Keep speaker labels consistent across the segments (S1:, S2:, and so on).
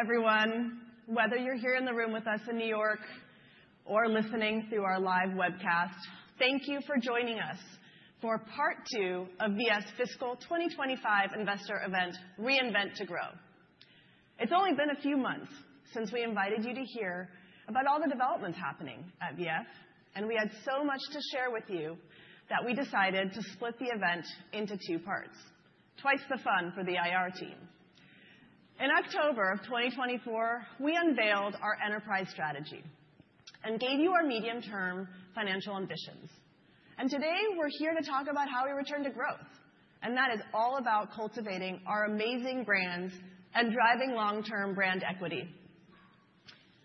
S1: Hello, everyone. Whether you're here in the room with us in New York or listening through our live webcast, thank you for joining us for part two of VF's Fiscal 2025 investor event, Reinvent to Grow. It's only been a few months since we invited you to hear about all the developments happening at VF, and we had so much to share with you that we decided to split the event into two parts: twice the fun for the IR team. In October of 2024, we unveiled our enterprise strategy and gave you our medium-term financial ambitions, and today we're here to talk about how we return to growth, and that is all about cultivating our amazing brands and driving long-term brand equity.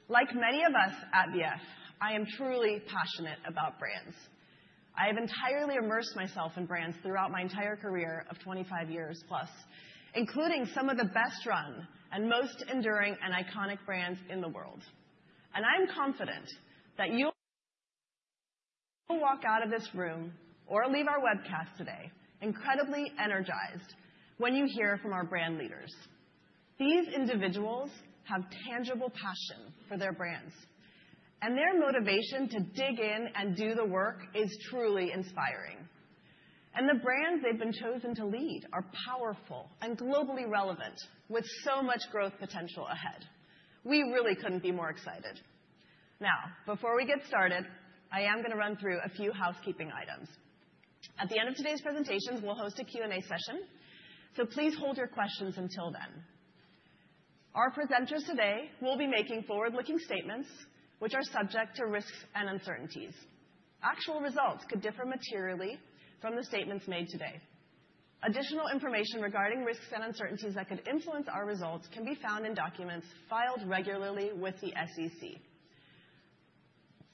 S1: Like many of us at VF, I am truly passionate about brands. I have entirely immersed myself in brands throughout my entire career of 25 years plus, including some of the best-run and most enduring and iconic brands in the world. And I'm confident that you'll walk out of this room or leave our webcast today incredibly energized when you hear from our brand leaders. These individuals have tangible passion for their brands, and their motivation to dig in and do the work is truly inspiring. And the brands they've been chosen to lead are powerful and globally relevant, with so much growth potential ahead. We really couldn't be more excited. Now, before we get started, I am going to run through a few housekeeping items. At the end of today's presentations, we'll host a Q&A session, so please hold your questions until then. Our presenters today will be making forward-looking statements, which are subject to risks and uncertainties. Actual results could differ materially from the statements made today. Additional information regarding risks and uncertainties that could influence our results can be found in documents filed regularly with the SEC.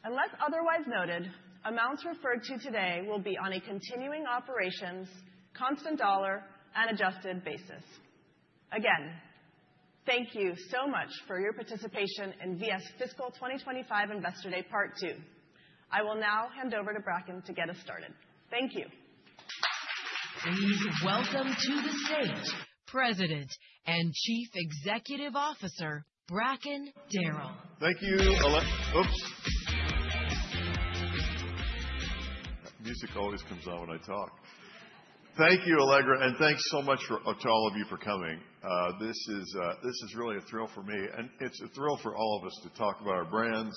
S1: Unless otherwise noted, amounts referred to today will be on a continuing operations, constant dollar, and adjusted basis. Again, thank you so much for your participation in V.F. Fiscal 2025 Investor Day part two. I will now hand over to Bracken to get us started. Thank you. Please welcome to the stage President and Chief Executive Officer Bracken Darrell.
S2: Thank you. Oops. Music always comes on when I talk. Thank you, Allegra, and thanks so much to all of you for coming. This is really a thrill for me, and it's a thrill for all of us to talk about our brands,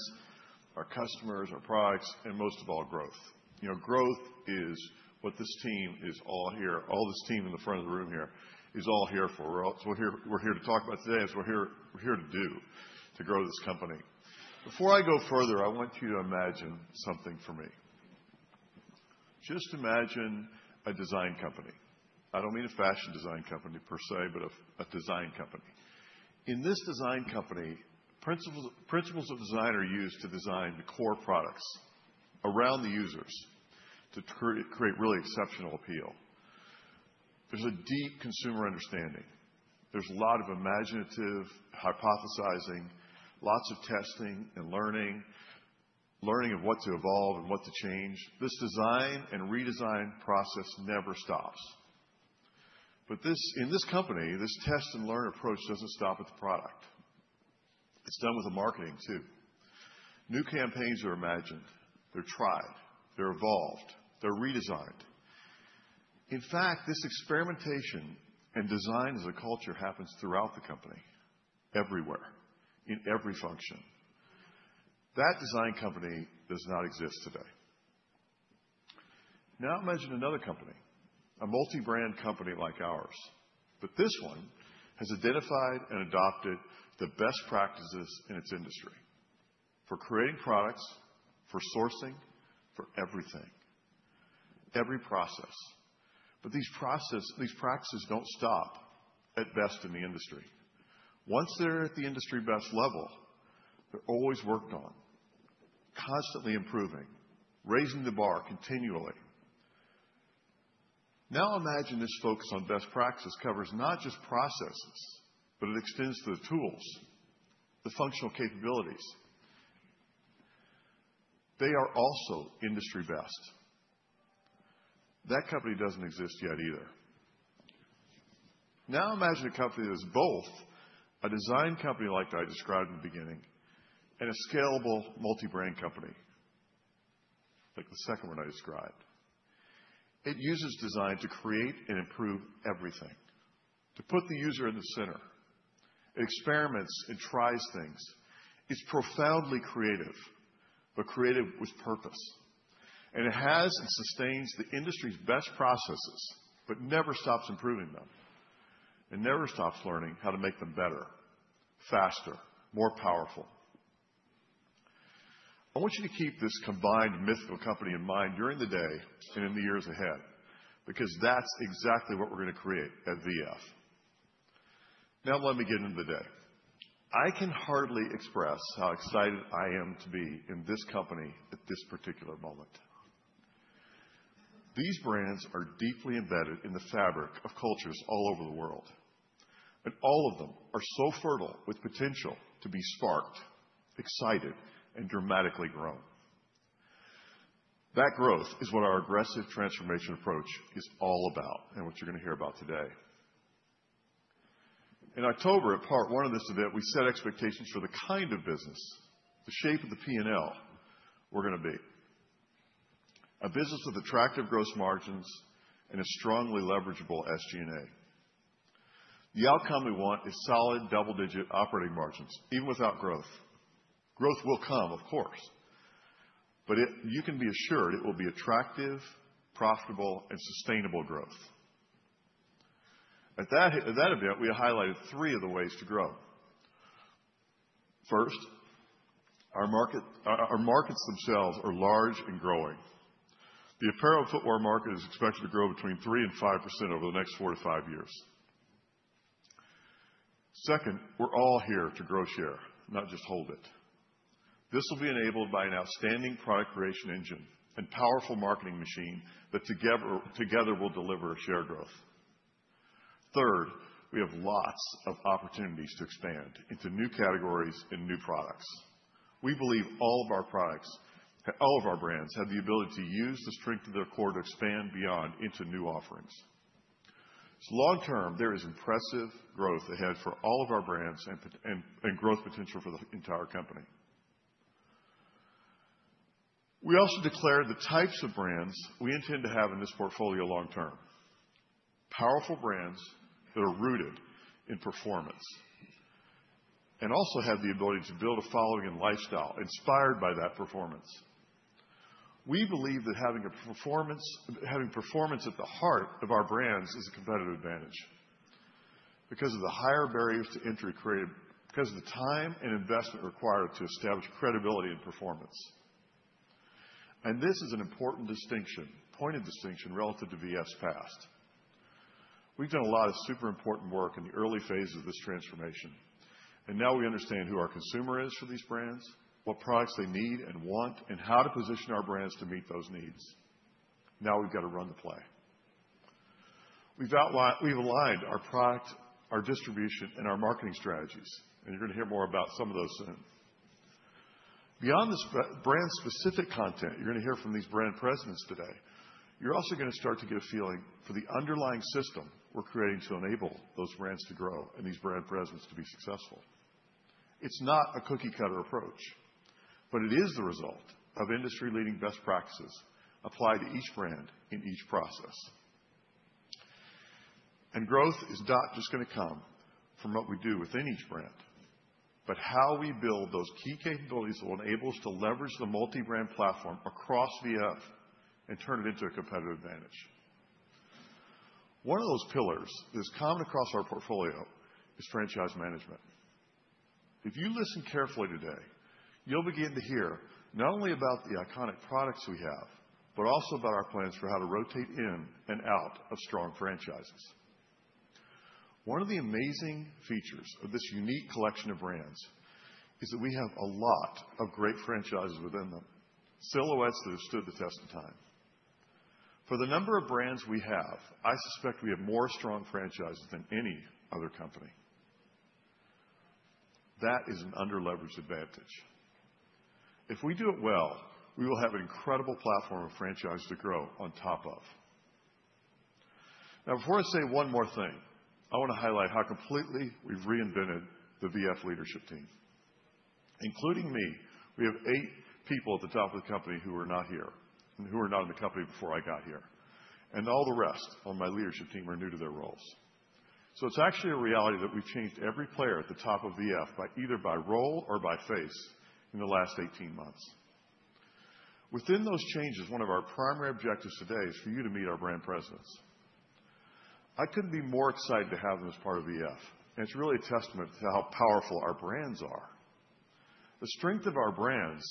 S2: our customers, our products, and most of all, growth. You know, growth is what this team is all here. All this team in the front of the room here is all here for. So what we're here to talk about today is we're here to do to grow this company. Before I go further, I want you to imagine something for me. Just imagine a design company. I don't mean a fashion design company per se, but a design company. In this design company, principles of design are used to design the core products around the users to create really exceptional appeal. There's a deep consumer understanding. There's a lot of imaginative hypothesizing, lots of testing and learning, learning of what to evolve and what to change. This design and redesign process never stops. But in this company, this test and learn approach doesn't stop at the product. It's done with the marketing too. New campaigns are imagined. They're tried. They're evolved. They're redesigned. In fact, this experimentation and design as a culture happens throughout the company, everywhere, in every function. That design company does not exist today. Now I'll mention another company, a multi-brand company like ours, but this one has identified and adopted the best practices in its industry for creating products, for sourcing, for everything, every process. But these practices don't stop at best in the industry. Once they're at the industry best level, they're always worked on, constantly improving, raising the bar continually. Now imagine this focus on best practices covers not just processes, but it extends to the tools, the functional capabilities. They are also industry best. That company doesn't exist yet either. Now imagine a company that is both a design company like I described in the beginning and a scalable multi-brand company, like the second one I described. It uses design to create and improve everything, to put the user in the center. It experiments and tries things. It's profoundly creative, but creative with purpose, and it has and sustains the industry's best processes, but never stops improving them and never stops learning how to make them better, faster, more powerful. I want you to keep this combined mythical company in mind during the day and in the years ahead, because that's exactly what we're going to create at VF. Now let me get into the day. I can hardly express how excited I am to be in this company at this particular moment. These brands are deeply embedded in the fabric of cultures all over the world, and all of them are so fertile with potential to be sparked, excited, and dramatically grown. That growth is what our aggressive transformation approach is all about and what you're going to hear about today. In October at part one of this event, we set expectations for the kind of business, the shape of the P&L we're going to be: a business with attractive gross margins and a strongly leverageable SG&A. The outcome we want is solid double-digit operating margins, even without growth. Growth will come, of course, but you can be assured it will be attractive, profitable, and sustainable growth. At that event, we highlighted three of the ways to grow. First, our markets themselves are large and growing. The apparel and footwear market is expected to grow between 3% and 5% over the next four to five years. Second, we're all here to grow share, not just hold it. This will be enabled by an outstanding product creation engine and powerful marketing machine that together will deliver share growth. Third, we have lots of opportunities to expand into new categories and new products. We believe all of our products, all of our brands have the ability to use the strength of their core to expand beyond into new offerings. So long term, there is impressive growth ahead for all of our brands and growth potential for the entire company. We also declared the types of brands we intend to have in this portfolio long term: powerful brands that are rooted in performance and also have the ability to build a following and lifestyle inspired by that performance. We believe that having performance at the heart of our brands is a competitive advantage because of the higher barriers to entry created, because of the time and investment required to establish credibility and performance, and this is an important distinction, pointed distinction relative to VF's past. We've done a lot of super important work in the early phase of this transformation, and now we understand who our consumer is for these brands, what products they need and want, and how to position our brands to meet those needs. Now we've got to run the play. We've aligned our product, our distribution, and our marketing strategies, and you're going to hear more about some of those soon. Beyond this brand-specific content, you're going to hear from these brand presidents today. You're also going to start to get a feeling for the underlying system we're creating to enable those brands to grow and these brand presidents to be successful. It's not a cookie-cutter approach, but it is the result of industry-leading best practices applied to each brand in each process. And growth is not just going to come from what we do within each brand, but how we build those key capabilities that will enable us to leverage the multi-brand platform across VF and turn it into a competitive advantage. One of those pillars that is common across our portfolio is franchise management. If you listen carefully today, you'll begin to hear not only about the iconic products we have, but also about our plans for how to rotate in and out of strong franchises. One of the amazing features of this unique collection of brands is that we have a lot of great franchises within them, silhouettes that have stood the test of time. For the number of brands we have, I suspect we have more strong franchises than any other company. That is an under-leveraged advantage. If we do it well, we will have an incredible platform of franchise to grow on top of. Now, before I say one more thing, I want to highlight how completely we've reinvented the VF leadership team. Including me, we have eight people at the top of the company who were not here and who were not in the company before I got here. And all the rest on my leadership team are new to their roles. So it's actually a reality that we've changed every player at the top of VF either by role or by face in the last 18 months. Within those changes, one of our primary objectives today is for you to meet our brand presidents. I couldn't be more excited to have them as part of VF, and it's really a testament to how powerful our brands are. The strength of our brands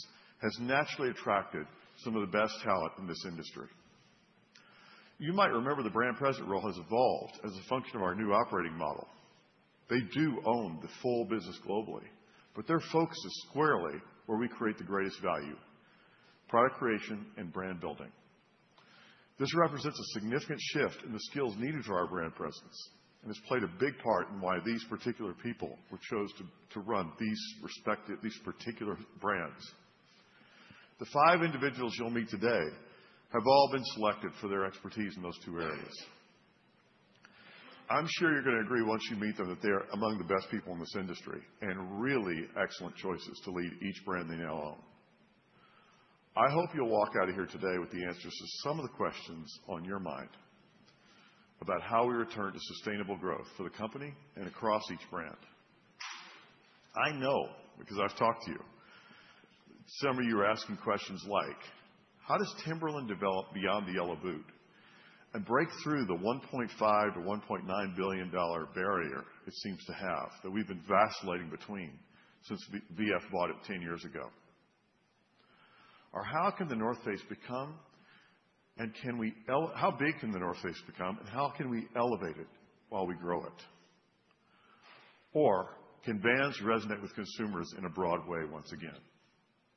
S2: has naturally attracted some of the best talent in this industry. You might remember the brand president role has evolved as a function of our new operating model. They do own the full business globally, but their focus is squarely where we create the greatest value: product creation and brand building. This represents a significant shift in the skills needed for our brand presidents and has played a big part in why these particular people were chosen to run these particular brands. The five individuals you'll meet today have all been selected for their expertise in those two areas. I'm sure you're going to agree once you meet them that they are among the best people in this industry and really excellent choices to lead each brand they now own. I hope you'll walk out of here today with the answers to some of the questions on your mind about how we return to sustainable growth for the company and across each brand. I know because I've talked to you, some of you are asking questions like, how does Timberland develop beyond the yellow boot and break through the $1.5-$1.9 billion barrier it seems to have that we've been vacillating between since VF bought it 10 years ago? Or how can The North Face become, and can we how big can The North Face become, and how can we elevate it while we grow it? Or can brands resonate with consumers in a broad way once again,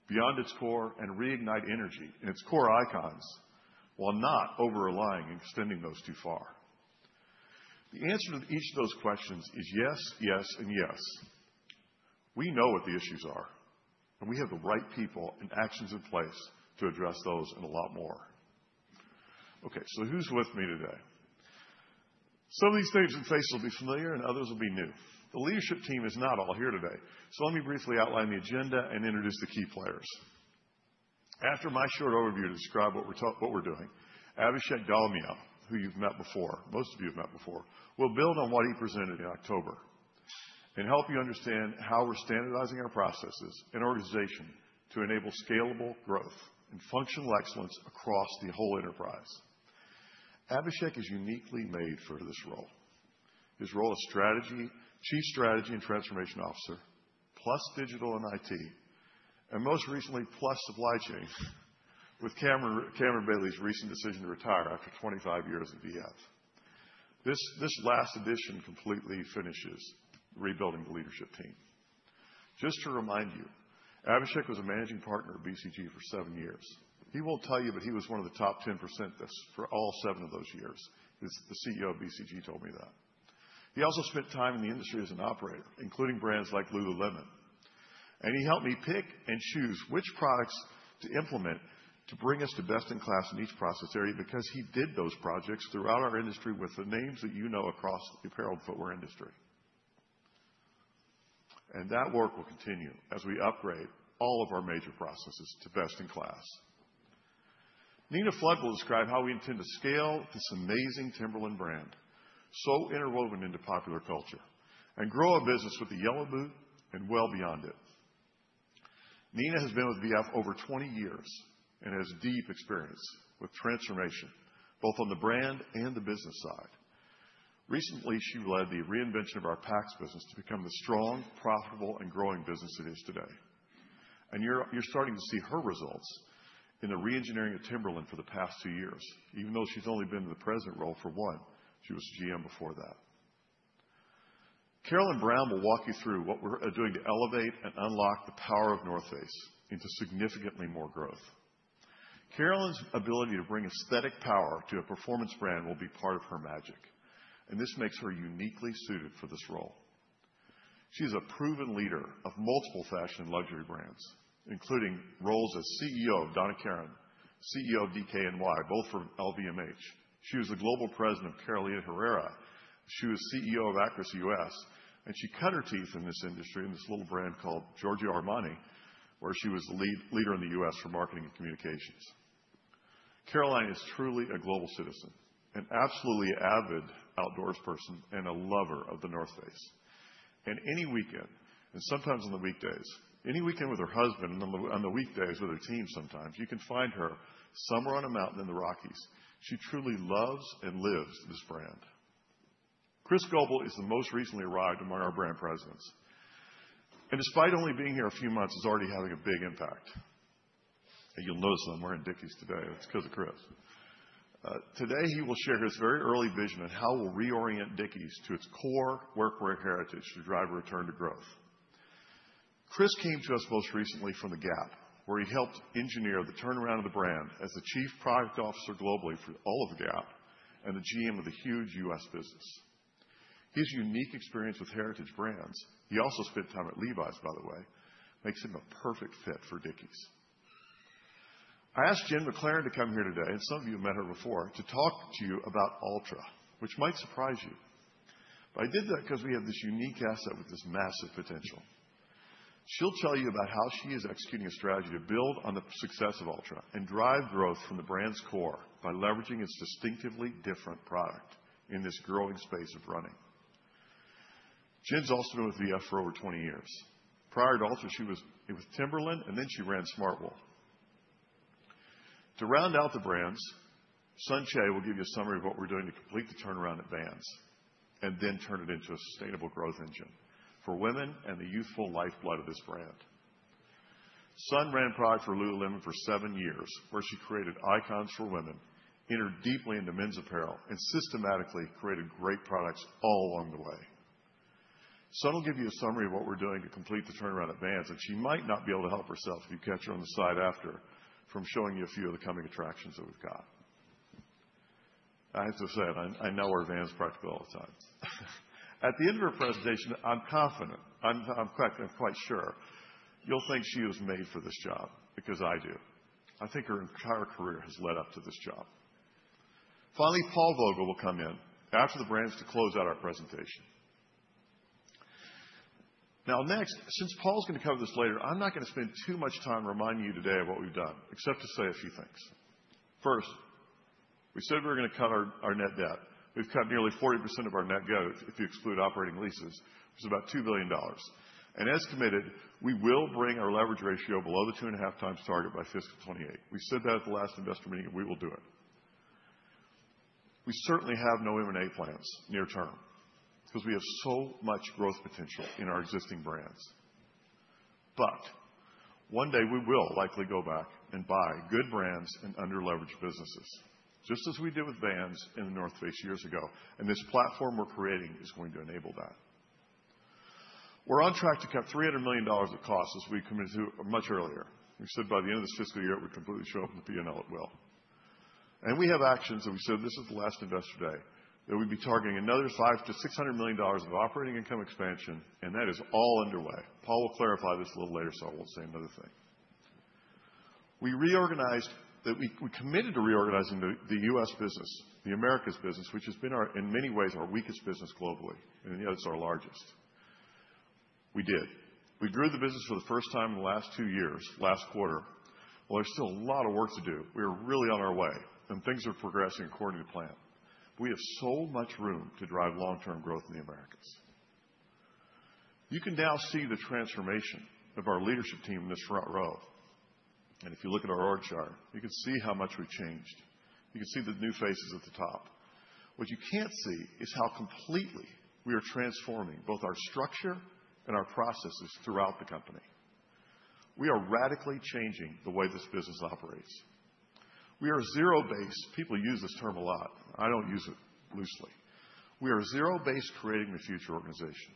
S2: beyond its core and reignite energy in its core icons while not over-relying and extending those too far? The answer to each of those questions is yes, yes, and yes. We know what the issues are, and we have the right people and actions in place to address those and a lot more. Okay, so who's with me today? Some of these names and faces will be familiar, and others will be new. The leadership team is not all here today, so let me briefly outline the agenda and introduce the key players. After my short overview to describe what we're doing, Abhishek Dalmia, who you've met before, most of you have met before, will build on what he presented in October and help you understand how we're standardizing our processes and organization to enable scalable growth and functional excellence across the whole enterprise. Abhishek is uniquely made for this role. His role as strategy, Chief Strategy and Transformation Officer, plus digital and IT, and most recently, plus supply chain with Cameron Bailey's recent decision to retire after 25 years at VF. This last addition completely finishes rebuilding the leadership team. Just to remind you, Abhishek was a managing partner at BCG for seven years. He won't tell you, but he was one of the top 10% for all seven of those years. The CEO of BCG told me that. He also spent time in the industry as an operator, including brands like Lululemon. And he helped me pick and choose which products to implement to bring us to best in class in each process area because he did those projects throughout our industry with the names that you know across the apparel and footwear industry. And that work will continue as we upgrade all of our major processes to best in class. Nina Flood will describe how we intend to scale this amazing Timberland brand so interwoven into popular culture and grow a business with the yellow boot and well beyond it. Nina has been with VF over 20 years and has deep experience with transformation, both on the brand and the business side. Recently, she led the reinvention of our Packs business to become the strong, profitable, and growing business it is today. And you're starting to see her results in the reengineering of Timberland for the past two years, even though she's only been in the President role for one. She was GM before that. Caroline Brown will walk you through what we're doing to elevate and unlock the power of The North Face into significantly more growth. Caroline's ability to bring aesthetic power to a performance brand will be part of her magic, and this makes her uniquely suited for this role. She is a proven leader of multiple fashion and luxury brands, including roles as CEO of Donna Karan, CEO of DKNY, both from LVMH. She was the global President of Carolina Herrera. She was CEO of Akris US, and she cut her teeth in this industry in this little brand called Giorgio Armani, where she was the leader in the US for marketing and communications. Caroline is truly a global citizen, an absolutely avid outdoors person, and a lover of The North Face, and any weekend, and sometimes on the weekdays, any weekend with her husband and on the weekdays with her team sometimes, you can find her somewhere on a mountain in the Rockies. She truly loves and lives this brand. Chris Goble is the most recently arrived among our brand presidents, and despite only being here a few months, he's already having a big impact, and you'll notice him wearing Dickies today. It's because of Chris. Today, he will share his very early vision on how we'll reorient Dickies to its core workwear heritage to drive a return to growth. Chris came to us most recently from the Gap, where he helped engineer the turnaround of the brand as the Chief Product Officer globally for all of the Gap and the GM of the huge U.S. business. His unique experience with heritage brands, he also spent time at Levi's, by the way, makes him a perfect fit for Dickies. I asked Jen McLaren to come here today, and some of you have met her before, to talk to you about Altra, which might surprise you. But I did that because we have this unique asset with this massive potential. She'll tell you about how she is executing a strategy to build on the success of Altra and drive growth from the brand's core by leveraging its distinctively different product in this growing space of running. Jen's also been with VF for over 20 years. Prior to Altra, she was with Timberland, and then she ran Smartwool. To round out the brands, Sun Choe will give you a summary of what we're doing to complete the turnaround at Vans and then turn it into a sustainable growth engine for women and the youthful lifeblood of this brand. Sun Choe ran product for Lululemon for seven years, where she created icons for women, entered deeply into men's apparel, and systematically created great products all along the way. Sun Choe will give you a summary of what we're doing to complete the turnaround at Vans, and she might not be able to help herself if you catch her on the side after from showing you a few of the coming attractions that we've got. I have to say, I know our Vans product all too well. At the end of her presentation, I'm confident. I'm quite sure you'll think she was made for this job because I do. I think her entire career has led up to this job. Finally, Paul Vogel will come in after the brands to close out our presentation. Now, next, since Paul's going to cover this later, I'm not going to spend too much time reminding you today of what we've done, except to say a few things. First, we said we were going to cut our net debt. We've cut nearly 40% of our net debt if you exclude operating leases, which is about $2 billion. And as committed, we will bring our leverage ratio below the two and a half times target by fiscal 2028. We said that at the last investor meeting, and we will do it. We certainly have no M&A plans near term because we have so much growth potential in our existing brands. But one day, we will likely go back and buy good brands and under-leveraged businesses, just as we did with Vans and The North Face years ago. And this platform we're creating is going to enable that. We're on track to cut $300 million of costs as we committed to much earlier. We said by the end of this fiscal year, we'd completely show up in the P&L in full. And we have actions, and we said this is the last investor day, that we'd be targeting another $500-$600 million of operating income expansion, and that is all underway. Paul will clarify this a little later, so I won't say another thing. We reorganized that we committed to reorganizing the U.S. business, the Americas business, which has been in many ways our weakest business globally, and yet it's our largest. We did. We grew the business for the first time in the last two years, last quarter, well, there's still a lot of work to do. We are really on our way, and things are progressing according to plan. We have so much room to drive long-term growth in the Americas. You can now see the transformation of our leadership team in this front row, and if you look at our org chart, you can see how much we've changed. You can see the new faces at the top. What you can't see is how completely we are transforming both our structure and our processes throughout the company. We are radically changing the way this business operates. We are zero-based. People use this term a lot. I don't use it loosely. We are zero-based creating the future organization,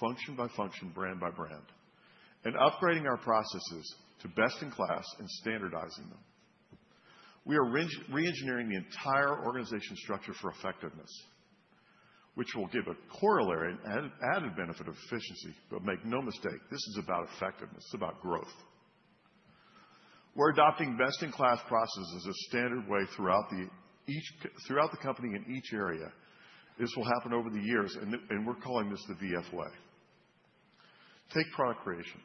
S2: function by function, brand by brand, and upgrading our processes to best in class and standardizing them. We are reengineering the entire organization structure for effectiveness, which will give a corollary and added benefit of efficiency, but make no mistake, this is about effectiveness. It's about growth. We're adopting best in class processes as a standard way throughout the company in each area. This will happen over the years, and we're calling this the VF way. Take product creation.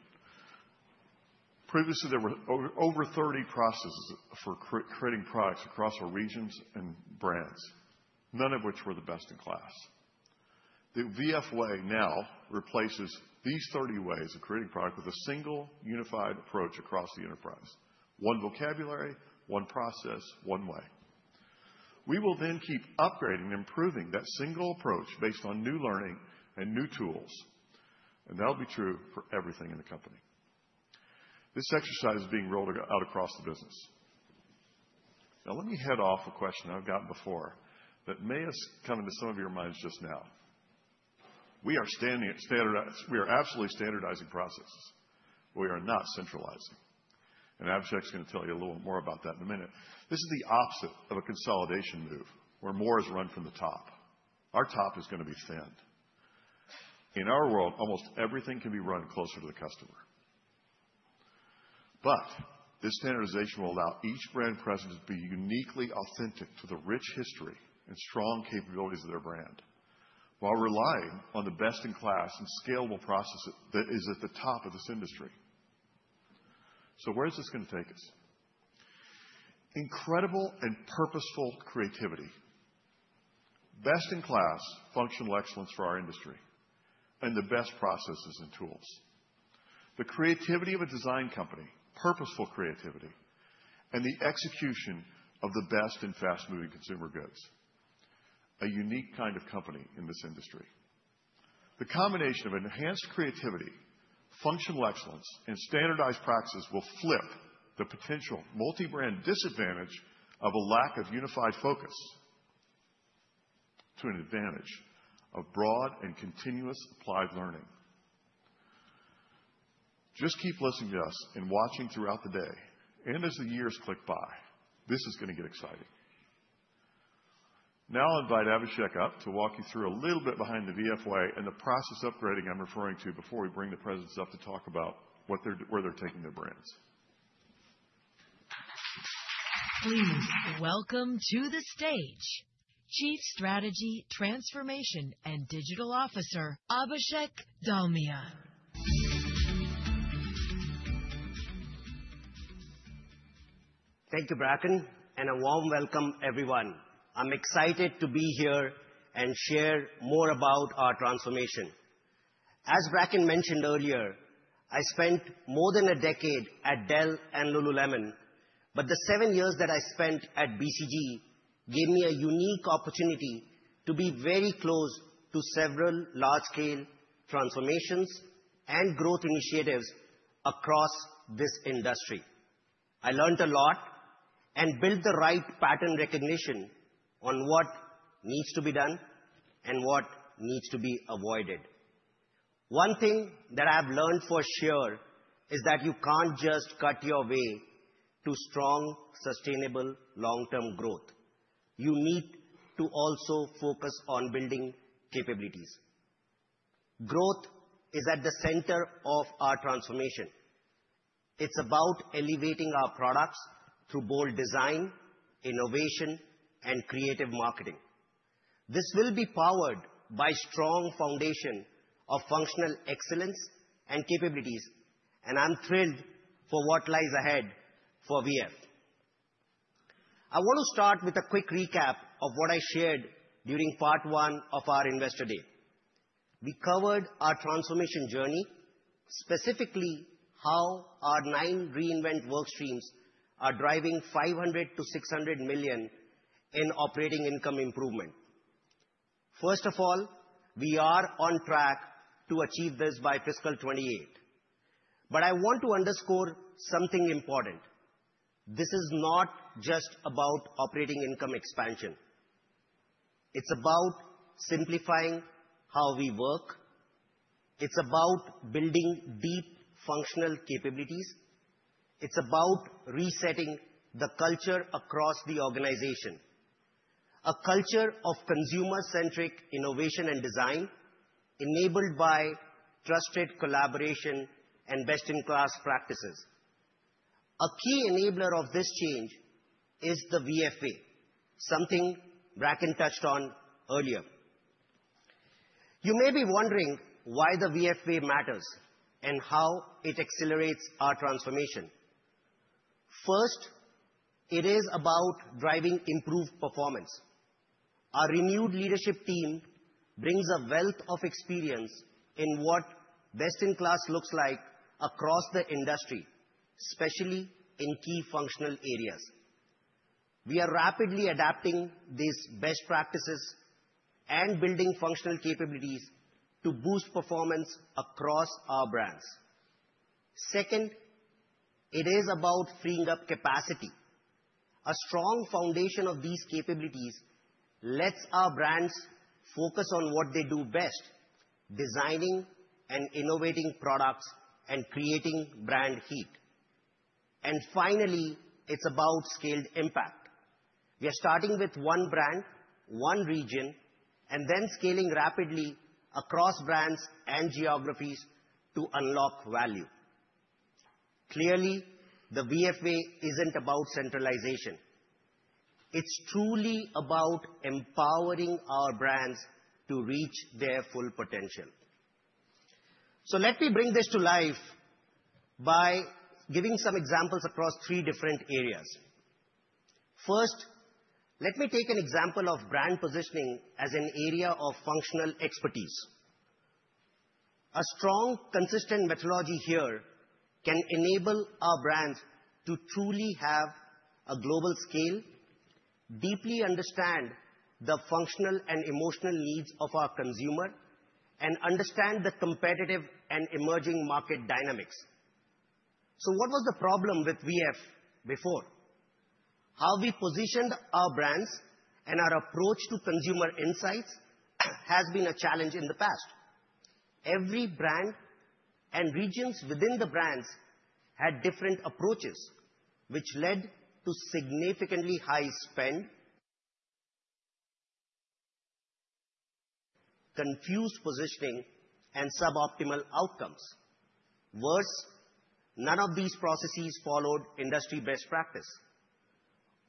S2: Previously, there were over 30 processes for creating products across our regions and brands, none of which were the best in class. The VF way now replaces these 30 ways of creating product with a single unified approach across the enterprise: one vocabulary, one process, one way. We will then keep upgrading and improving that single approach based on new learning and new tools, and that'll be true for everything in the company. This exercise is being rolled out across the business. Now, let me head off a question I've gotten before that may have come into some of your minds just now. We are absolutely standardizing processes. We are not centralizing. And Abhishek's going to tell you a little more about that in a minute. This is the opposite of a consolidation move where more is run from the top. Our top is going to be thinned. In our world, almost everything can be run closer to the customer. But this standardization will allow each brand president to be uniquely authentic to the rich history and strong capabilities of their brand while relying on the best in class and scalable process that is at the top of this industry. So where is this going to take us? Incredible and purposeful creativity, best in class functional excellence for our industry, and the best processes and tools. The creativity of a design company, purposeful creativity, and the execution of the best in fast-moving consumer goods. A unique kind of company in this industry. The combination of enhanced creativity, functional excellence, and standardized practices will flip the potential multi-brand disadvantage of a lack of unified focus to an advantage of broad and continuous applied learning. Just keep listening to us and watching throughout the day. And as the years click by, this is going to get exciting. Now I'll invite Abhishek up to walk you through a little bit behind the VF way and the process upgrading I'm referring to before we bring the presidents up to talk about where they're taking their brands.
S1: Please welcome to the stage Chief Strategy Transformation and Digital Officer Abhishek Dalmia.
S3: Thank you, Bracken, and a warm welcome, everyone. I'm excited to be here and share more about our transformation. As Bracken mentioned earlier, I spent more than a decade at Dell and Lululemon, but the seven years that I spent at BCG gave me a unique opportunity to be very close to several large-scale transformations and growth initiatives across this industry. I learned a lot and built the right pattern recognition on what needs to be done and what needs to be avoided. One thing that I've learned for sure is that you can't just cut your way to strong, sustainable long-term growth. You need to also focus on building capabilities. Growth is at the center of our transformation. It's about elevating our products through bold design, innovation, and creative marketing. This will be powered by a strong foundation of functional excellence and capabilities, and I'm thrilled for what lies ahead for VF. I want to start with a quick recap of what I shared during part one of our investor day. We covered our transformation journey, specifically how our nine reinvent workstreams are driving $500 million-$600 million in operating income improvement. First of all, we are on track to achieve this by fiscal 2028. But I want to underscore something important. This is not just about operating income expansion. It's about simplifying how we work. It's about building deep functional capabilities. It's about resetting the culture across the organization, a culture of consumer-centric innovation and design enabled by trusted collaboration and best-in-class practices. A key enabler of this change is the VFA, something Bracken touched on earlier. You may be wondering why the VFA matters and how it accelerates our transformation. First, it is about driving improved performance. Our renewed leadership team brings a wealth of experience in what best-in-class looks like across the industry, especially in key functional areas. We are rapidly adapting these best practices and building functional capabilities to boost performance across our brands. Second, it is about freeing up capacity. A strong foundation of these capabilities lets our brands focus on what they do best, designing and innovating products and creating brand heat. And finally, it's about scaled impact. We are starting with one brand, one region, and then scaling rapidly across brands and geographies to unlock value. Clearly, the VFA isn't about centralization. It's truly about empowering our brands to reach their full potential. So let me bring this to life by giving some examples across three different areas. First, let me take an example of brand positioning as an area of functional expertise. A strong, consistent methodology here can enable our brands to truly have a global scale, deeply understand the functional and emotional needs of our consumer, and understand the competitive and emerging market dynamics. So what was the problem with VF before? How we positioned our brands and our approach to consumer insights has been a challenge in the past. Every brand and regions within the brands had different approaches, which led to significantly high spend, confused positioning, and suboptimal outcomes. Worse, none of these processes followed industry best practice.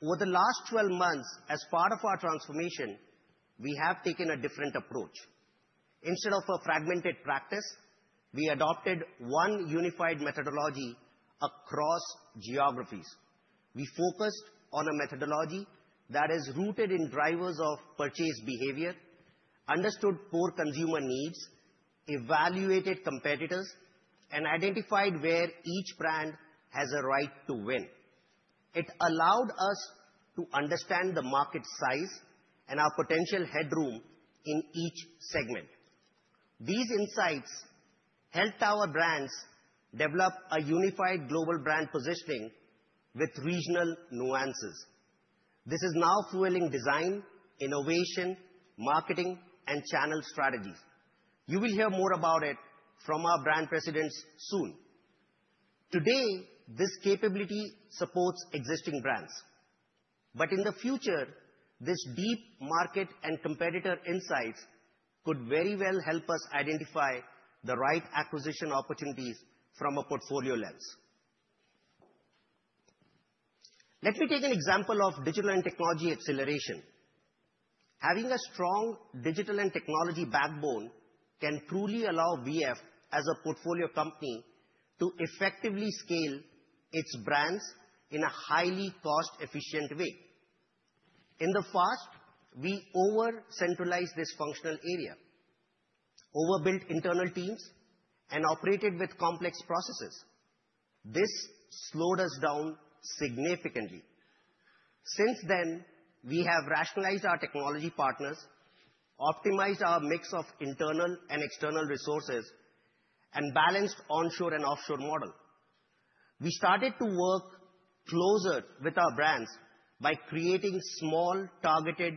S3: Over the last 12 months, as part of our transformation, we have taken a different approach. Instead of a fragmented practice, we adopted one unified methodology across geographies. We focused on a methodology that is rooted in drivers of purchase behavior, understood core consumer needs, evaluated competitors, and identified where each brand has a right to win. It allowed us to understand the market size and our potential headroom in each segment. These insights helped our brands develop a unified global brand positioning with regional nuances. This is now fueling design, innovation, marketing, and channel strategies. You will hear more about it from our brand presidents soon. Today, this capability supports existing brands. But in the future, this deep market and competitor insights could very well help us identify the right acquisition opportunities from a portfolio lens. Let me take an example of digital and technology acceleration. Having a strong digital and technology backbone can truly allow VF as a portfolio company to effectively scale its brands in a highly cost-efficient way. In the past, we over-centralized this functional area, overbuilt internal teams, and operated with complex processes. This slowed us down significantly. Since then, we have rationalized our technology partners, optimized our mix of internal and external resources, and balanced onshore and offshore models. We started to work closer with our brands by creating small, targeted,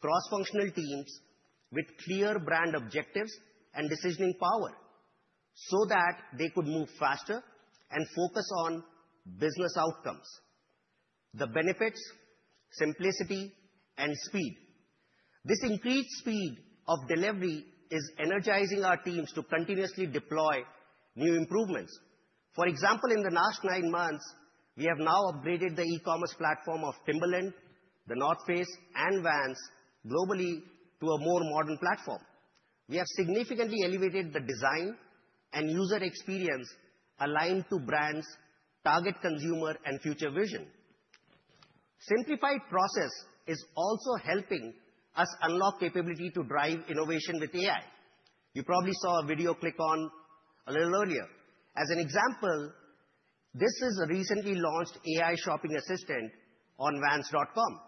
S3: cross-functional teams with clear brand objectives and decisioning power so that they could move faster and focus on business outcomes. The benefits: simplicity and speed. This increased speed of delivery is energizing our teams to continuously deploy new improvements. For example, in the last nine months, we have now upgraded the e-commerce platform of Timberland, The North Face, and Vans globally to a more modern platform. We have significantly elevated the design and user experience aligned to brands, target consumer, and future vision. Simplified process is also helping us unlock capability to drive innovation with AI. You probably saw a video clip a little earlier. As an example, this is a recently launched AI shopping assistant on Vans.com.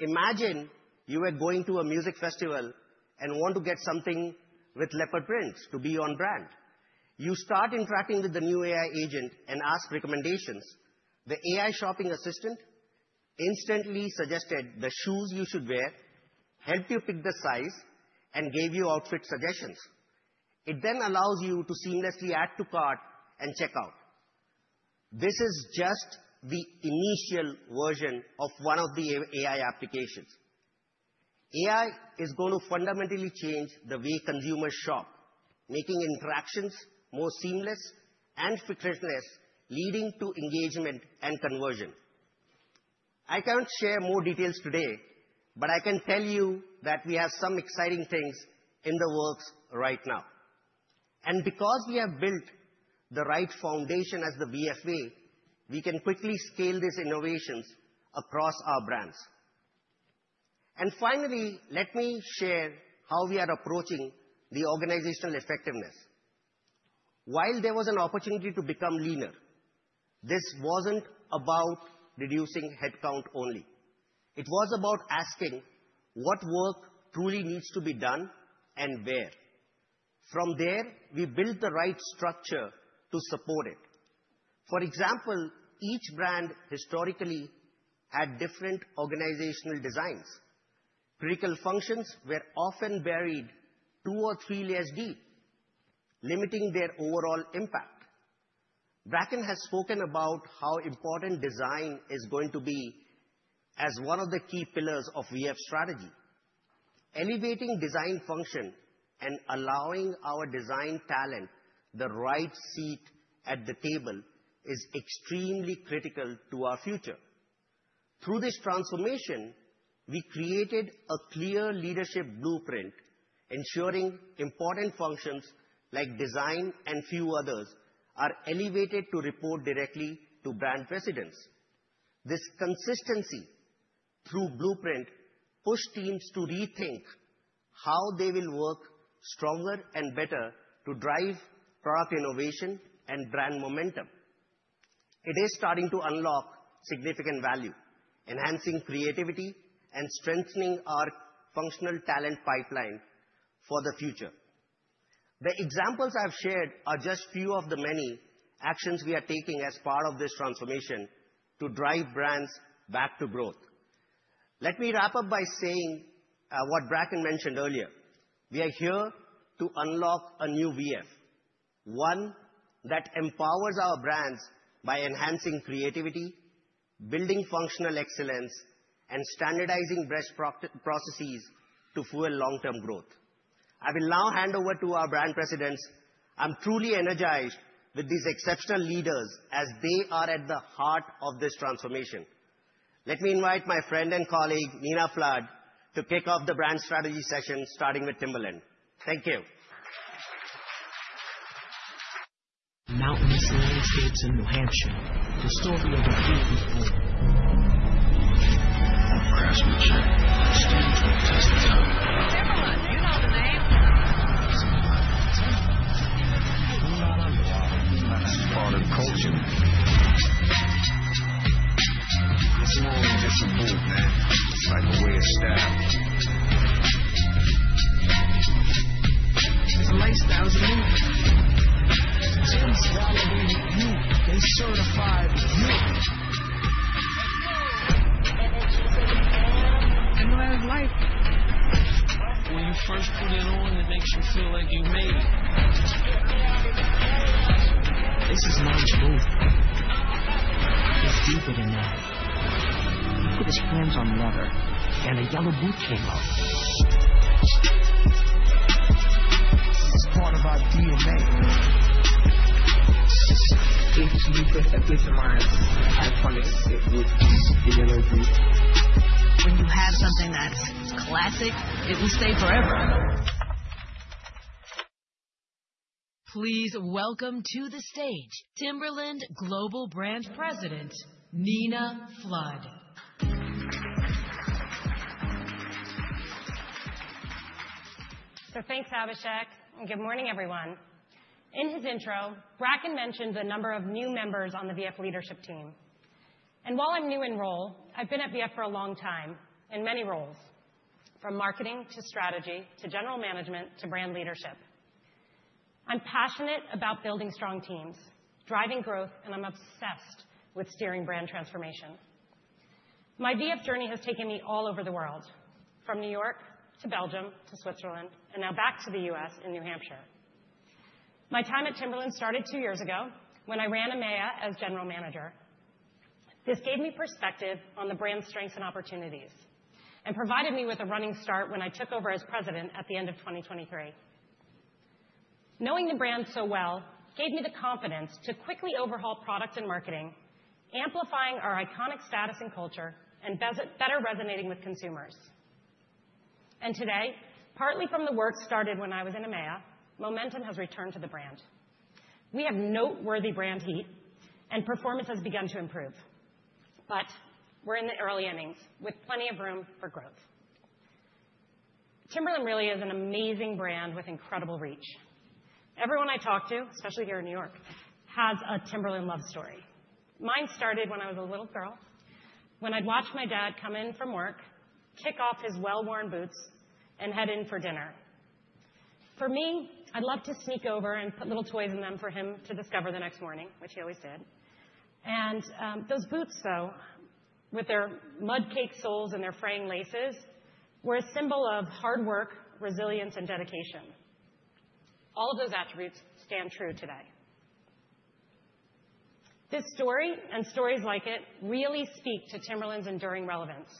S3: Imagine you are going to a music festival and want to get something with leopard prints to be on brand. You start interacting with the new AI agent and ask recommendations. The AI shopping assistant instantly suggested the shoes you should wear, helped you pick the size, and gave you outfit suggestions. It then allows you to seamlessly add to cart and checkout. This is just the initial version of one of the AI applications. AI is going to fundamentally change the way consumers shop, making interactions more seamless and frictionless, leading to engagement and conversion. I can't share more details today, but I can tell you that we have some exciting things in the works right now, and because we have built the right foundation as the VFA, we can quickly scale these innovations across our brands, and finally, let me share how we are approaching the organizational effectiveness. While there was an opportunity to become leaner, this wasn't about reducing headcount only. It was about asking what work truly needs to be done and where. From there, we built the right structure to support it. For example, each brand historically had different organizational designs. Critical functions were often buried two or three layers deep, limiting their overall impact. Bracken has spoken about how important design is going to be as one of the key pillars of VF strategy. Elevating design function and allowing our design talent the right seat at the table is extremely critical to our future. Through this transformation, we created a clear leadership blueprint, ensuring important functions like design and few others are elevated to report directly to brand presidents. This consistency through blueprint pushed teams to rethink how they will work stronger and better to drive product innovation and brand momentum. It is starting to unlock significant value, enhancing creativity and strengthening our functional talent pipeline for the future. The examples I've shared are just a few of the many actions we are taking as part of this transformation to drive brands back to growth. Let me wrap up by saying what Bracken mentioned earlier. We are here to unlock a new VF, one that empowers our brands by enhancing creativity, building functional excellence, and standardizing best processes to fuel long-term growth. I will now hand over to our brand presidents. I'm truly energized with these exceptional leaders as they are at the heart of this transformation. Let me invite my friend and colleague, Nina Flood, to kick off the brand strategy session starting with Timberland. Thank you.
S4: Mountainous landscapes in New Hampshire, the story of a bold boy. Our crisp and chic stand the test of time. Timberland, you know the name. Timberland. Who not unlocked by his father coaching? It's more than just a bullpen. It's like a way of style. It's a lifestyle as a movie. Tim's gotta be with you. They certify with you. Let's go. And then she said, "Damn. I knew I was life. When you first put it on, it makes you feel like you made it. This is Nigel's booth. It's deeper than that. He put his hands on leather, and a yellow boot came off. It's part of our DNA. It's Lucas that gets a mind. I call it the yellow boot. When you have something that's classic, it will stay forever.
S1: Please welcome to the stage Timberland Global Brand President, Nina Flood.
S5: So thanks, Abhishek. And good morning, everyone. In his intro, Bracken mentioned the number of new members on the VF leadership team. And while I'm new in role, I've been at VF for a long time in many roles, from marketing to strategy to general management to brand leadership. I'm passionate about building strong teams, driving growth, and I'm obsessed with steering brand transformation. My VF journey has taken me all over the world, from New York to Belgium to Switzerland, and now back to the US in New Hampshire. My time at Timberland started two years ago when I ran AMEA as general manager. This gave me perspective on the brand's strengths and opportunities and provided me with a running start when I took over as president at the end of 2023. Knowing the brand so well gave me the confidence to quickly overhaul product and marketing, amplifying our iconic status and culture and better resonating with consumers, and today, partly from the work started when I was in AMEA, momentum has returned to the brand. We have noteworthy brand heat, and performance has begun to improve, but we're in the early innings with plenty of room for growth. Timberland really is an amazing brand with incredible reach. Everyone I talk to, especially here in New York, has a Timberland love story. Mine started when I was a little girl, when I'd watch my dad come in from work, kick off his well-worn boots, and head in for dinner. For me, I'd love to sneak over and put little toys in them for him to discover the next morning, which he always did. Those boots, though, with their mud-caked soles and their fraying laces, were a symbol of hard work, resilience, and dedication. All of those attributes stand true today. This story and stories like it really speak to Timberland's enduring relevance,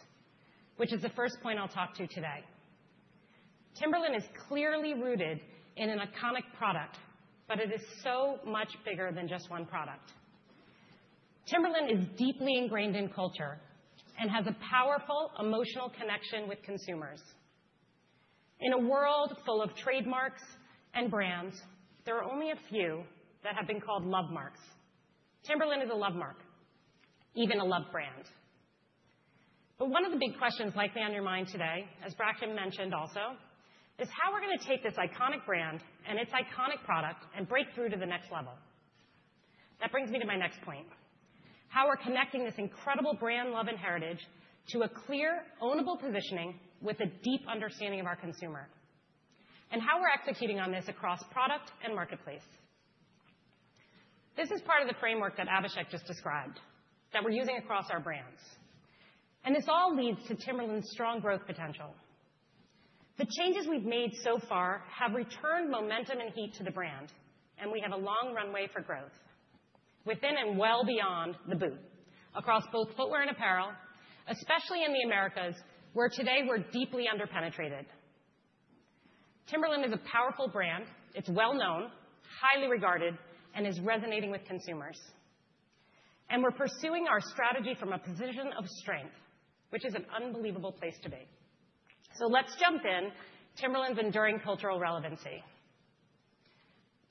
S5: which is the first point I'll talk to today. Timberland is clearly rooted in an iconic product, but it is so much bigger than just one product. Timberland is deeply ingrained in culture and has a powerful emotional connection with consumers. In a world full of trademarks and brands, there are only a few that have been called love marks. Timberland is a love mark, even a love brand. One of the big questions likely on your mind today, as Bracken mentioned also, is how we're going to take this iconic brand and its iconic product and break through to the next level. That brings me to my next point: how we're connecting this incredible brand love and heritage to a clear, ownable positioning with a deep understanding of our consumer, and how we're executing on this across product and marketplace. This is part of the framework that Abhishek just described that we're using across our brands. And this all leads to Timberland's strong growth potential. The changes we've made so far have returned momentum and heat to the brand, and we have a long runway for growth within and well beyond the boot across both footwear and apparel, especially in the Americas, where today we're deeply underpenetrated. Timberland is a powerful brand. It's well-known, highly regarded, and is resonating with consumers. And we're pursuing our strategy from a position of strength, which is an unbelievable place to be. So let's jump in Timberland's enduring cultural relevancy.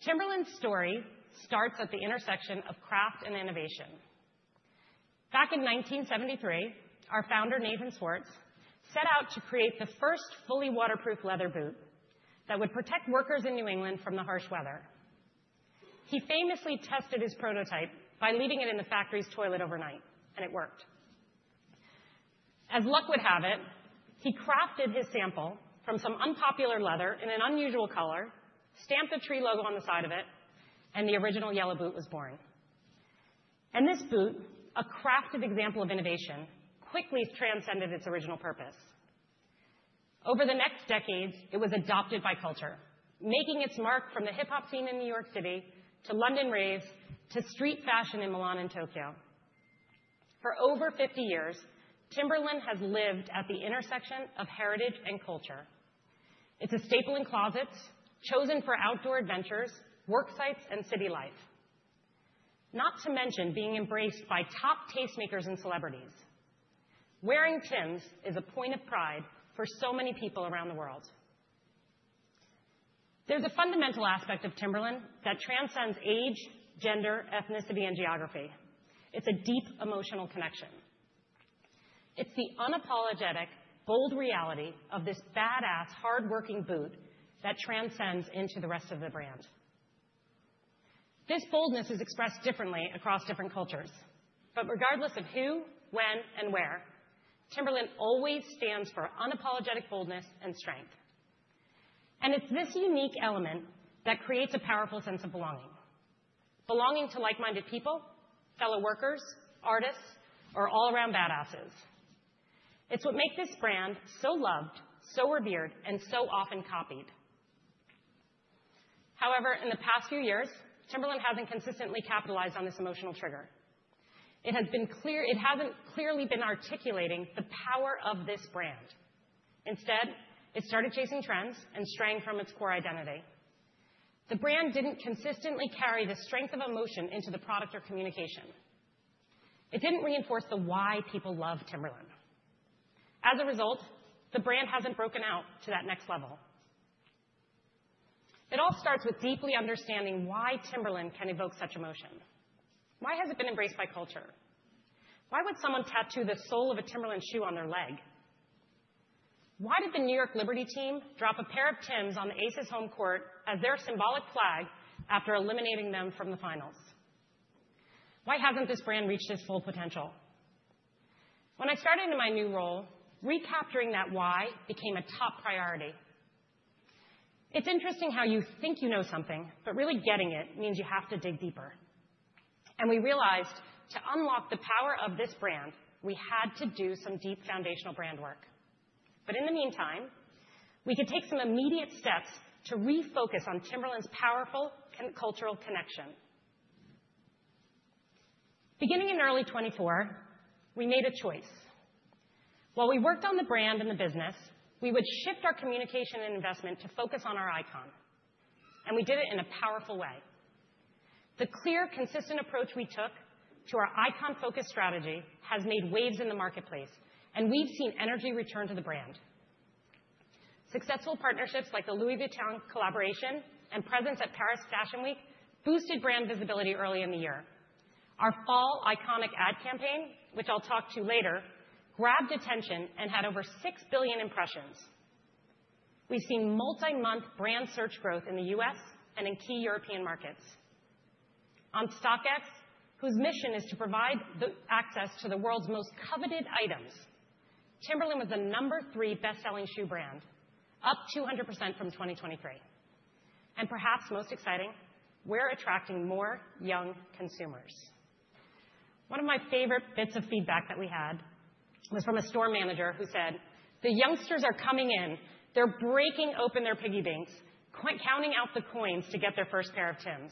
S5: Timberland's story starts at the intersection of craft and innovation. Back in 1973, our founder, Nathan Swartz, set out to create the first fully waterproof leather boot that would protect workers in New England from the harsh weather. He famously tested his prototype by leaving it in the factory's toilet overnight, and it worked. As luck would have it, he crafted his sample from some unpopular leather in an unusual color, stamped a tree logo on the side of it, and the original yellow boot was born, and this boot, a crafted example of innovation, quickly transcended its original purpose. Over the next decades, it was adopted by culture, making its mark from the hip-hop scene in New York City to London raves to street fashion in Milan and Tokyo. For over 50 years, Timberland has lived at the intersection of heritage and culture. It's a staple in closets, chosen for outdoor adventures, work sites, and city life, not to mention being embraced by top tastemakers and celebrities. Wearing Tim's is a point of pride for so many people around the world. There's a fundamental aspect of Timberland that transcends age, gender, ethnicity, and geography. It's a deep emotional connection. It's the unapologetic, bold reality of this badass, hardworking boot that transcends into the rest of the brand. This boldness is expressed differently across different cultures, but regardless of who, when, and where, Timberland always stands for unapologetic boldness and strength, and it's this unique element that creates a powerful sense of belonging: belonging to like-minded people, fellow workers, artists, or all-around badasses. It's what makes this brand so loved, so revered, and so often copied. However, in the past few years, Timberland hasn't consistently capitalized on this emotional trigger. It hasn't clearly been articulating the power of this brand. Instead, it started chasing trends and straying from its core identity. The brand didn't consistently carry the strength of emotion into the product or communication. It didn't reinforce the why people love Timberland. As a result, the brand hasn't broken out to that next level. It all starts with deeply understanding why Timberland can evoke such emotion. Why has it been embraced by culture? Why would someone tattoo the sole of a Timberland shoe on their leg? Why did the New York Liberty team drop a pair of Tim's on the Aces home court as their symbolic flag after eliminating them from the finals? Why hasn't this brand reached its full potential? When I started in my new role, recapturing that why became a top priority. It's interesting how you think you know something, but really getting it means you have to dig deeper. And we realized to unlock the power of this brand, we had to do some deep foundational brand work. But in the meantime, we could take some immediate steps to refocus on Timberland's powerful cultural connection. Beginning in early 2024, we made a choice. While we worked on the brand and the business, we would shift our communication and investment to focus on our icon. And we did it in a powerful way. The clear, consistent approach we took to our icon-focused strategy has made waves in the marketplace, and we've seen energy return to the brand. Successful partnerships like the Louis Vuitton collaboration and presence at Paris Fashion Week boosted brand visibility early in the year. Our fall iconic ad campaign, which I'll talk to later, grabbed attention and had over 6 billion impressions. We've seen multi-month brand search growth in the U.S. and in key European markets. On StockX, whose mission is to provide access to the world's most coveted items, Timberland was the number three best-selling shoe brand, up 200% from 2023. And perhaps most exciting, we're attracting more young consumers. One of my favorite bits of feedback that we had was from a store manager who said, "The youngsters are coming in. They're breaking open their piggy banks, counting out the coins to get their first pair of Tim's."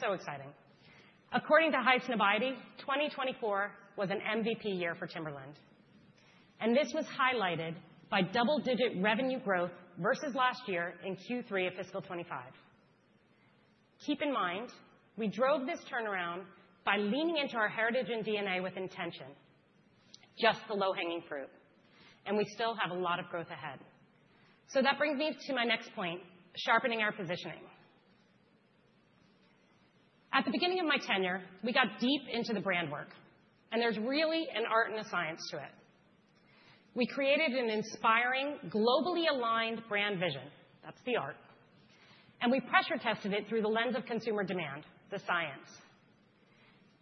S5: So exciting. According to Hice Nabeyebi, 2024 was an MVP year for Timberland, and this was highlighted by double-digit revenue growth versus last year in Q3 of fiscal 2025. Keep in mind, we drove this turnaround by leaning into our heritage and DNA with intention, just the low-hanging fruit, and we still have a lot of growth ahead, so that brings me to my next point, sharpening our positioning. At the beginning of my tenure, we got deep into the brand work, and there's really an art and a science to it. We created an inspiring, globally aligned brand vision. That's the art, and we pressure-tested it through the lens of consumer demand, the science.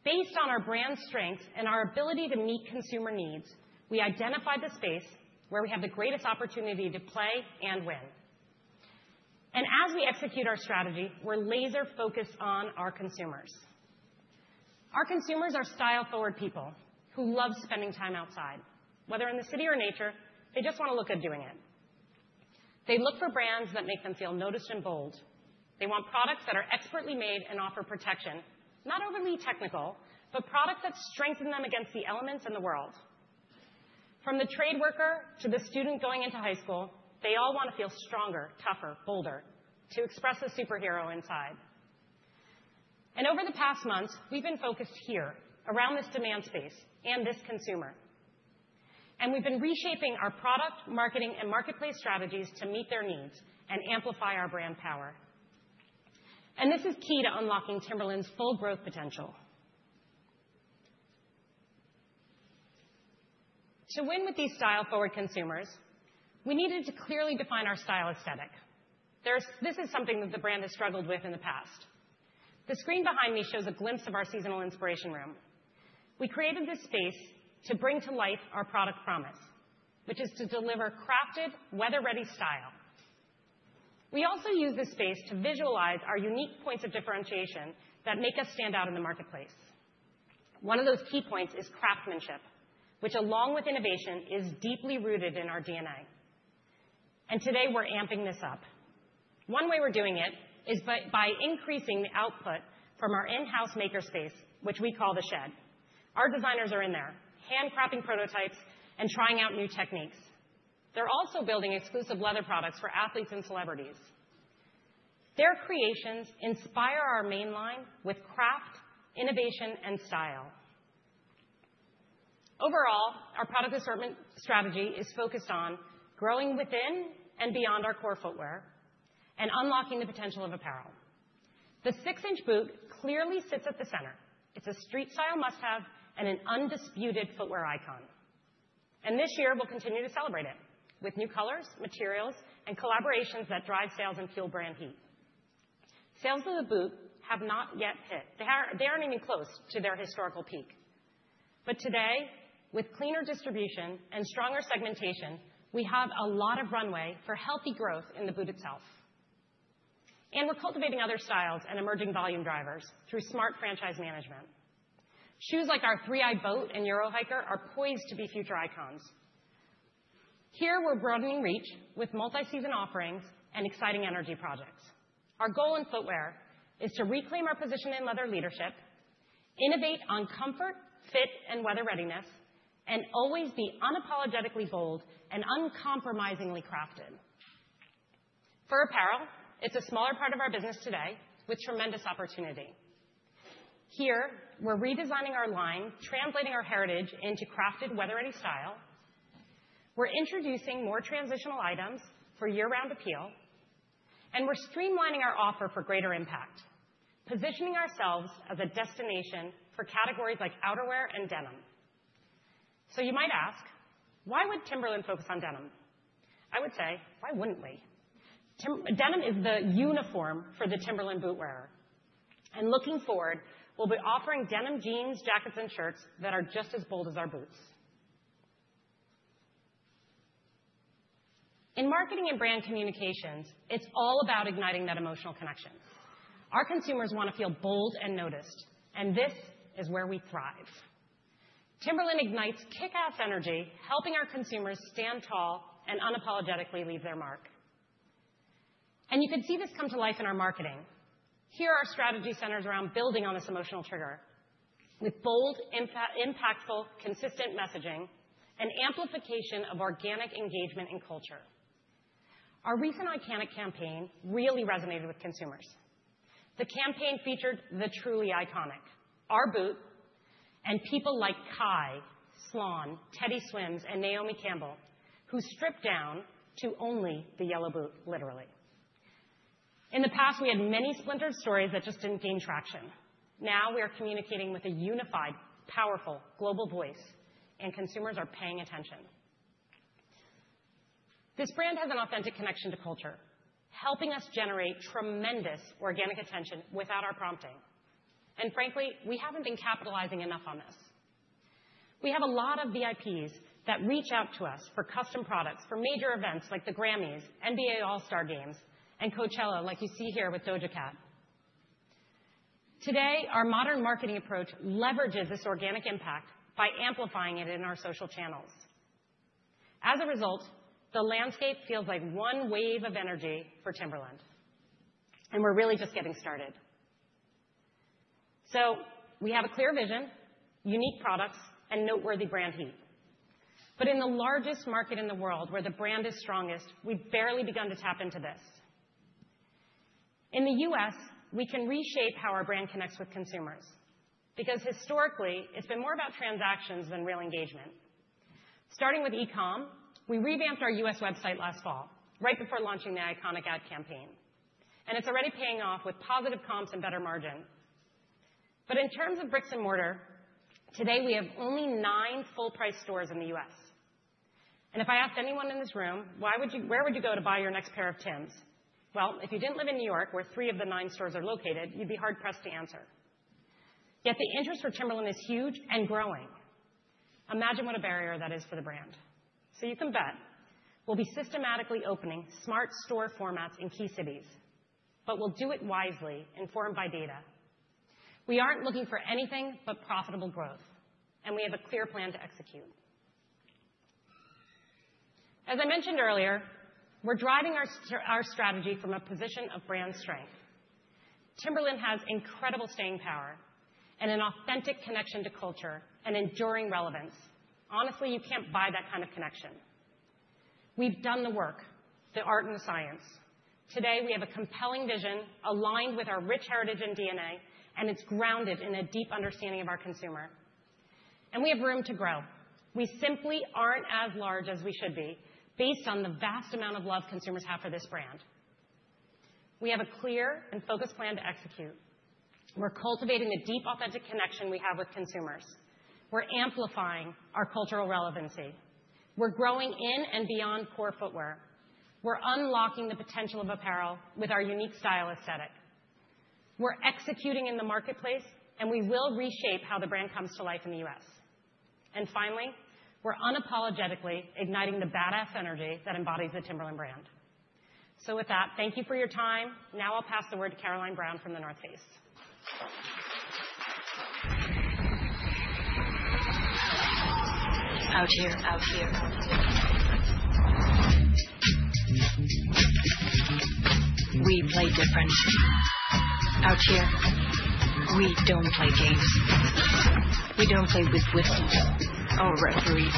S5: Based on our brand strengths and our ability to meet consumer needs, we identified the space where we have the greatest opportunity to play and win, and as we execute our strategy, we're laser-focused on our consumers. Our consumers are style-forward people who love spending time outside. Whether in the city or nature, they just want to look good doing it. They look for brands that make them feel noticed and bold. They want products that are expertly made and offer protection, not overly technical, but products that strengthen them against the elements and the world. From the trade worker to the student going into high school, they all want to feel stronger, tougher, bolder, to express the superhero inside. And over the past months, we've been focused here around this demand space and this consumer. And we've been reshaping our product, marketing, and marketplace strategies to meet their needs and amplify our brand power. And this is key to unlocking Timberland's full growth potential. To win with these style-forward consumers, we needed to clearly define our style aesthetic. This is something that the brand has struggled with in the past. The screen behind me shows a glimpse of our seasonal inspiration room. We created this space to bring to life our product promise, which is to deliver crafted, weather-ready style. We also use this space to visualize our unique points of differentiation that make us stand out in the marketplace. One of those key points is craftsmanship, which, along with innovation, is deeply rooted in our DNA. And today, we're amping this up. One way we're doing it is by increasing the output from our in-house makerspace, which we call the shed. Our designers are in there, handcrafting prototypes and trying out new techniques. They're also building exclusive leather products for athletes and celebrities. Their creations inspire our mainline with craft, innovation, and style. Overall, our product assortment strategy is focused on growing within and beyond our core footwear and unlocking the potential of apparel. The six-inch boot clearly sits at the center. It's a street-style must-have and an undisputed footwear icon. This year, we'll continue to celebrate it with new colors, materials, and collaborations that drive sales and fuel brand heat. Sales of the boot have not yet hit. They aren't even close to their historical peak. Today, with cleaner distribution and stronger segmentation, we have a lot of runway for healthy growth in the boot itself. We're cultivating other styles and emerging volume drivers through smart franchise management. Shoes like our Three Eyed Boat and Euro Hiker are poised to be future icons. Here, we're broadening reach with multi-season offerings and exciting energy projects. Our goal in footwear is to reclaim our position in leather leadership, innovate on comfort, fit, and weather readiness, and always be unapologetically bold and uncompromisingly crafted. For apparel, it's a smaller part of our business today with tremendous opportunity. Here, we're redesigning our line, translating our heritage into crafted, weather-ready style. We're introducing more transitional items for year-round appeal, and we're streamlining our offer for greater impact, positioning ourselves as a destination for categories like outerwear and denim. So you might ask, why would Timberland focus on denim? I would say, why wouldn't we? Denim is the uniform for the Timberland boot wearer. And looking forward, we'll be offering denim jeans, jackets, and shirts that are just as bold as our boots. In marketing and brand communications, it's all about igniting that emotional connection. Our consumers want to feel bold and noticed, and this is where we thrive. Timberland ignites kick-ass energy, helping our consumers stand tall and unapologetically leave their mark. And you could see this come to life in our marketing. Here, our strategy centers around building on this emotional trigger with bold, impactful, consistent messaging and amplification of organic engagement and culture. Our recent Iconic campaign really resonated with consumers. The campaign featured the truly iconic, our boot, and people like Kai, Slawn, Teddy Swims, and Naomi Campbell, who stripped down to only the yellow boot, literally. In the past, we had many splintered stories that just didn't gain traction. Now we are communicating with a unified, powerful, global voice, and consumers are paying attention. This brand has an authentic connection to culture, helping us generate tremendous organic attention without our prompting. And frankly, we haven't been capitalizing enough on this. We have a lot of VIPs that reach out to us for custom products for major events like the Grammys, NBA All-Star Games, and Coachella, like you see here with Doja Cat. Today, our modern marketing approach leverages this organic impact by amplifying it in our social channels. As a result, the landscape feels like one wave of energy for Timberland. We're really just getting started. We have a clear vision, unique products, and noteworthy brand heat. In the largest market in the world where the brand is strongest, we've barely begun to tap into this. In the U.S., we can reshape how our brand connects with consumers because historically, it's been more about transactions than real engagement. Starting with e-comm, we revamped our U.S. website last fall, right before launching the Iconic ad campaign. It's already paying off with positive comps and better margin. In terms of bricks and mortar, today, we have only nine full-price stores in the U.S. If I asked anyone in this room, where would you go to buy your next pair of Tim's? If you didn't live in New York, where three of the nine stores are located, you'd be hard-pressed to answer. Yet the interest for Timberland is huge and growing. Imagine what a barrier that is for the brand, so you can bet. We'll be systematically opening smart store formats in key cities, but we'll do it wisely informed by data. We aren't looking for anything but profitable growth, and we have a clear plan to execute. As I mentioned earlier, we're driving our strategy from a position of brand strength. Timberland has incredible staying power and an authentic connection to culture and enduring relevance. Honestly, you can't buy that kind of connection. We've done the work, the art, and the science. Today, we have a compelling vision aligned with our rich heritage and DNA, and it's grounded in a deep understanding of our consumer, and we have room to grow. We simply aren't as large as we should be based on the vast amount of love consumers have for this brand. We have a clear and focused plan to execute. We're cultivating the deep, authentic connection we have with consumers. We're amplifying our cultural relevancy. We're growing in and beyond core footwear. We're unlocking the potential of apparel with our unique style aesthetic. We're executing in the marketplace, and we will reshape how the brand comes to life in the US. And finally, we're unapologetically igniting the badass energy that embodies the Timberland brand. So with that, thank you for your time. Now I'll pass the word to Caroline Brown from The North Face.
S4: Out here, out here. We play differently. Out here, we don't play games. We don't play with whistles or referees.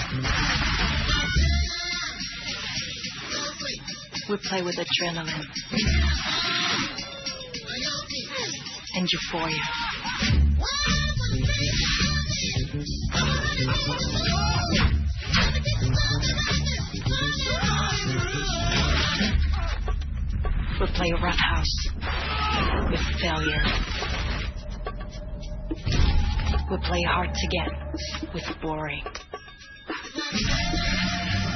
S4: We play with adrenaline and euphoria. We play a rough house with failure. We play hard to get with boring.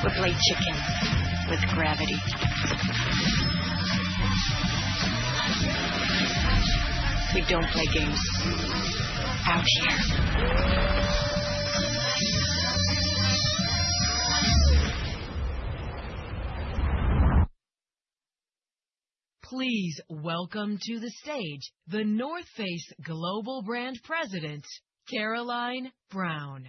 S4: We play chickens with gravity. We don't play games out here.
S1: Please welcome to the stage the The North Face Global Brand President, Caroline Brown.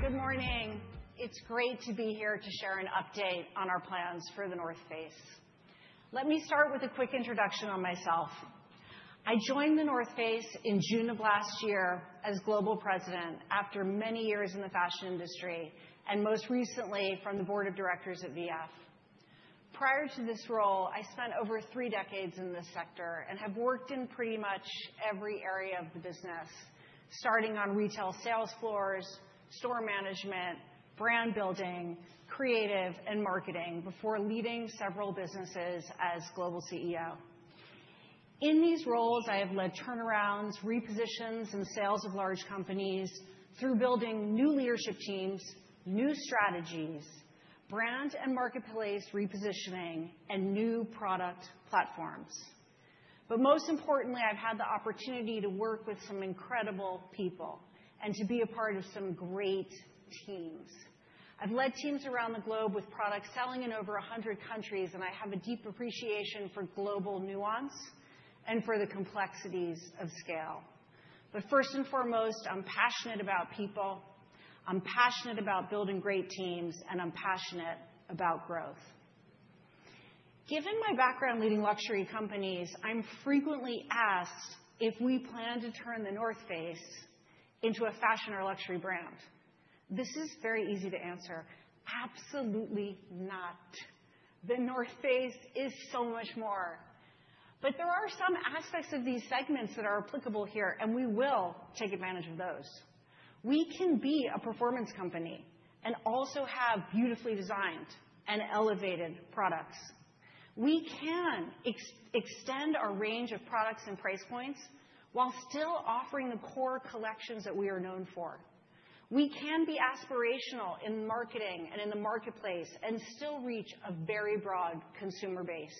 S6: Good morning. It's great to be here to share an update on our plans for The North Face. Let me start with a quick introduction on myself. I joined The North Face in June of last year as Global President after many years in the fashion industry and most recently from the Board of Directors at VF. Prior to this role, I spent over three decades in this sector and have worked in pretty much every area of the business, starting on retail sales floors, store management, brand building, creative, and marketing before leading several businesses as Global CEO. In these roles, I have led turnarounds, repositions, and sales of large companies through building new leadership teams, new strategies, brand and marketplace repositioning, and new product platforms. But most importantly, I've had the opportunity to work with some incredible people and to be a part of some great teams. I've led teams around the globe with products selling in over 100 countries, and I have a deep appreciation for global nuance and for the complexities of scale. But first and foremost, I'm passionate about people. I'm passionate about building great teams, and I'm passionate about growth. Given my background leading luxury companies, I'm frequently asked if we plan to turn The North Face into a fashion or luxury brand. This is very easy to answer. Absolutely not. The North Face is so much more. But there are some aspects of these segments that are applicable here, and we will take advantage of those. We can be a performance company and also have beautifully designed and elevated products. We can extend our range of products and price points while still offering the core collections that we are known for. We can be aspirational in marketing and in the marketplace and still reach a very broad consumer base.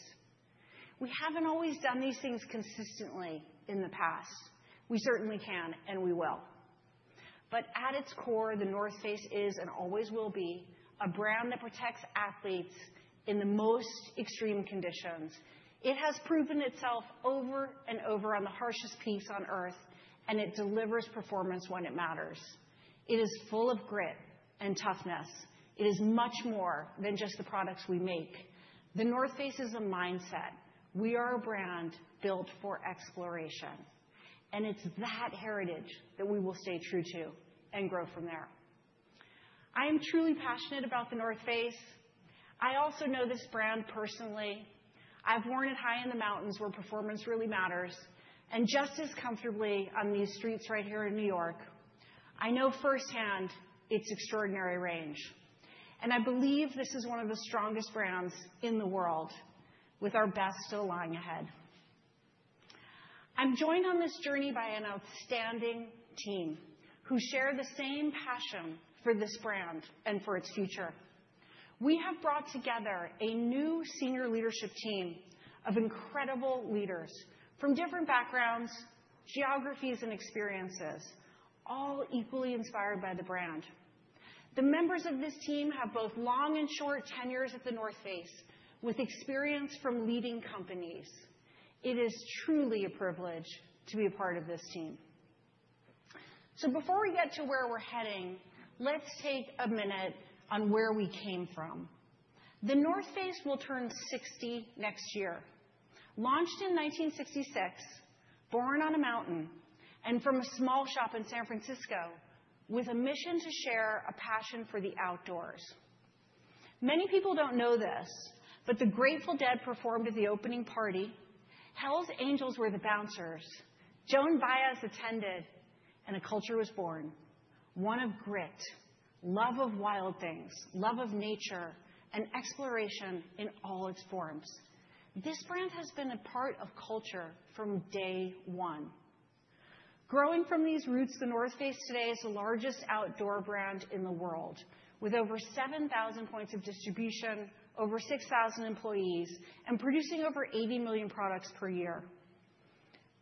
S6: We haven't always done these things consistently in the past. We certainly can, and we will. But at its core, The North Face is and always will be a brand that protects athletes in the most extreme conditions. It has proven itself over and over on the harshest peaks on earth, and it delivers performance when it matters. It is full of grit and toughness. It is much more than just the products we make. The North Face is a mindset. We are a brand built for exploration. And it's that heritage that we will stay true to and grow from there. I am truly passionate about the North Face. I also know this brand personally. I've worn it high in the mountains where performance really matters and just as comfortably on these streets right here in New York. I know firsthand its extraordinary range. And I believe this is one of the strongest brands in the world with our best still lying ahead. I'm joined on this journey by an outstanding team who share the same passion for this brand and for its future. We have brought together a new senior leadership team of incredible leaders from different backgrounds, geographies, and experiences, all equally inspired by the brand. The members of this team have both long and short tenures at The North Face with experience from leading companies. It is truly a privilege to be a part of this team. So before we get to where we're heading, let's take a minute on where we came from. The North Face will turn 60 next year. Launched in 1966, born on a mountain and from a small shop in San Francisco with a mission to share a passion for the outdoors. Many people don't know this, but the Grateful Dead performed at the opening party. Hell's Angels were the bouncers. Joan Baez attended, and a culture was born, one of grit, love of wild things, love of nature, and exploration in all its forms. This brand has been a part of culture from day one. Growing from these roots, The North Face today is the largest outdoor brand in the world with over 7,000 points of distribution, over 6,000 employees, and producing over 80 million products per year.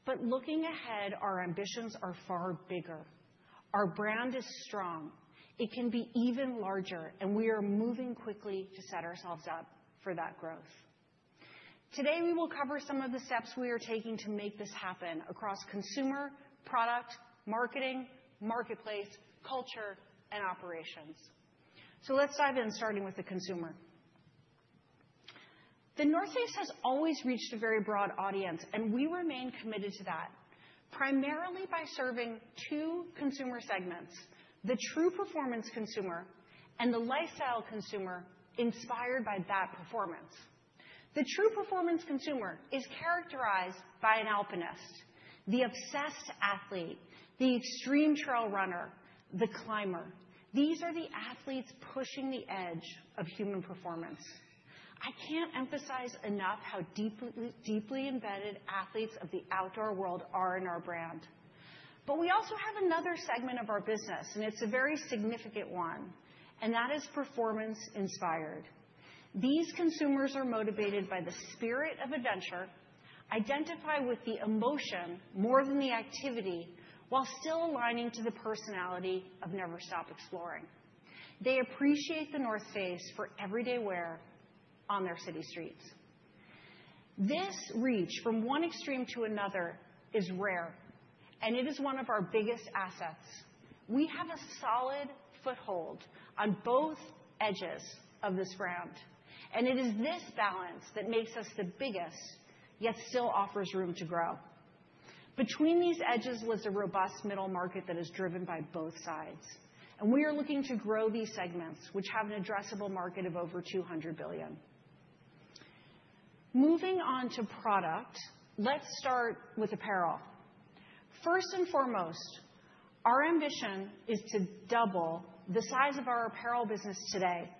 S6: But looking ahead, our ambitions are far bigger. Our brand is strong. It can be even larger, and we are moving quickly to set ourselves up for that growth. Today, we will cover some of the steps we are taking to make this happen across consumer, product, marketing, marketplace, culture, and operations. So let's dive in, starting with the consumer. The North Face has always reached a very broad audience, and we remain committed to that, primarily by serving two consumer segments: the true performance consumer and the lifestyle consumer inspired by that performance. The true performance consumer is characterized by an alpinist, the obsessed athlete, the extreme trail runner, the climber. These are the athletes pushing the edge of human performance. I can't emphasize enough how deeply embedded athletes of the outdoor world are in our brand. But we also have another segment of our business, and it's a very significant one, and that is performance-inspired. These consumers are motivated by the spirit of adventure, identify with the emotion more than the activity while still aligning to the personality of Never Stop Exploring. They appreciate The North Face for everyday wear on their city streets. This reach from one extreme to another is rare, and it is one of our biggest assets. We have a solid foothold on both edges of this brand, and it is this balance that makes us the biggest, yet still offers room to grow. Between these edges lives a robust middle market that is driven by both sides. We are looking to grow these segments, which have an addressable market of over $200 billion. Moving on to product, let's start with apparel. First and foremost, our ambition is to double the size of our apparel business today,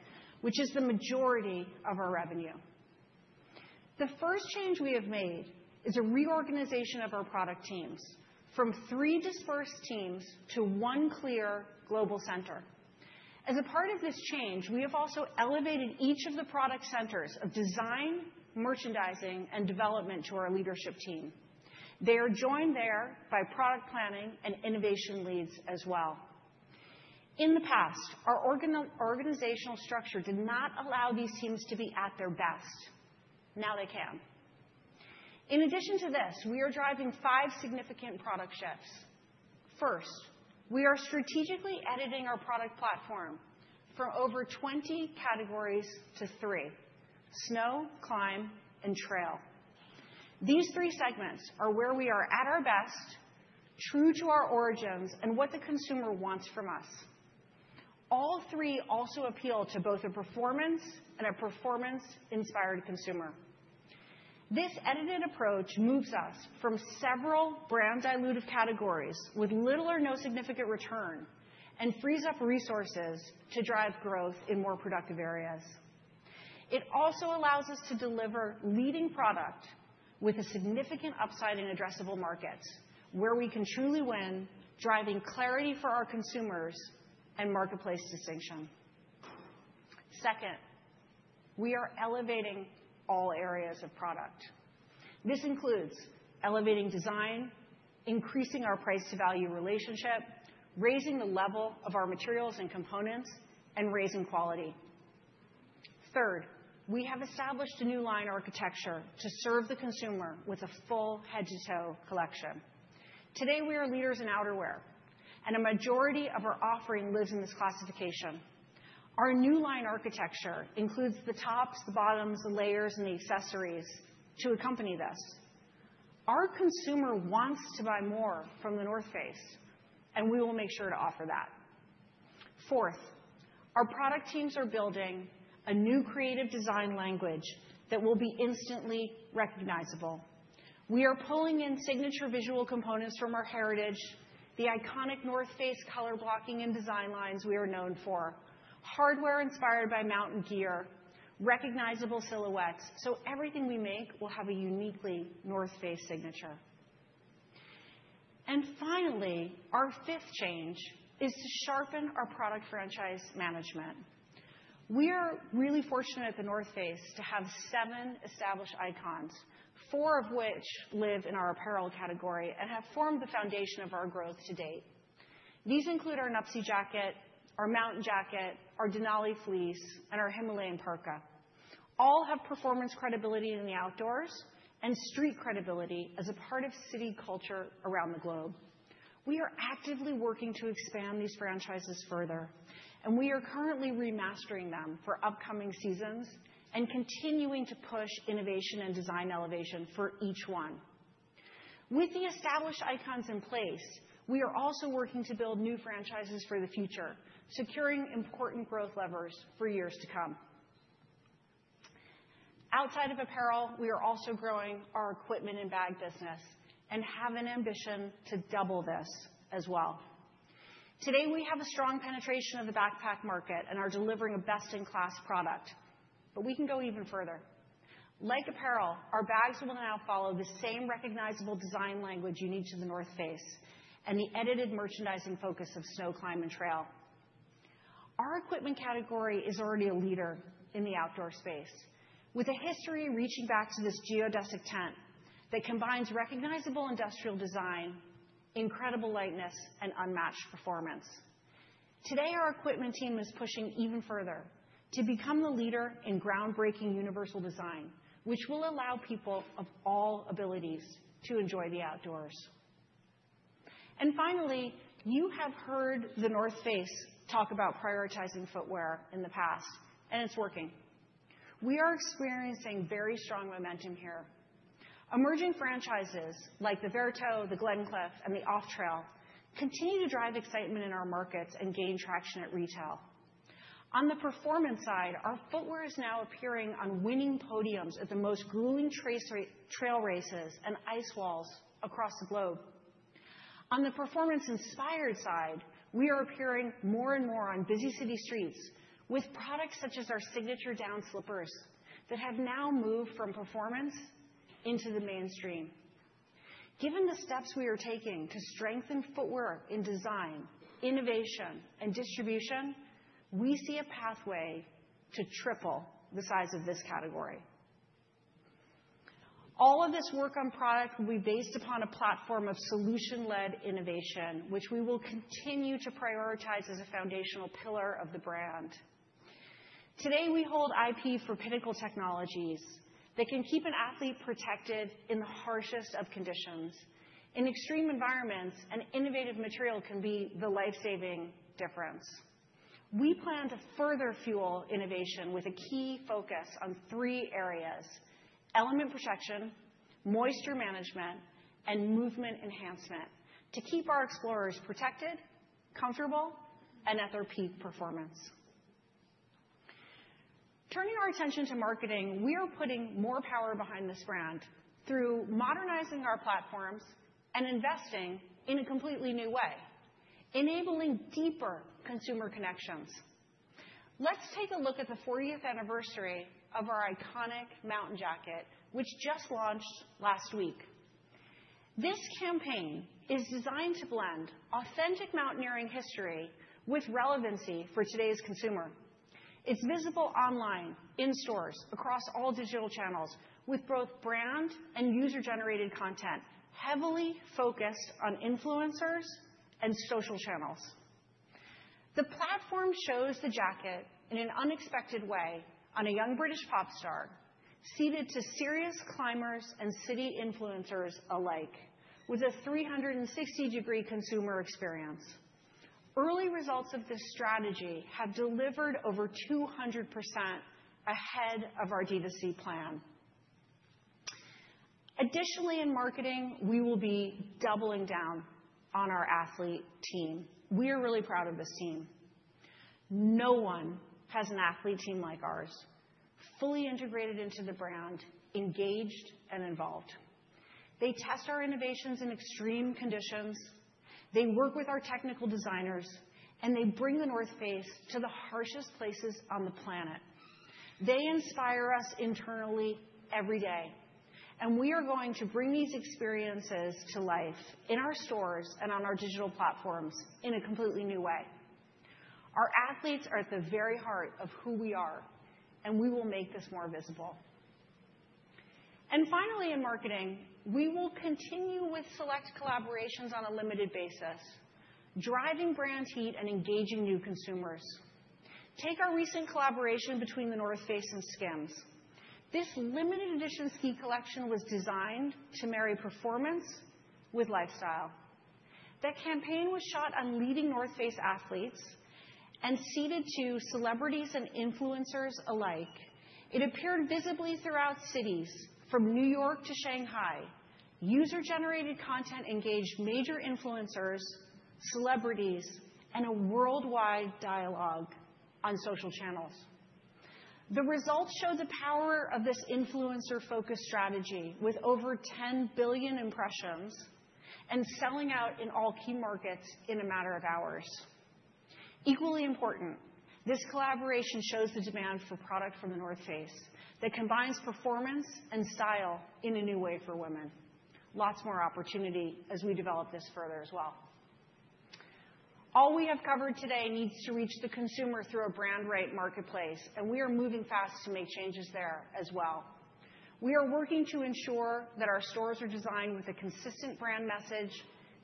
S6: which is the majority of our revenue. The first change we have made is a reorganization of our product teams from three dispersed teams to one clear global center. As a part of this change, we have also elevated each of the product centers of design, merchandising, and development to our leadership team. They are joined there by product planning and innovation leads as well. In the past, our organizational structure did not allow these teams to be at their best. Now they can. In addition to this, we are driving five significant product shifts. First, we are strategically editing our product platform from over 20 categories to three: snow, climb, and trail. These three segments are where we are at our best, true to our origins, and what the consumer wants from us. All three also appeal to both a performance and a performance-inspired consumer. This edited approach moves us from several brand-dilutive categories with little or no significant return and frees up resources to drive growth in more productive areas. It also allows us to deliver leading product with a significant upside in addressable markets where we can truly win, driving clarity for our consumers and marketplace distinction. Second, we are elevating all areas of product. This includes elevating design, increasing our price-to-value relationship, raising the level of our materials and components, and raising quality. Third, we have established a new line architecture to serve the consumer with a full head-to-toe collection. Today, we are leaders in outerwear, and a majority of our offering lives in this classification. Our new line architecture includes the tops, the bottoms, the layers, and the accessories to accompany this. Our consumer wants to buy more from The North Face, and we will make sure to offer that. Fourth, our product teams are building a new creative design language that will be instantly recognizable. We are pulling in signature visual components from our heritage, the iconic The North Face color blocking and design lines we are known for, hardware inspired by mountain gear, recognizable silhouettes, so everything we make will have a uniquely The North Face signature. And finally, our fifth change is to sharpen our product franchise management. We are really fortunate at The North Face to have seven established icons, four of which live in our apparel category and have formed the foundation of our growth to date. These include our Nuptse Jacket, our Mountain Jacket, our Denali Fleece, and our Himalayan Parka. All have performance credibility in the outdoors and street credibility as a part of city culture around the globe. We are actively working to expand these franchises further, and we are currently remastering them for upcoming seasons and continuing to push innovation and design elevation for each one. With the established icons in place, we are also working to build new franchises for the future, securing important growth levers for years to come. Outside of apparel, we are also growing our equipment and bag business and have an ambition to double this as well. Today, we have a strong penetration of the backpack market and are delivering a best-in-class product, but we can go even further. Like apparel, our bags will now follow the same recognizable design language unique to The North Face and the edited merchandising focus of snow, climb, and trail. Our equipment category is already a leader in the outdoor space with a history reaching back to this geodesic tent that combines recognizable industrial design, incredible lightness, and unmatched performance. Today, our equipment team is pushing even further to become the leader in groundbreaking universal design, which will allow people of all abilities to enjoy the outdoors. And finally, you have heard The North Face talk about prioritizing footwear in the past, and it's working. We are experiencing very strong momentum here. Emerging franchises like the Verito, the Glencliff, and the Off Trail continue to drive excitement in our markets and gain traction at retail. On the performance side, our footwear is now appearing on winning podiums at the most grueling trail races and ice walls across the globe. On the performance-inspired side, we are appearing more and more on busy city streets with products such as our signature down slippers that have now moved from performance into the mainstream. Given the steps we are taking to strengthen footwear in design, innovation, and distribution, we see a pathway to triple the size of this category. All of this work on product will be based upon a platform of solution-led innovation, which we will continue to prioritize as a foundational pillar of the brand. Today, we hold IP for Pinnacle Technologies that can keep an athlete protected in the harshest of conditions. In extreme environments, an innovative material can be the lifesaving difference. We plan to further fuel innovation with a key focus on three areas: elements protection, moisture management, and movement enhancement to keep our explorers protected, comfortable, and at their peak performance. Turning our attention to marketing, we are putting more power behind this brand through modernizing our platforms and investing in a completely new way, enabling deeper consumer connections. Let's take a look at the 40th anniversary of our iconic Mountain Jacket, which just launched last week. This campaign is designed to blend authentic mountaineering history with relevancy for today's consumer. It's visible online in stores across all digital channels with both brand and user-generated content heavily focused on influencers and social channels. The platform shows the jacket in an unexpected way on a young British pop star juxtaposed to serious climbers and city influencers alike with a 360-degree consumer experience. Early results of this strategy have delivered over 200% ahead of our D to C plan. Additionally, in marketing, we will be doubling down on our athlete team. We are really proud of this team. No one has an athlete team like ours, fully integrated into the brand, engaged, and involved. They test our innovations in extreme conditions. They work with our technical designers, and they bring the North Face to the harshest places on the planet. They inspire us internally every day, and we are going to bring these experiences to life in our stores and on our digital platforms in a completely new way. Our athletes are at the very heart of who we are, and we will make this more visible. And finally, in marketing, we will continue with select collaborations on a limited basis, driving brand heat and engaging new consumers. Take our recent collaboration between The North Face and Skims. This limited-edition ski collection was designed to marry performance with lifestyle. That campaign was shot on leading The North Face athletes and catered to celebrities and influencers alike. It appeared visibly throughout cities from New York to Shanghai. User-generated content engaged major influencers, celebrities, and a worldwide dialogue on social channels. The results show the power of this influencer-focused strategy with over 10 billion impressions and selling out in all key markets in a matter of hours. Equally important, this collaboration shows the demand for product from The North Face that combines performance and style in a new way for women. Lots more opportunity as we develop this further as well. All we have covered today needs to reach the consumer through a brand-right marketplace, and we are moving fast to make changes there as well. We are working to ensure that our stores are designed with a consistent brand message,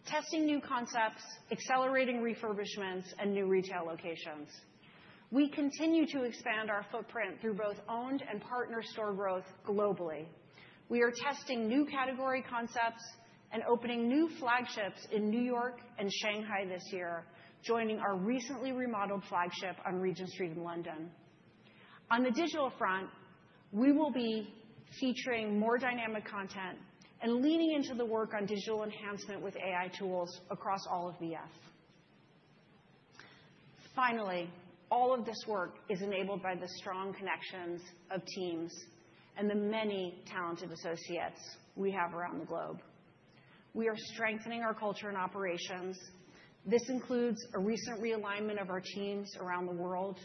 S6: testing new concepts, accelerating refurbishments, and new retail locations. We continue to expand our footprint through both owned and partner store growth globally. We are testing new category concepts and opening new flagships in New York and Shanghai this year, joining our recently remodeled flagship on Regent Street in London. On the digital front, we will be featuring more dynamic content and leaning into the work on digital enhancement with AI tools across all of the VF Finally, all of this work is enabled by the strong connections of teams and the many talented associates we have around the globe. We are strengthening our culture and operations. This includes a recent realignment of our teams around the world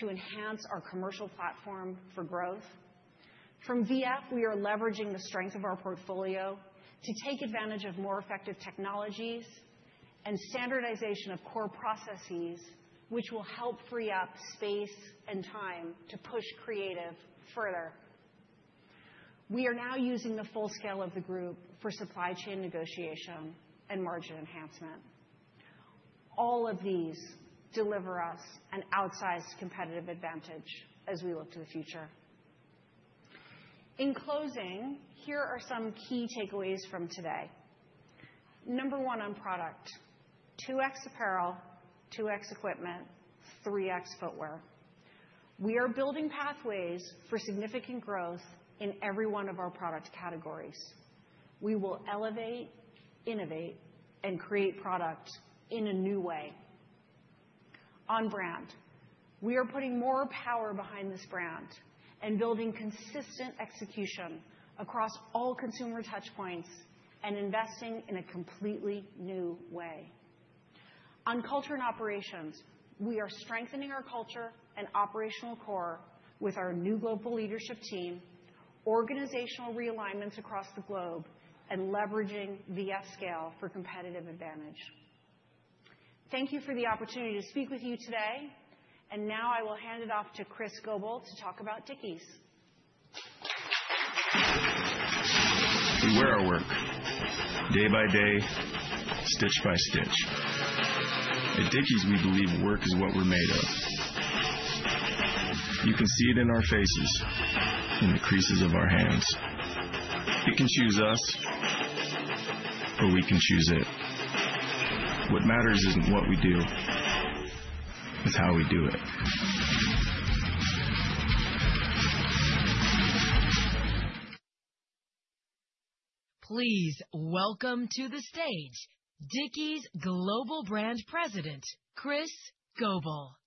S6: to enhance our commercial platform for growth. From VF, we are leveraging the strength of our portfolio to take advantage of more effective technologies and standardization of core processes, which will help free up space and time to push creative further. We are now using the full scale of the group for supply chain negotiation and margin enhancement. All of these deliver us an outsized competitive advantage as we look to the future. In closing, here are some key takeaways from today. Number one on product: 2x apparel, 2x equipment, 3x footwear. We are building pathways for significant growth in every one of our product categories. We will elevate, innovate, and create product in a new way. On brand, we are putting more power behind this brand and building consistent execution across all consumer touchpoints and investing in a completely new way. On culture and operations, we are strengthening our culture and operational core with our new global leadership team, organizational realignments across the globe, and leveraging VF scale for competitive advantage. Thank you for the opportunity to speak with you today, and now I will hand it off to Chris Goble to talk about Dickies.
S4: We wear our work day by day, stitch by stitch. At Dickies, we believe work is what we're made of. You can see it in our faces, in the creases of our hands. It can choose us, or we can choose it. What matters isn't what we do. It's how we do it.
S1: Please welcome to the stage Dickies Global Brand President, Chris Goble.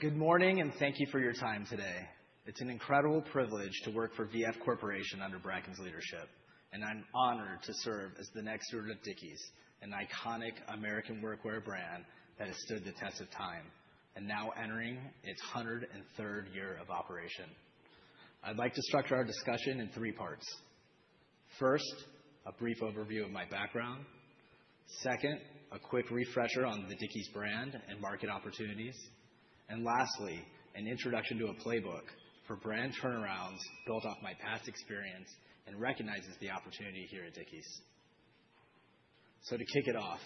S1: Good morning, and thank you for your time today.
S7: It's an incredible privilege to work for VF Corporation under Bracken's leadership, and I'm honored to serve as the next steward of Dickies, an iconic American workwear brand that has stood the test of time and now entering its 103rd year of operation. I'd like to structure our discussion in three parts. First, a brief overview of my background. Second, a quick refresher on the Dickies brand and market opportunities. And lastly, an introduction to a playbook for brand turnarounds built off my past experience and recognizes the opportunity here at Dickies. So to kick it off,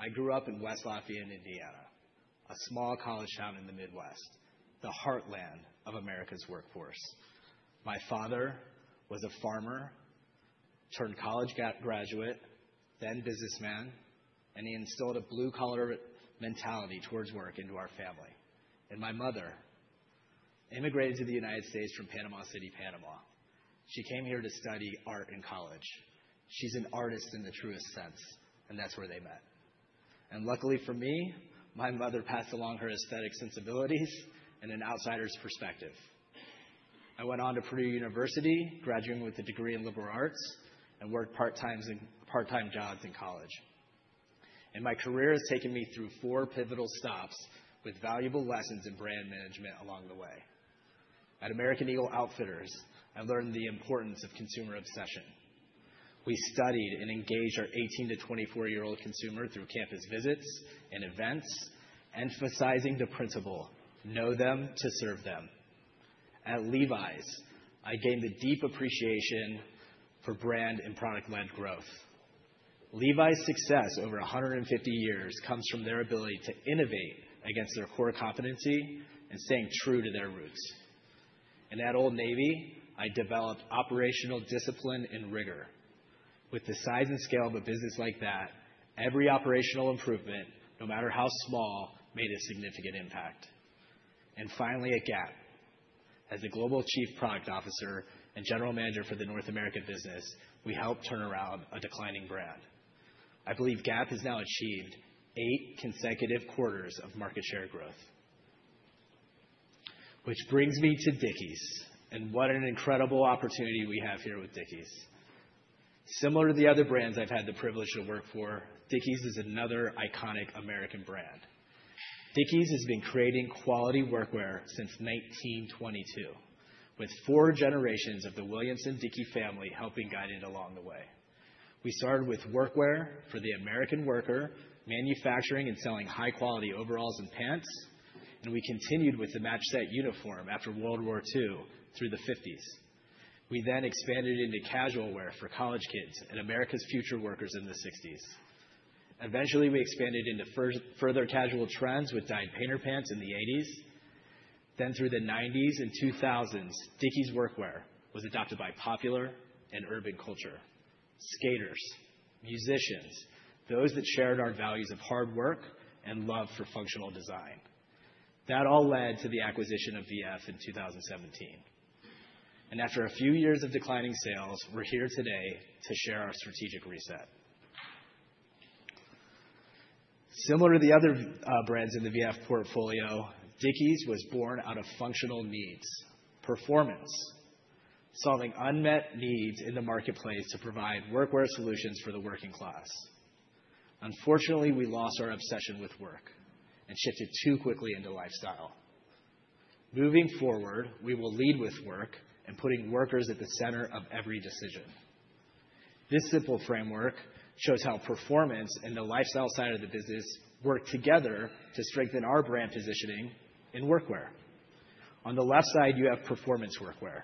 S7: I grew up in West Lafayette, Indiana, a small college town in the Midwest, the heartland of America's workforce. My father was a farmer, turned college graduate, then businessman, and he instilled a blue-collar mentality towards work into our family. And my mother immigrated to the United States from Panama City, Panama. She came here to study art in college. She's an artist in the truest sense, and that's where they met. And luckily for me, my mother passed along her aesthetic sensibilities and an outsider's perspective. I went on to Purdue University, graduating with a degree in liberal arts, and worked part-time jobs in college. And my career has taken me through four pivotal stops with valuable lessons in brand management along the way. At American Eagle Outfitters, I learned the importance of consumer obsession. We studied and engaged our 18-24-year-old consumer through campus visits and events, emphasizing the principle, "Know them to serve them." At Levi's, I gained a deep appreciation for brand and product-led growth. Levi's success over 150 years comes from their ability to innovate against their core competency and staying true to their roots. And at Old Navy, I developed operational discipline and rigor. With the size and scale of a business like that, every operational improvement, no matter how small, made a significant impact. And finally, at Gap, as a global chief product officer and general manager for the North America business, we helped turn around a declining brand. I believe Gap has now achieved eight consecutive quarters of market share growth. Which brings me to Dickies and what an incredible opportunity we have here with Dickies. Similar to the other brands I've had the privilege to work for, Dickies is another iconic American brand. Dickies has been creating quality workwear since 1922, with four generations of the Williamson Dickey family helping guide it along the way. We started with workwear for the American worker, manufacturing and selling high-quality overalls and pants, and we continued with the match-set uniform after World War II through the 1950s. We then expanded into casual wear for college kids and America's future workers in the 1960s. Eventually, we expanded into further casual trends with dyed painter pants in the 1980s. Then through the 1990s and 2000s, Dickies workwear was adopted by popular and urban culture: skaters, musicians, those that shared our values of hard work and love for functional design. That all led to the acquisition by VF in 2017. And after a few years of declining sales, we're here today to share our strategic reset. Similar to the other brands in the VF portfolio, Dickies was born out of functional needs: performance, solving unmet needs in the marketplace to provide workwear solutions for the working class. Unfortunately, we lost our obsession with work and shifted too quickly into lifestyle. Moving forward, we will lead with work and putting workers at the center of every decision. This simple framework shows how performance and the lifestyle side of the business work together to strengthen our brand positioning in workwear. On the left side, you have performance workwear.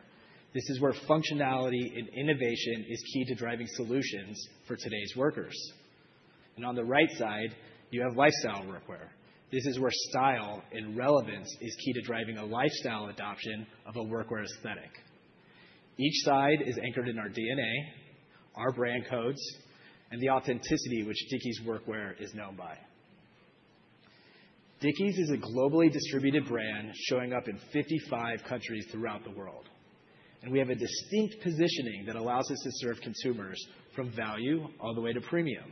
S7: This is where functionality and innovation is key to driving solutions for today's workers, and on the right side, you have lifestyle workwear. This is where style and relevance is key to driving a lifestyle adoption of a workwear aesthetic. Each side is anchored in our DNA, our brand codes, and the authenticity which Dickies workwear is known by. Dickies is a globally distributed brand showing up in 55 countries throughout the world, and we have a distinct positioning that allows us to serve consumers from value all the way to premium,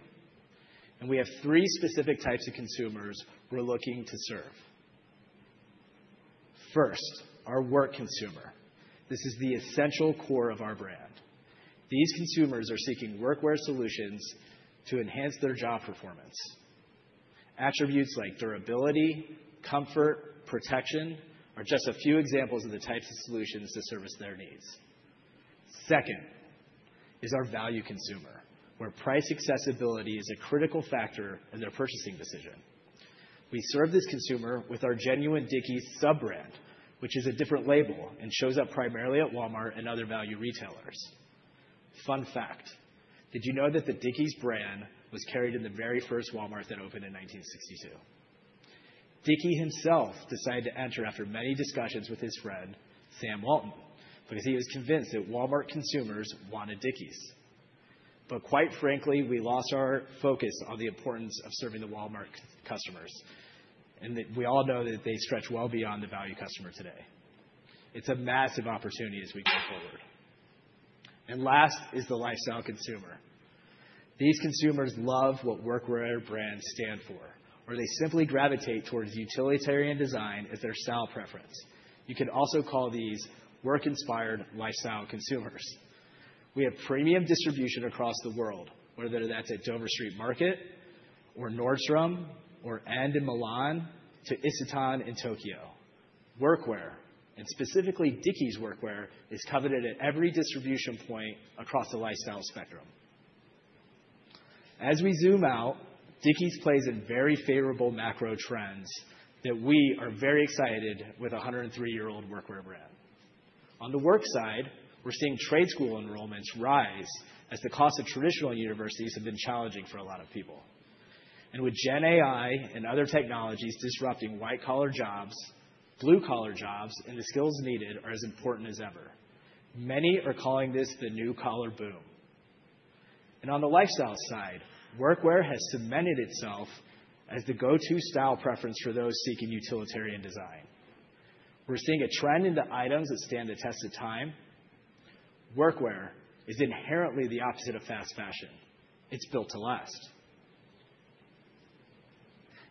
S7: and we have three specific types of consumers we're looking to serve. First, our work consumer. This is the essential core of our brand. These consumers are seeking workwear solutions to enhance their job performance. Attributes like durability, comfort, protection are just a few examples of the types of solutions to service their needs. Second is our value consumer, where price accessibility is a critical factor in their purchasing decision. We serve this consumer with our genuine Dickies sub-brand, which is a different label and shows up primarily at Walmart and other value retailers. Fun fact, did you know that the Dickies brand was carried in the very first Walmart that opened in 1962? Dickies himself decided to enter after many discussions with his friend, Sam Walton, because he was convinced that Walmart consumers wanted Dickies. But quite frankly, we lost our focus on the importance of serving the Walmart customers. And we all know that they stretch well beyond the value customer today. It's a massive opportunity as we go forward. Last is the lifestyle consumer. These consumers love what workwear brands stand for, or they simply gravitate towards utilitarian design as their style preference. You could also call these work-inspired lifestyle consumers. We have premium distribution across the world, whether that's at Dover Street Market or Nordstrom or End in Milan to Isetan in Tokyo. Workwear, and specifically Dickies workwear, is coveted at every distribution point across the lifestyle spectrum. As we zoom out, Dickies plays in very favorable macro trends that we are very excited with a 103-year-old workwear brand. On the work side, we're seeing trade school enrollments rise as the cost of traditional universities has been challenging for a lot of people. With GenAI and other technologies disrupting white-collar jobs, blue-collar jobs, and the skills needed are as important as ever. Many are calling this the new-collar boom. And on the lifestyle side, workwear has cemented itself as the go-to style preference for those seeking utilitarian design. We're seeing a trend in the items that stand the test of time. Workwear is inherently the opposite of fast fashion. It's built to last.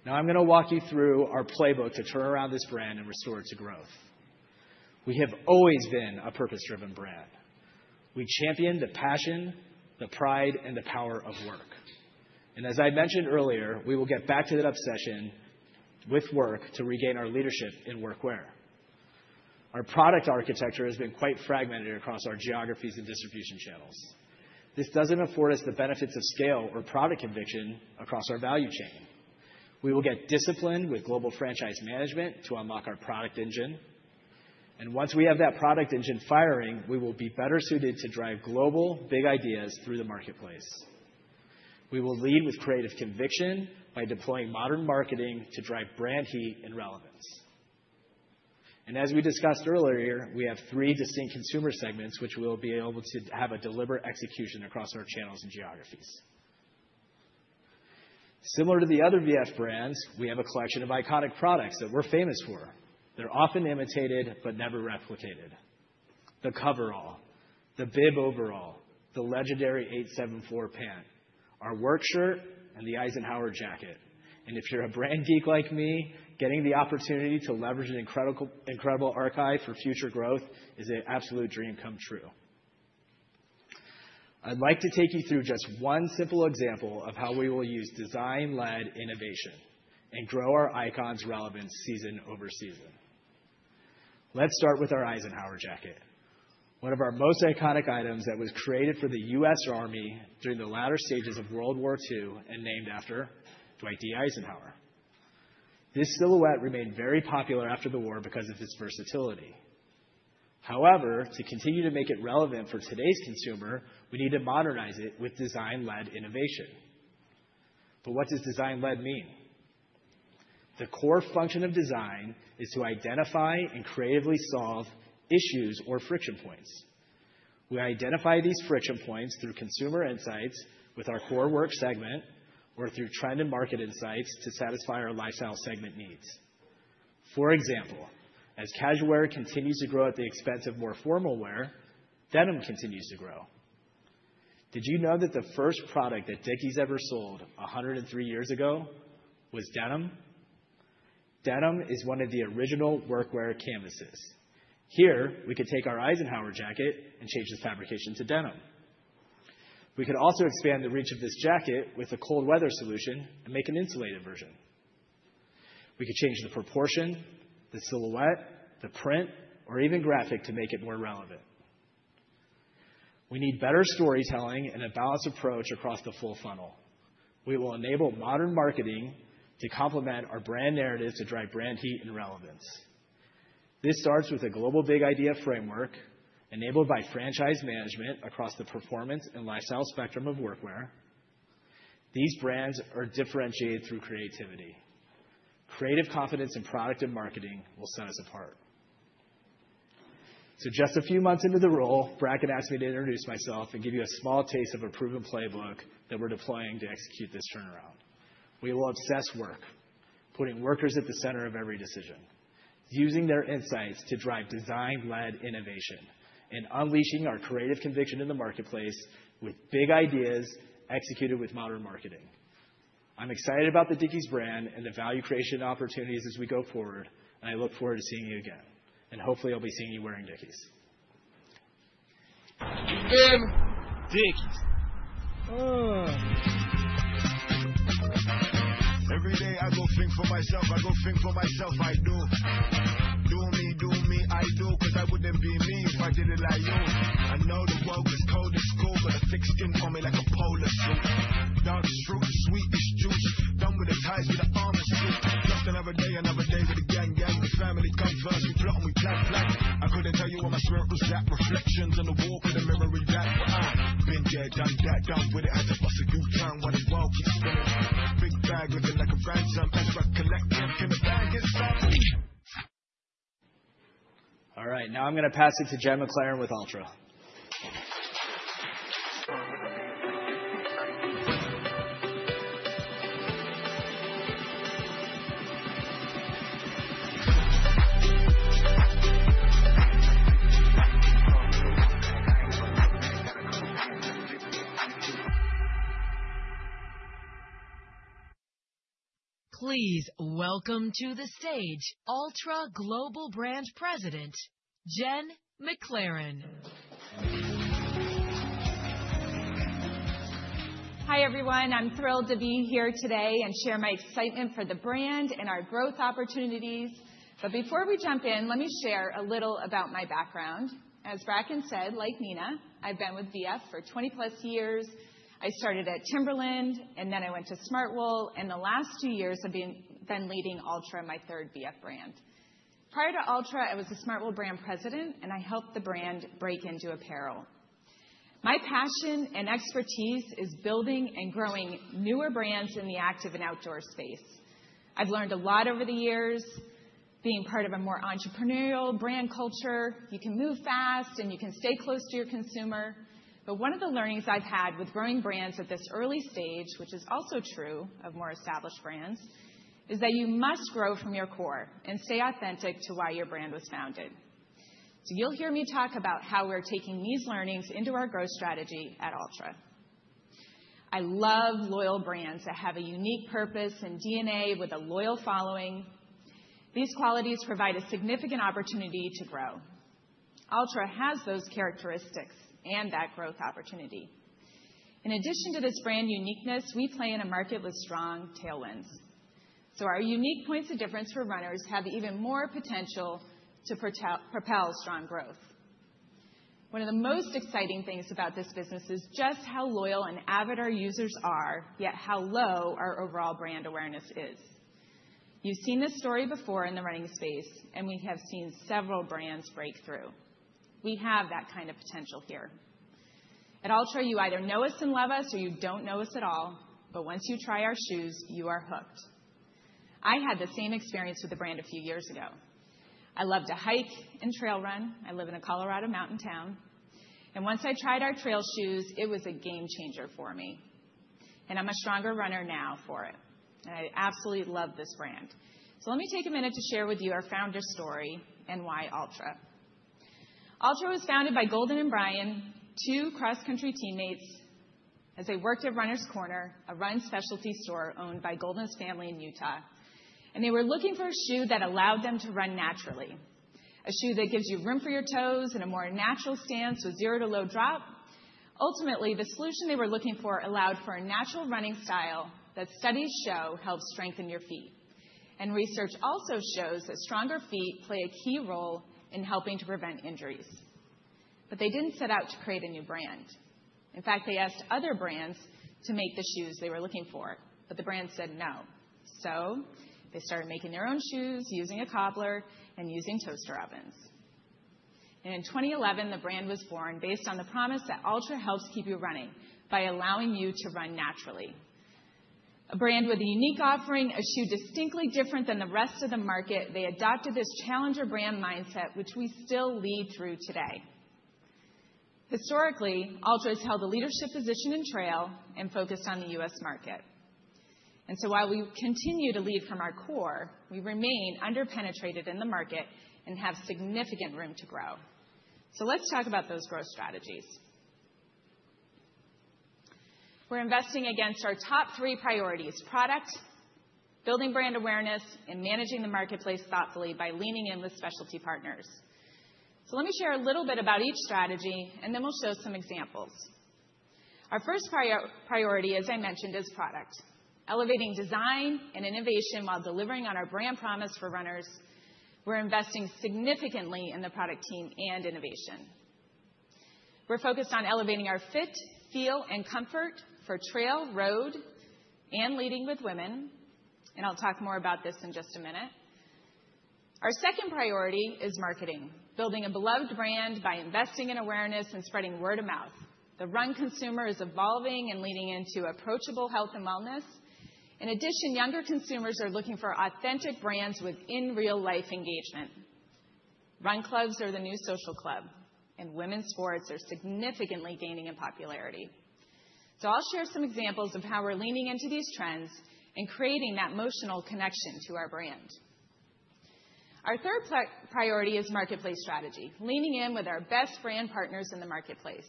S7: Now I'm going to walk you through our playbook to turn around this brand and restore it to growth. We have always been a purpose-driven brand. We champion the passion, the pride, and the power of work. And as I mentioned earlier, we will get back to that obsession with work to regain our leadership in workwear. Our product architecture has been quite fragmented across our geographies and distribution channels. This doesn't afford us the benefits of scale or product conviction across our value chain. We will get disciplined with global franchise management to unlock our product engine. And once we have that product engine firing, we will be better suited to drive global big ideas through the marketplace. We will lead with creative conviction by deploying modern marketing to drive brand heat and relevance. And as we discussed earlier, we have three distinct consumer segments, which we will be able to have a deliberate execution across our channels and geographies. Similar to the other VF brands, we have a collection of iconic products that we're famous for. They're often imitated, but never replicated. The coverall, the bib overall, the legendary 874 pant, our work shirt, and the Eisenhower jacket. And if you're a brand geek like me, getting the opportunity to leverage an incredible archive for future growth is an absolute dream come true. I'd like to take you through just one simple example of how we will use design-led innovation and grow our icons' relevance season over season. Let's start with our Eisenhower jacket, one of our most iconic items that was created for the U.S. Army during the latter stages of World War II and named after Dwight D. Eisenhower. This silhouette remained very popular after the war because of its versatility. However, to continue to make it relevant for today's consumer, we need to modernize it with design-led innovation. But what does design-led mean? The core function of design is to identify and creatively solve issues or friction points. We identify these friction points through consumer insights with our core work segment or through trend and market insights to satisfy our lifestyle segment needs. For example, as casual wear continues to grow at the expense of more formal wear, denim continues to grow. Did you know that the first product that Dickies ever sold 103 years ago was denim? Denim is one of the original workwear canvases. Here, we could take our Eisenhower jacket and change its fabrication to denim. We could also expand the reach of this jacket with a cold-weather solution and make an insulated version. We could change the proportion, the silhouette, the print, or even graphic to make it more relevant. We need better storytelling and a balanced approach across the full funnel. We will enable modern marketing to complement our brand narratives to drive brand heat and relevance. This starts with a global big idea framework enabled by franchise management across the performance and lifestyle spectrum of workwear. These brands are differentiated through creativity. Creative confidence in product and marketing will set us apart, so just a few months into the role, Bracken asked me to introduce myself and give you a small taste of a proven playbook that we're deploying to execute this turnaround. We will obsess work, putting workers at the center of every decision, using their insights to drive design-led innovation, and unleashing our creative conviction in the marketplace with big ideas executed with modern marketing. I'm excited about the Dickies brand and the value creation opportunities as we go forward, and I look forward to seeing you again, and hopefully, I'll be seeing you wearing Dickies.
S4: Every day I go think for myself, I go think for myself, I do. Do me, do me, I do, 'cause I wouldn't be me if I did it like you. I know the world is cold, it's cool, but I thick skin on me like a polar suit. Dark fruit, sweetest juice, done with the ties, with the armor suit. Just another day, another day with the gang, gang, with the family come first, we plot and we plan, plan. I couldn't tell you what my smoke was at, reflections in the wall, put a memory back, but I been there, done that, done with it, had to bust a new trend while the world keeps spinning. Big bag looking like a Phantom, X-Rex collecting, can the band get sampled?
S7: All right, now I'm going to pass it to Jen McLaren with Altra.
S1: Please welcome to the stage Altra Global Brand President, Jen McLaren.
S8: Hi everyone, I'm thrilled to be here today and share my excitement for the brand and our growth opportunities. But before we jump in, let me share a little about my background. As Bracken said, like Nina, I've been with VF for 20 plus years. I started at Timberland, and then I went to Smartwool, and the last two years I've been leading Altra, my third VF brand. Prior to Altra, I was a Smartwool brand president, and I helped the brand break into apparel. My passion and expertise is building and growing newer brands in the active and outdoor space. I've learned a lot over the years, being part of a more entrepreneurial brand culture. You can move fast, and you can stay close to your consumer. But one of the learnings I've had with growing brands at this early stage, which is also true of more established brands, is that you must grow from your core and stay authentic to why your brand was founded. So you'll hear me talk about how we're taking these learnings into our growth strategy at Altra. I love loyal brands that have a unique purpose and DNA with a loyal following. These qualities provide a significant opportunity to grow. Altra has those characteristics and that growth opportunity. In addition to this brand uniqueness, we play in a market with strong tailwinds. So our unique points of difference for runners have even more potential to propel strong growth. One of the most exciting things about this business is just how loyal and avid our users are, yet how low our overall brand awareness is. You've seen this story before in the running space, and we have seen several brands break through. We have that kind of potential here. At Altra, you either know us and love us, or you don't know us at all, but once you try our shoes, you are hooked. I had the same experience with the brand a few years ago. I love to hike and trail run. I live in a Colorado mountain town, and once I tried our trail shoes, it was a game changer for me, and I'm a stronger runner now for it. I absolutely love this brand, so let me take a minute to share with you our founder story and why Altra. Altra was founded by Golden and Brian, two cross-country teammates, as they worked at Runner's Corner, a run specialty store owned by Golden's family in Utah. They were looking for a shoe that allowed them to run naturally, a shoe that gives you room for your toes and a more natural stance with zero to low drop. Ultimately, the solution they were looking for allowed for a natural running style that studies show helps strengthen your feet. And research also shows that stronger feet play a key role in helping to prevent injuries. But they didn't set out to create a new brand. In fact, they asked other brands to make the shoes they were looking for, but the brand said no. So they started making their own shoes, using a cobbler and using toaster ovens. And in 2011, the brand was born based on the promise that Altra helps keep you running by allowing you to run naturally. A brand with a unique offering, a shoe distinctly different than the rest of the market, they adopted this challenger brand mindset, which we still lead through today. Historically, Altra has held a leadership position in trail and focused on the U.S. market. And so while we continue to lead from our core, we remain underpenetrated in the market and have significant room to grow. So let's talk about those growth strategies. We're investing against our top three priorities: product, building brand awareness, and managing the marketplace thoughtfully by leaning in with specialty partners. So let me share a little bit about each strategy, and then we'll show some examples. Our first priority, as I mentioned, is product. Elevating design and innovation while delivering on our brand promise for runners, we're investing significantly in the product team and innovation. We're focused on elevating our fit, feel, and comfort for trail, road, and leading with women. And I'll talk more about this in just a minute. Our second priority is marketing, building a beloved brand by investing in awareness and spreading word of mouth. The run consumer is evolving and leading into approachable health and wellness. In addition, younger consumers are looking for authentic brands within real-life engagement. Run clubs are the new social club, and women's sports are significantly gaining in popularity. So I'll share some examples of how we're leaning into these trends and creating that emotional connection to our brand. Our third priority is marketplace strategy, leaning in with our best brand partners in the marketplace.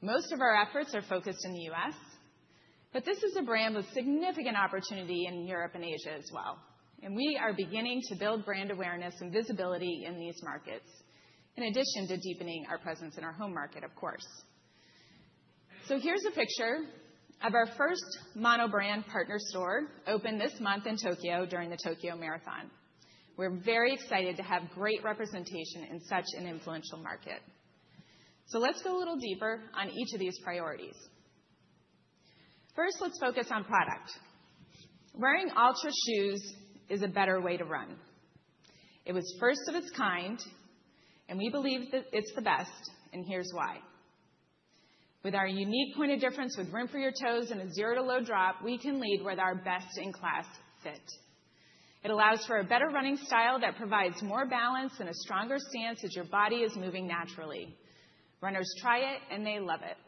S8: Most of our efforts are focused in the U.S., but this is a brand with significant opportunity in Europe and Asia as well. We are beginning to build brand awareness and visibility in these markets, in addition to deepening our presence in our home market, of course. Here's a picture of our first monobrand partner store opened this month in Tokyo during the Tokyo Marathon. We're very excited to have great representation in such an influential market. Let's go a little deeper on each of these priorities. First, let's focus on product. Wearing Altra shoes is a better way to run. It was first of its kind, and we believe that it's the best, and here's why. With our unique point of difference with room for your toes and a zero to low drop, we can lead with our best in class fit. It allows for a better running style that provides more balance and a stronger stance as your body is moving naturally. Runners try it, and they love it.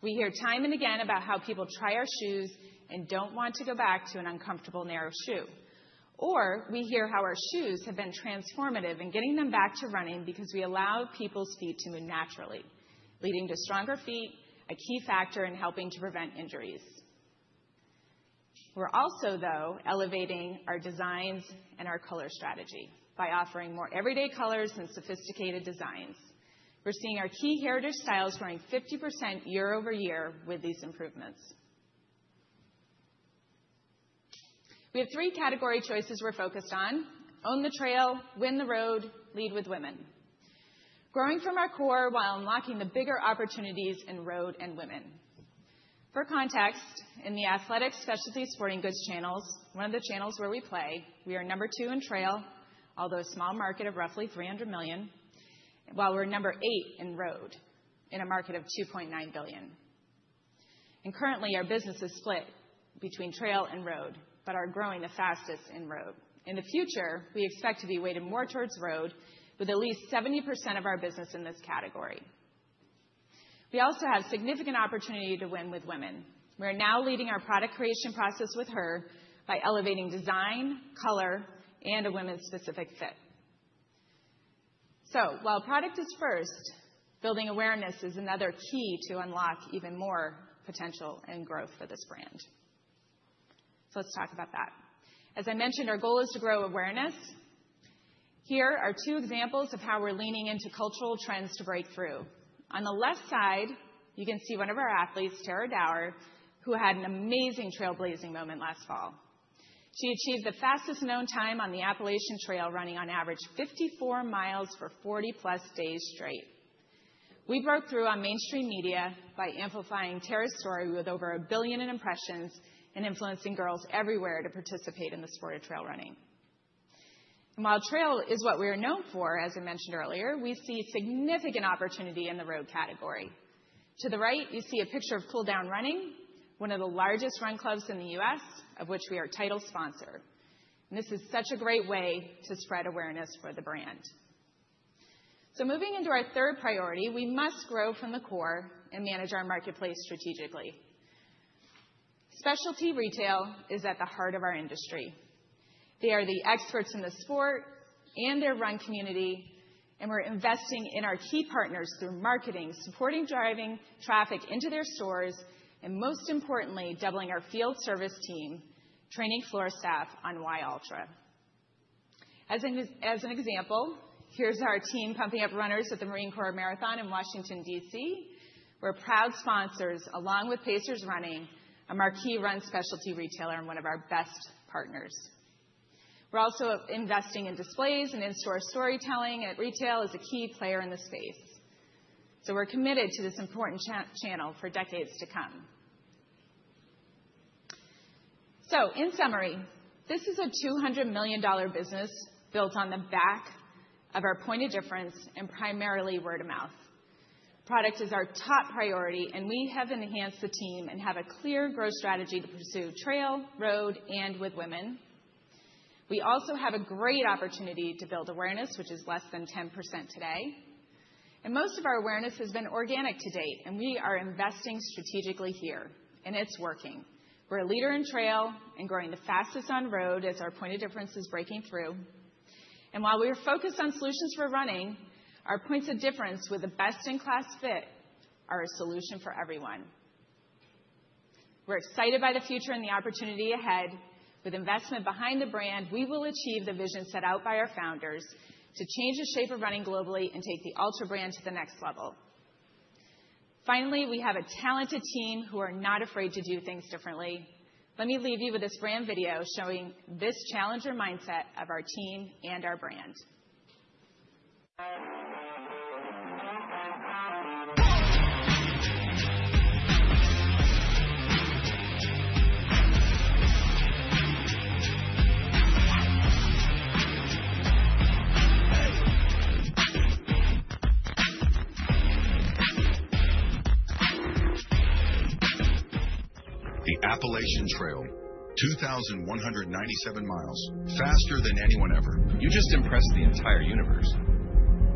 S8: We hear time and again about how people try our shoes and don't want to go back to an uncomfortable narrow shoe. Or we hear how our shoes have been transformative in getting them back to running because we allow people's feet to move naturally, leading to stronger feet, a key factor in helping to prevent injuries. We're also, though, elevating our designs and our color strategy by offering more everyday colors and sophisticated designs. We're seeing our key heritage styles growing 50% year over year with these improvements. We have three category choices we're focused on: own the trail, win the road, lead with women. Growing from our core while unlocking the bigger opportunities in road and women. For context, in the athletic specialty sporting goods channels, one of the channels where we play, we are number two in trail, although a small market of roughly 300 million, while we're number eight in road in a market of 2.9 billion, and currently, our business is split between trail and road, but are growing the fastest in road. In the future, we expect to be weighted more towards road with at least 70% of our business in this category. We also have significant opportunity to win with women. We're now leading our product creation process with her by elevating design, color, and a women's specific fit, so while product is first, building awareness is another key to unlock even more potential and growth for this brand, so let's talk about that. As I mentioned, our goal is to grow awareness. Here are two examples of how we're leaning into cultural trends to break through. On the left side, you can see one of our athletes, Tara Dower, who had an amazing trailblazing moment last fall. She achieved the fastest known time on the Appalachian Trail, running on average 54 miles for 40 plus days straight. We broke through on mainstream media by amplifying Tara's story with over a billion impressions and influencing girls everywhere to participate in the sport of trail running. And while trail is what we are known for, as I mentioned earlier, we see significant opportunity in the road category. To the right, you see a picture of Cool Down Running, one of the largest run clubs in the U.S., of which we are title sponsor. And this is such a great way to spread awareness for the brand. So moving into our third priority, we must grow from the core and manage our marketplace strategically. Specialty retail is at the heart of our industry. They are the experts in the sport and their run community, and we're investing in our key partners through marketing, supporting driving traffic into their stores, and most importantly, doubling our field service team, training floor staff on Altra. As an example, here's our team pumping up runners at the Marine Corps Marathon in Washington, D.C. We're proud sponsors, along with Pacers Running, a marquee run specialty retailer and one of our best partners. We're also investing in displays and in-store storytelling at retail as a key player in the space. So we're committed to this important channel for decades to come. So in summary, this is a $200 million business built on the back of our point of difference and primarily word of mouth. Product is our top priority, and we have enhanced the team and have a clear growth strategy to pursue trail, road, and with women. We also have a great opportunity to build awareness, which is less than 10% today. And most of our awareness has been organic to date, and we are investing strategically here, and it's working. We're a leader in trail and growing the fastest on road as our point of difference is breaking through. And while we are focused on solutions for running, our points of difference with the best in class fit are a solution for everyone. We're excited by the future and the opportunity ahead. With investment behind the brand, we will achieve the vision set out by our founders to change the shape of running globally and take the Altra brand to the next level. Finally, we have a talented team who are not afraid to do things differently. Let me leave you with this brand video showing this challenger mindset of our team and our brand.
S4: The Appalachian Trail, 2,197 mi, faster than anyone ever. You just impressed the entire universe.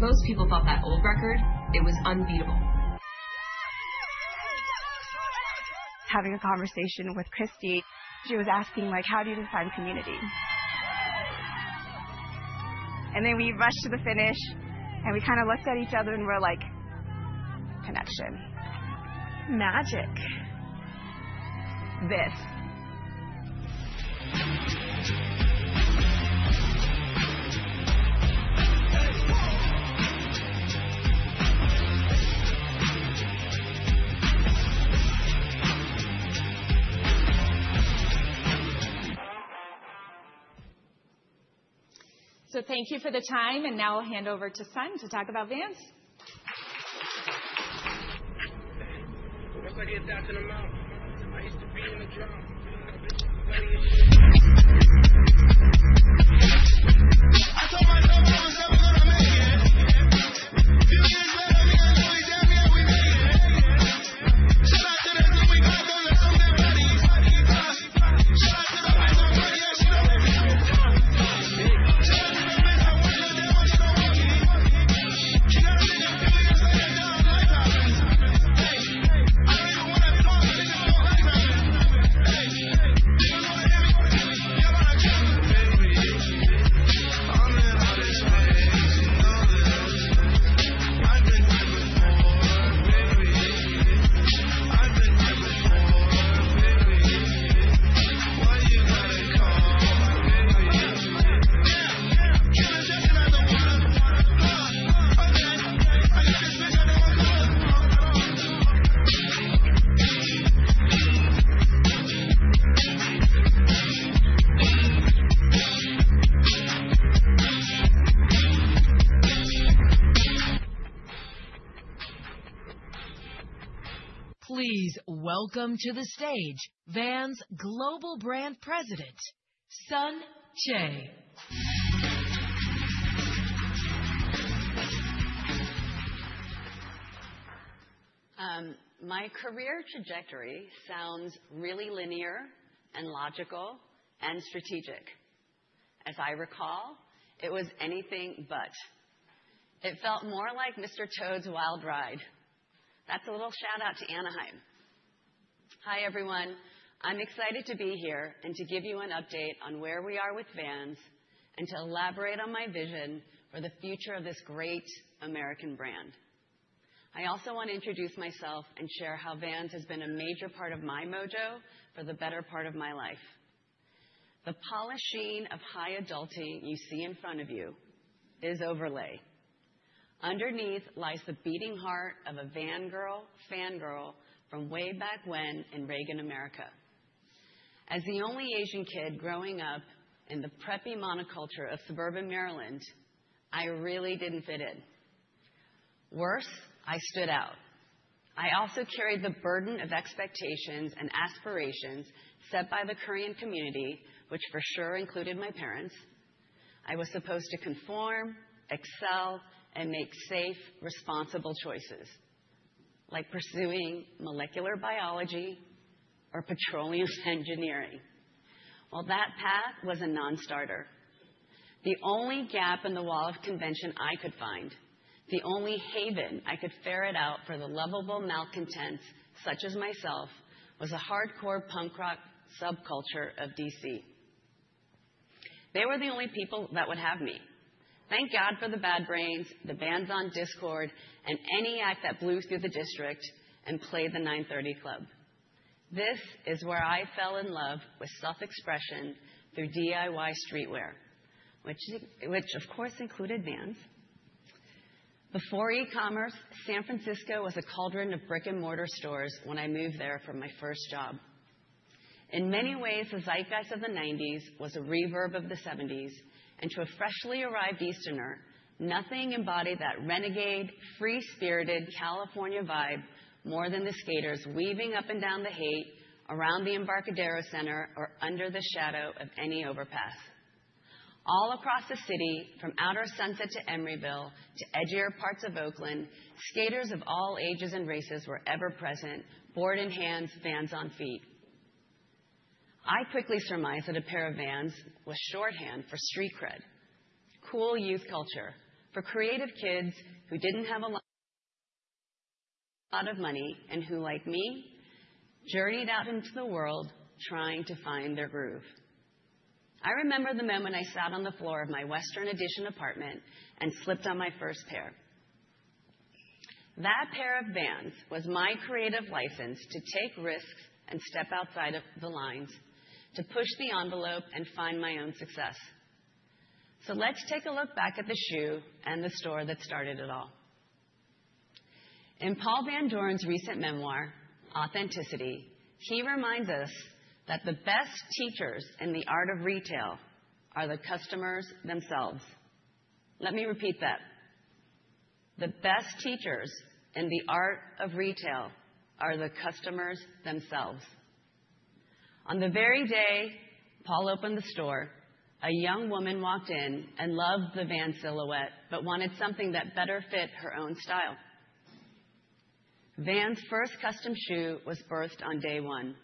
S4: Most people thought that old record, it was unbeatable. Having a conversation with Christy, she was asking, like, how do you define community? And then we rushed to the finish, and we kind of looked at each other and we're like, connection. Magic. This.
S8: So thank you for the time, and now we'll hand over to Sun to talk about Vans.
S1: Please welcome to the stage, Vans' Global Brand President, Sun Choe.
S9: My career trajectory sounds really linear and logical and strategic. As I recall, it was anything but. It felt more like Mr. Toad's wild ride. That's a little shout-out to Anaheim. Hi, everyone. I'm excited to be here and to give you an update on where we are with Vans and to elaborate on my vision for the future of this great American brand. I also want to introduce myself and share how Vans has been a major part of my mojo for the better part of my life. The polishing of high adulting you see in front of you is overlay. Underneath lies the beating heart of a Vans girl, fangirl from way back when in Reagan America. As the only Asian kid growing up in the preppy monoculture of suburban Maryland, I really didn't fit in. Worse, I stood out. I also carried the burden of expectations and aspirations set by the Korean community, which for sure included my parents. I was supposed to conform, excel, and make safe, responsible choices, like pursuing molecular biology or petroleum engineering. That path was a non-starter. The only gap in the wall of convention I could find, the only haven I could ferret out for the lovable malcontents such as myself, was a hardcore punk rock subculture of D.C. They were the only people that would have me. Thank God for the Bad Brains, the bands on Dischord, and any act that blew through the district and played the 9:30 Club. This is where I fell in love with self-expression through DIY streetwear, which of course included Vans. Before e-commerce, San Francisco was a cauldron of brick-and-mortar stores when I moved there for my first job. In many ways, the zeitgeist of the '90s was a reverb of the '70s, and to a freshly arrived Easterner, nothing embodied that renegade, free-spirited California vibe more than the skaters weaving up and down the Haight around the Embarcadero Center or under the shadow of any overpass. All across the city, from Outer Sunset to Emeryville to edgier parts of Oakland, skaters of all ages and races were ever present, board in hands, Vans on feet. I quickly surmised that a pair of Vans was shorthand for street cred, cool youth culture, for creative kids who didn't have a lot of money and who, like me, journeyed out into the world trying to find their groove. I remember the moment I sat on the floor of my Western Addition apartment and slipped on my first pair. That pair of Vans was my creative license to take risks and step outside of the lines, to push the envelope and find my own success. So let's take a look back at the shoe and the store that started it all. In Paul Van Doren's recent memoir, Authenticity, he reminds us that the best teachers in the art of retail are the customers themselves. Let me repeat that. The best teachers in the art of retail are the customers themselves. On the very day Paul opened the store, a young woman walked in and loved the Vans silhouette but wanted something that better fit her own style. Vans' first custom shoe was birthed on day one.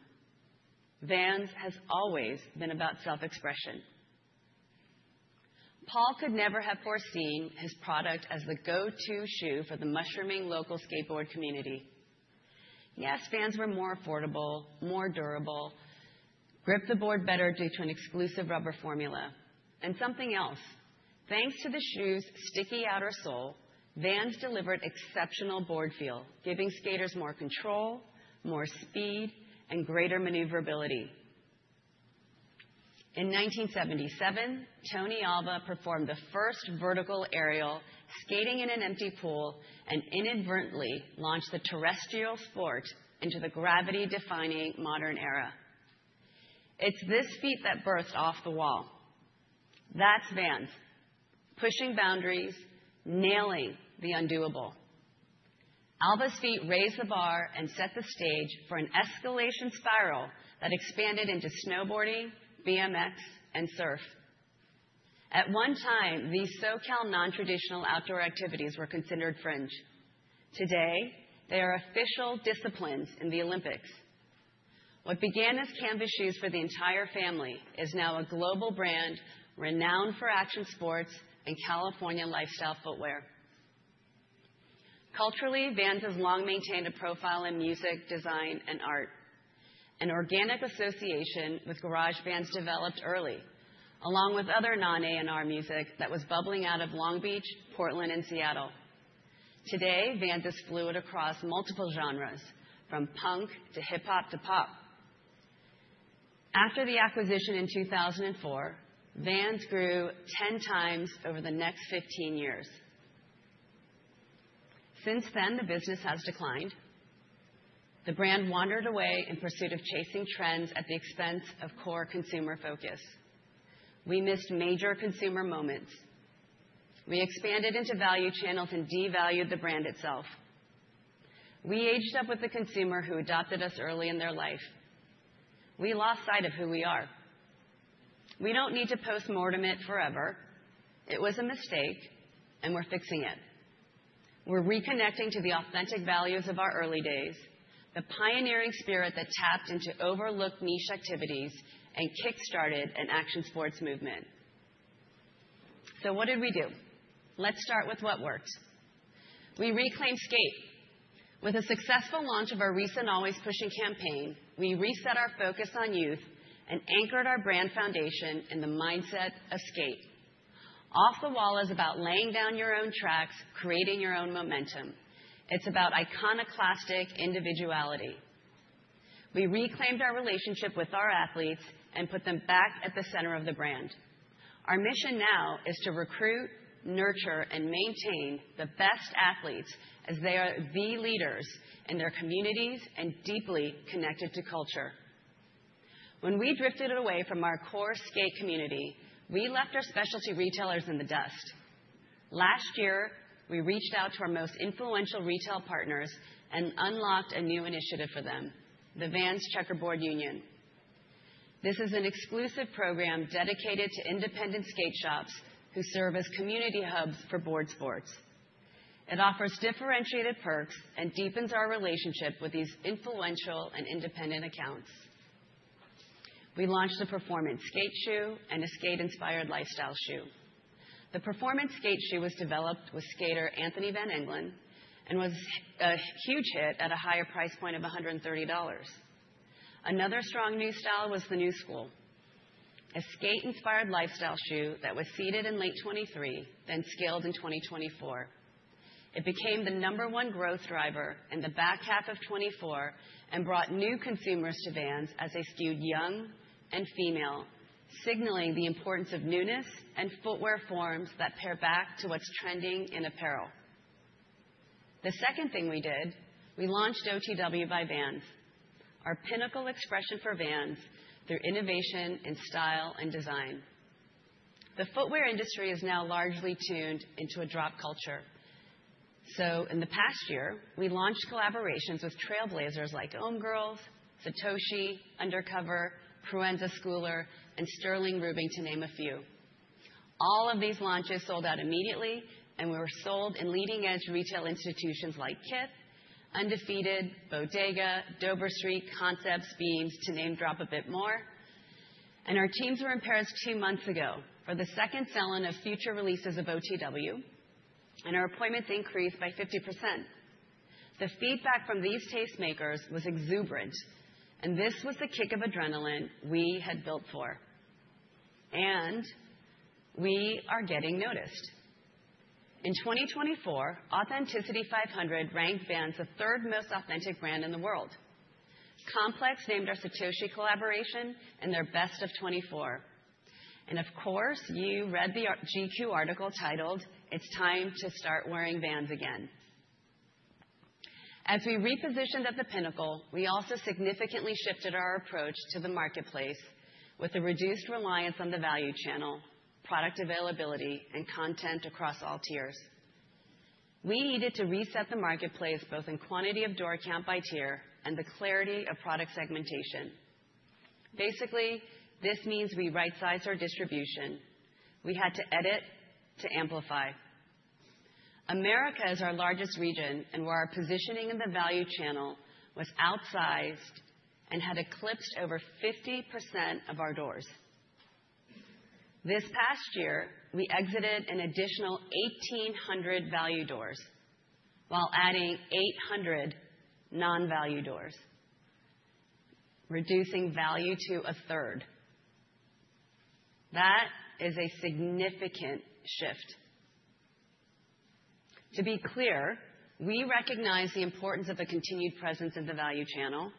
S9: Vans has always been about self-expression. Paul could never have foreseen his product as the go-to shoe for the mushrooming local skateboard community. Yes, Vans were more affordable, more durable, gripped the board better due to an exclusive rubber formula and something else. Thanks to the shoe's sticky outer sole, Vans delivered exceptional board feel, giving skaters more control, more speed, and greater maneuverability. In 1977, Tony Alva performed the first vertical aerial, skating in an empty pool, and inadvertently launched the terrestrial sport into the gravity-defying modern era. It's this feat that burst off the wall. That's Vans, pushing boundaries, nailing the undoable. Alva's feet raised the bar and set the stage for an escalation spiral that expanded into snowboarding, BMX, and surf. At one time, these so-called non-traditional outdoor activities were considered fringe. Today, they are official disciplines in the Olympics. What began as canvas shoes for the entire family is now a global brand renowned for action sports and California lifestyle footwear. Culturally, Vans has long maintained a profile in music, design, and art. An organic association with garage bands developed early, along with other non-A&R music that was bubbling out of Long Beach, Portland, and Seattle. Today, Vans is fluid across multiple genres, from punk to hip-hop to pop. After the acquisition in 2004, Vans grew 10 times over the next 15 years. Since then, the business has declined. The brand wandered away in pursuit of chasing trends at the expense of core consumer focus. We missed major consumer moments. We expanded into value channels and devalued the brand itself. We aged up with the consumer who adopted us early in their life. We lost sight of who we are. We don't need to postmortem it forever. It was a mistake, and we're fixing it. We're reconnecting to the authentic values of our early days, the pioneering spirit that tapped into overlooked niche activities and kickstarted an action sports movement. So what did we do? Let's start with what worked. We reclaimed skate. With a successful launch of our recent Always Pushing campaign, we reset our focus on youth and anchored our brand foundation in the mindset of skate. Off the Wall is about laying down your own tracks, creating your own momentum. It's about iconoclastic individuality. We reclaimed our relationship with our athletes and put them back at the center of the brand. Our mission now is to recruit, nurture, and maintain the best athletes as they are the leaders in their communities and deeply connected to culture. When we drifted away from our core skate community, we left our specialty retailers in the dust. Last year, we reached out to our most influential retail partners and unlocked a new initiative for them, the Vans Checkerboard Union. This is an exclusive program dedicated to independent skate shops who serve as community hubs for board sports. It offers differentiated perks and deepens our relationship with these influential and independent accounts. We launched a performance skate shoe and a skate-inspired lifestyle shoe. The performance skate shoe was developed with skater Anthony Van Engelen and was a huge hit at a higher price point of $130. Another strong new style was the new school, a skate-inspired lifestyle shoe that was seeded in late 2023, then scaled in 2024. It became the number one growth driver in the back half of 2024 and brought new consumers to Vans as they skewed young and female, signaling the importance of newness and footwear forms that pair back to what's trending in apparel. The second thing we did, we launched OTW by Vans, our pinnacle expression for Vans through innovation in style and design. The footwear industry is now largely tuned into a drop culture. So in the past year, we launched collaborations with trailblazers like Ohm Girls, Satoshi, Undercover, Proenza Schouler, and Sterling Ruby to name a few. All of these launches sold out immediately, and we were sold in leading-edge retail institutions like Kith, Undefeated, Bodega, Dover Street, Concepts, Beams, to name drop a bit more. And our teams were in Paris two months ago for the second sell-in of future releases of OTW, and our appointments increased by 50%. The feedback from these tastemakers was exuberant, and this was the kick of adrenaline we had built for, and we are getting noticed. In 2024, Authenticity 500 ranked Vans the third most authentic brand in the world. Complex named our Satoshi collaboration and their best of '24, and of course, you read the GQ article titled, "It's time to start wearing Vans again." As we repositioned at the pinnacle, we also significantly shifted our approach to the marketplace with a reduced reliance on the value channel, product availability, and content across all tiers. We needed to reset the marketplace both in quantity of door count by tier and the clarity of product segmentation. Basically, this means we right-sized our distribution. We had to edit to amplify. America is our largest region, and where our positioning in the value channel was outsized and had eclipsed over 50% of our doors. This past year, we exited an additional 1,800 value doors while adding 800 non-value doors, reducing value to a third. That is a significant shift. To be clear, we recognize the importance of a continued presence in the value channel,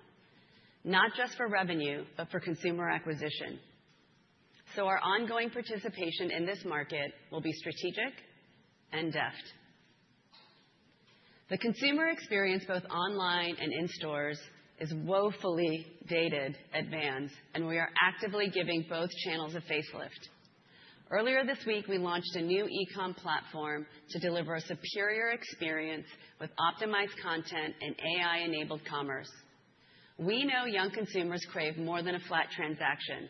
S9: not just for revenue, but for consumer acquisition. So our ongoing participation in this market will be strategic and deft. The consumer experience, both online and in stores, is woefully dated at Vans, and we are actively giving both channels a facelift. Earlier this week, we launched a new e-comm platform to deliver a superior experience with optimized content and AI-enabled commerce. We know young consumers crave more than a flat transaction.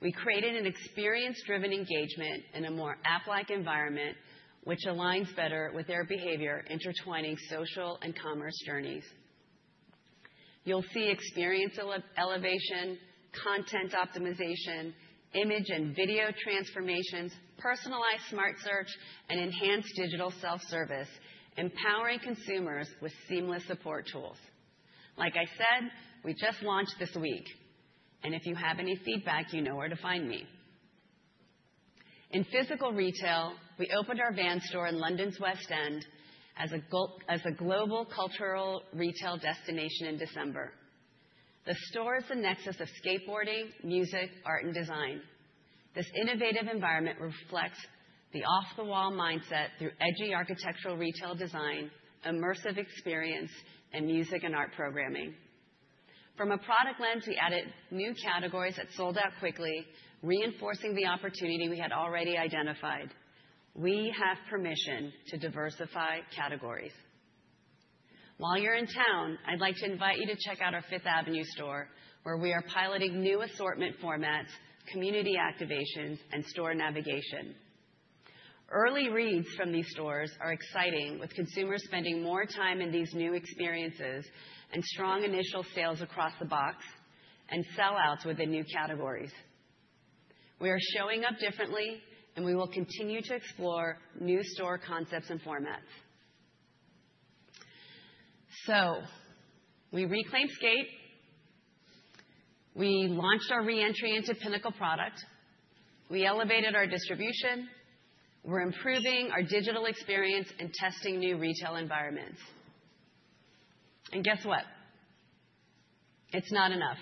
S9: We created an experience-driven engagement in a more app-like environment, which aligns better with their behavior intertwining social and commerce journeys. You'll see experience elevation, content optimization, image and video transformations, personalized smart search, and enhanced digital self-service, empowering consumers with seamless support tools. Like I said, we just launched this week, and if you have any feedback, you know where to find me. In physical retail, we opened our Vans store in London's West End as a global cultural retail destination in December. The store is the nexus of skateboarding, music, art, and design. This innovative environment reflects the off-the-wall mindset through edgy architectural retail design, immersive experience, and music and art programming. From a product lens, we added new categories that sold out quickly, reinforcing the opportunity we had already identified. We have permission to diversify categories. While you're in town, I'd like to invite you to check out our Fifth Avenue store, where we are piloting new assortment formats, community activations, and store navigation. Early reads from these stores are exciting, with consumers spending more time in these new experiences and strong initial sales across the box and sellouts within new categories. We are showing up differently, and we will continue to explore new store concepts and formats, so we reclaimed skate. We launched our reentry into pinnacle product. We elevated our distribution. We're improving our digital experience and testing new retail environments, and guess what? It's not enough.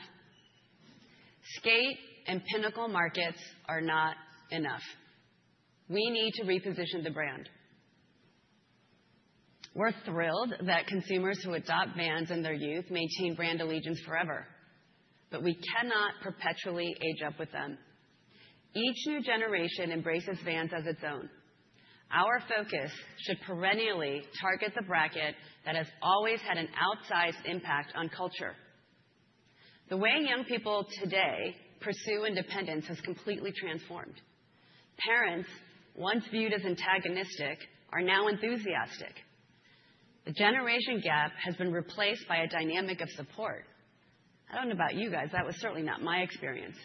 S9: Skate and pinnacle markets are not enough. We need to reposition the brand. We're thrilled that consumers who adopt Vans and their youth maintain brand allegiance forever, but we cannot perpetually age up with them. Each new generation embraces Vans as its own. Our focus should perennially target the bracket that has always had an outsized impact on culture. The way young people today pursue independence has completely transformed. Parents, once viewed as antagonistic, are now enthusiastic. The generation gap has been replaced by a dynamic of support. I don't know about you guys. That was certainly not my experience.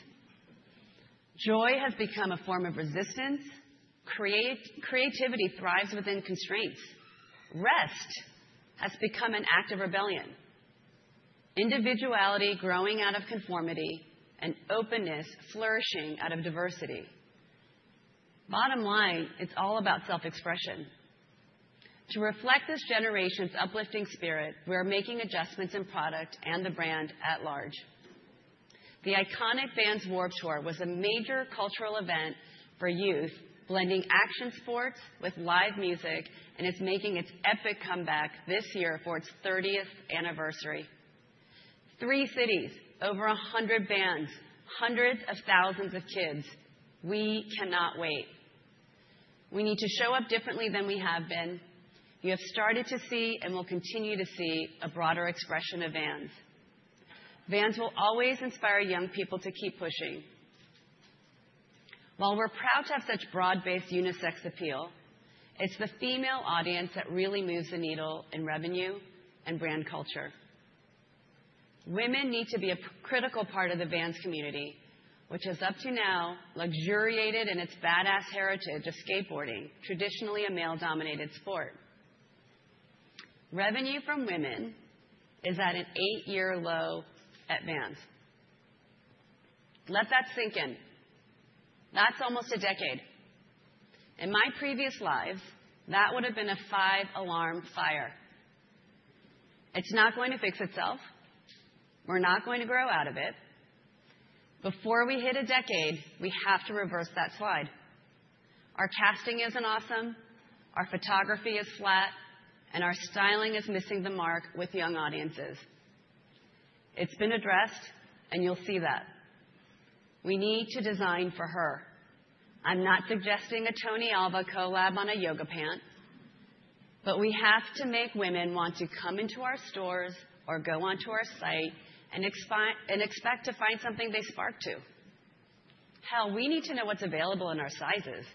S9: Joy has become a form of resistance. Creativity thrives within constraints. Rest has become an act of rebellion. Individuality growing out of conformity and openness flourishing out of diversity. Bottom line, it's all about self-expression. To reflect this generation's uplifting spirit, we are making adjustments in product and the brand at large. The iconic Vans Warped Tour was a major cultural event for youth, blending action sports with live music, and it's making its epic comeback this year for its 30th anniversary. Three cities, over 100 Vans, hundreds of thousands of kids. We cannot wait. We need to show up differently than we have been. You have started to see and will continue to see a broader expression of Vans. Vans will always inspire young people to keep pushing. While we're proud to have such broad-based unisex appeal, it's the female audience that really moves the needle in revenue and brand culture. Women need to be a critical part of the Vans community, which has up to now luxuriated in its badass heritage of skateboarding, traditionally a male-dominated sport. Revenue from women is at an eight-year low at Vans. Let that sink in. That's almost a decade. In my previous lives, that would have been a five-alarm fire. It's not going to fix itself. We're not going to grow out of it. Before we hit a decade, we have to reverse that slide. Our casting isn't awesome. Our photography is flat, and our styling is missing the mark with young audiences. It's been addressed, and you'll see that. We need to design for her. I'm not suggesting a Tony Alba collab on a yoga pant, but we have to make women want to come into our stores or go onto our site and expect to find something they spark to. Hell, we need to know what's available in our sizes.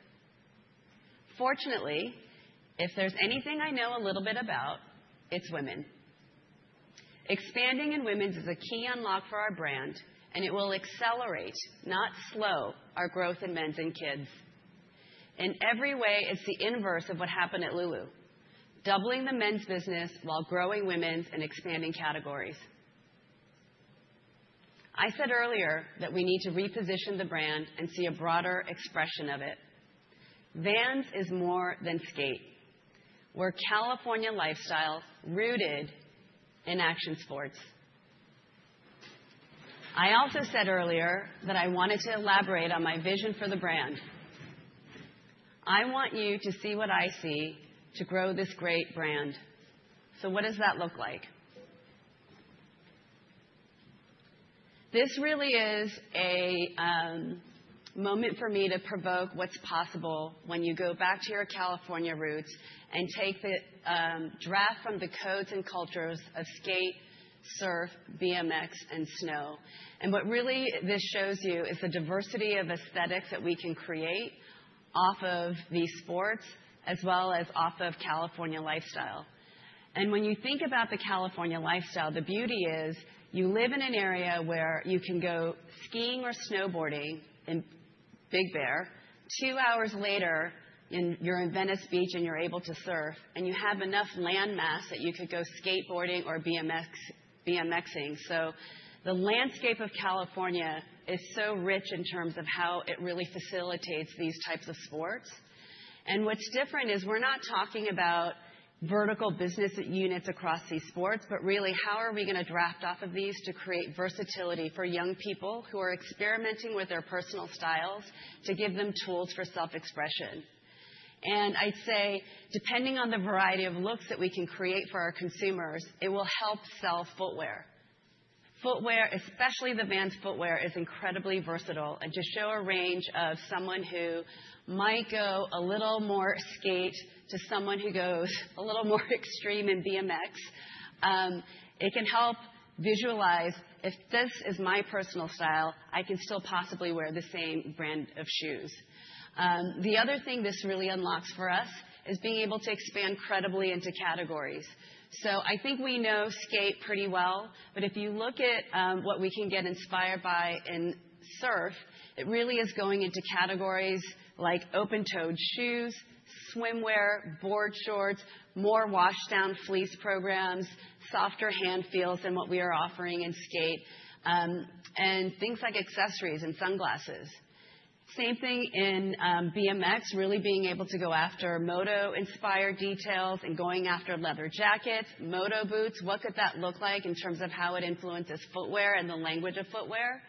S9: Fortunately, if there's anything I know a little bit about, it's women. Expanding in women's is a key unlock for our brand, and it will accelerate, not slow, our growth in men's and kids. In every way, it's the inverse of what happened at Lulu, doubling the men's business while growing women's and expanding categories. I said earlier that we need to reposition the brand and see a broader expression of it. Vans is more than skate. We're California lifestyle rooted in action sports. I also said earlier that I wanted to elaborate on my vision for the brand. I want you to see what I see to grow this great brand. So what does that look like? This really is a moment for me to provoke what's possible when you go back to your California roots and take the draw from the codes and cultures of skate, surf, BMX, and snow. And what really this shows you is the diversity of aesthetics that we can create off of these sports, as well as off of California lifestyle. And when you think about the California lifestyle, the beauty is you live in an area where you can go skiing or snowboarding in Big Bear. Two hours later, you're in Venice Beach and you're able to surf, and you have enough landmass that you could go skateboarding or BMXing. The landscape of California is so rich in terms of how it really facilitates these types of sports. And what's different is we're not talking about vertical business units across these sports, but really how are we going to draft off of these to create versatility for young people who are experimenting with their personal styles to give them tools for self-expression. And I'd say, depending on the variety of looks that we can create for our consumers, it will help sell footwear. Footwear, especially the Vans footwear, is incredibly versatile. And to show a range of someone who might go a little more skate to someone who goes a little more extreme in BMX, it can help visualize if this is my personal style, I can still possibly wear the same brand of shoes. The other thing this really unlocks for us is being able to expand credibly into categories. So I think we know skate pretty well, but if you look at what we can get inspired by in surf, it really is going into categories like open-toed shoes, swimwear, board shorts, more washed-down fleece programs, softer hand feels than what we are offering in skate, and things like accessories and sunglasses. Same thing in BMX, really being able to go after moto-inspired details and going after leather jackets, moto boots. What could that look like in terms of how it influences footwear and the language of footwear?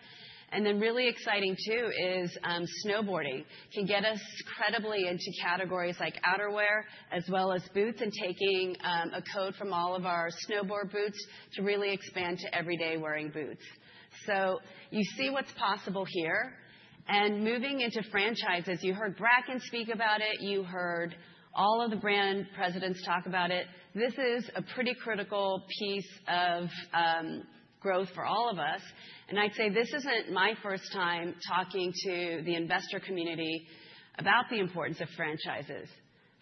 S9: And then really exciting too is snowboarding can get us credibly into categories like outerwear as well as boots and taking a code from all of our snowboard boots to really expand to everyday wearing boots. So you see what's possible here. Moving into franchises, you heard Bracken speak about it. You heard all of the brand presidents talk about it. This is a pretty critical piece of growth for all of us. I'd say this isn't my first time talking to the investor community about the importance of franchises.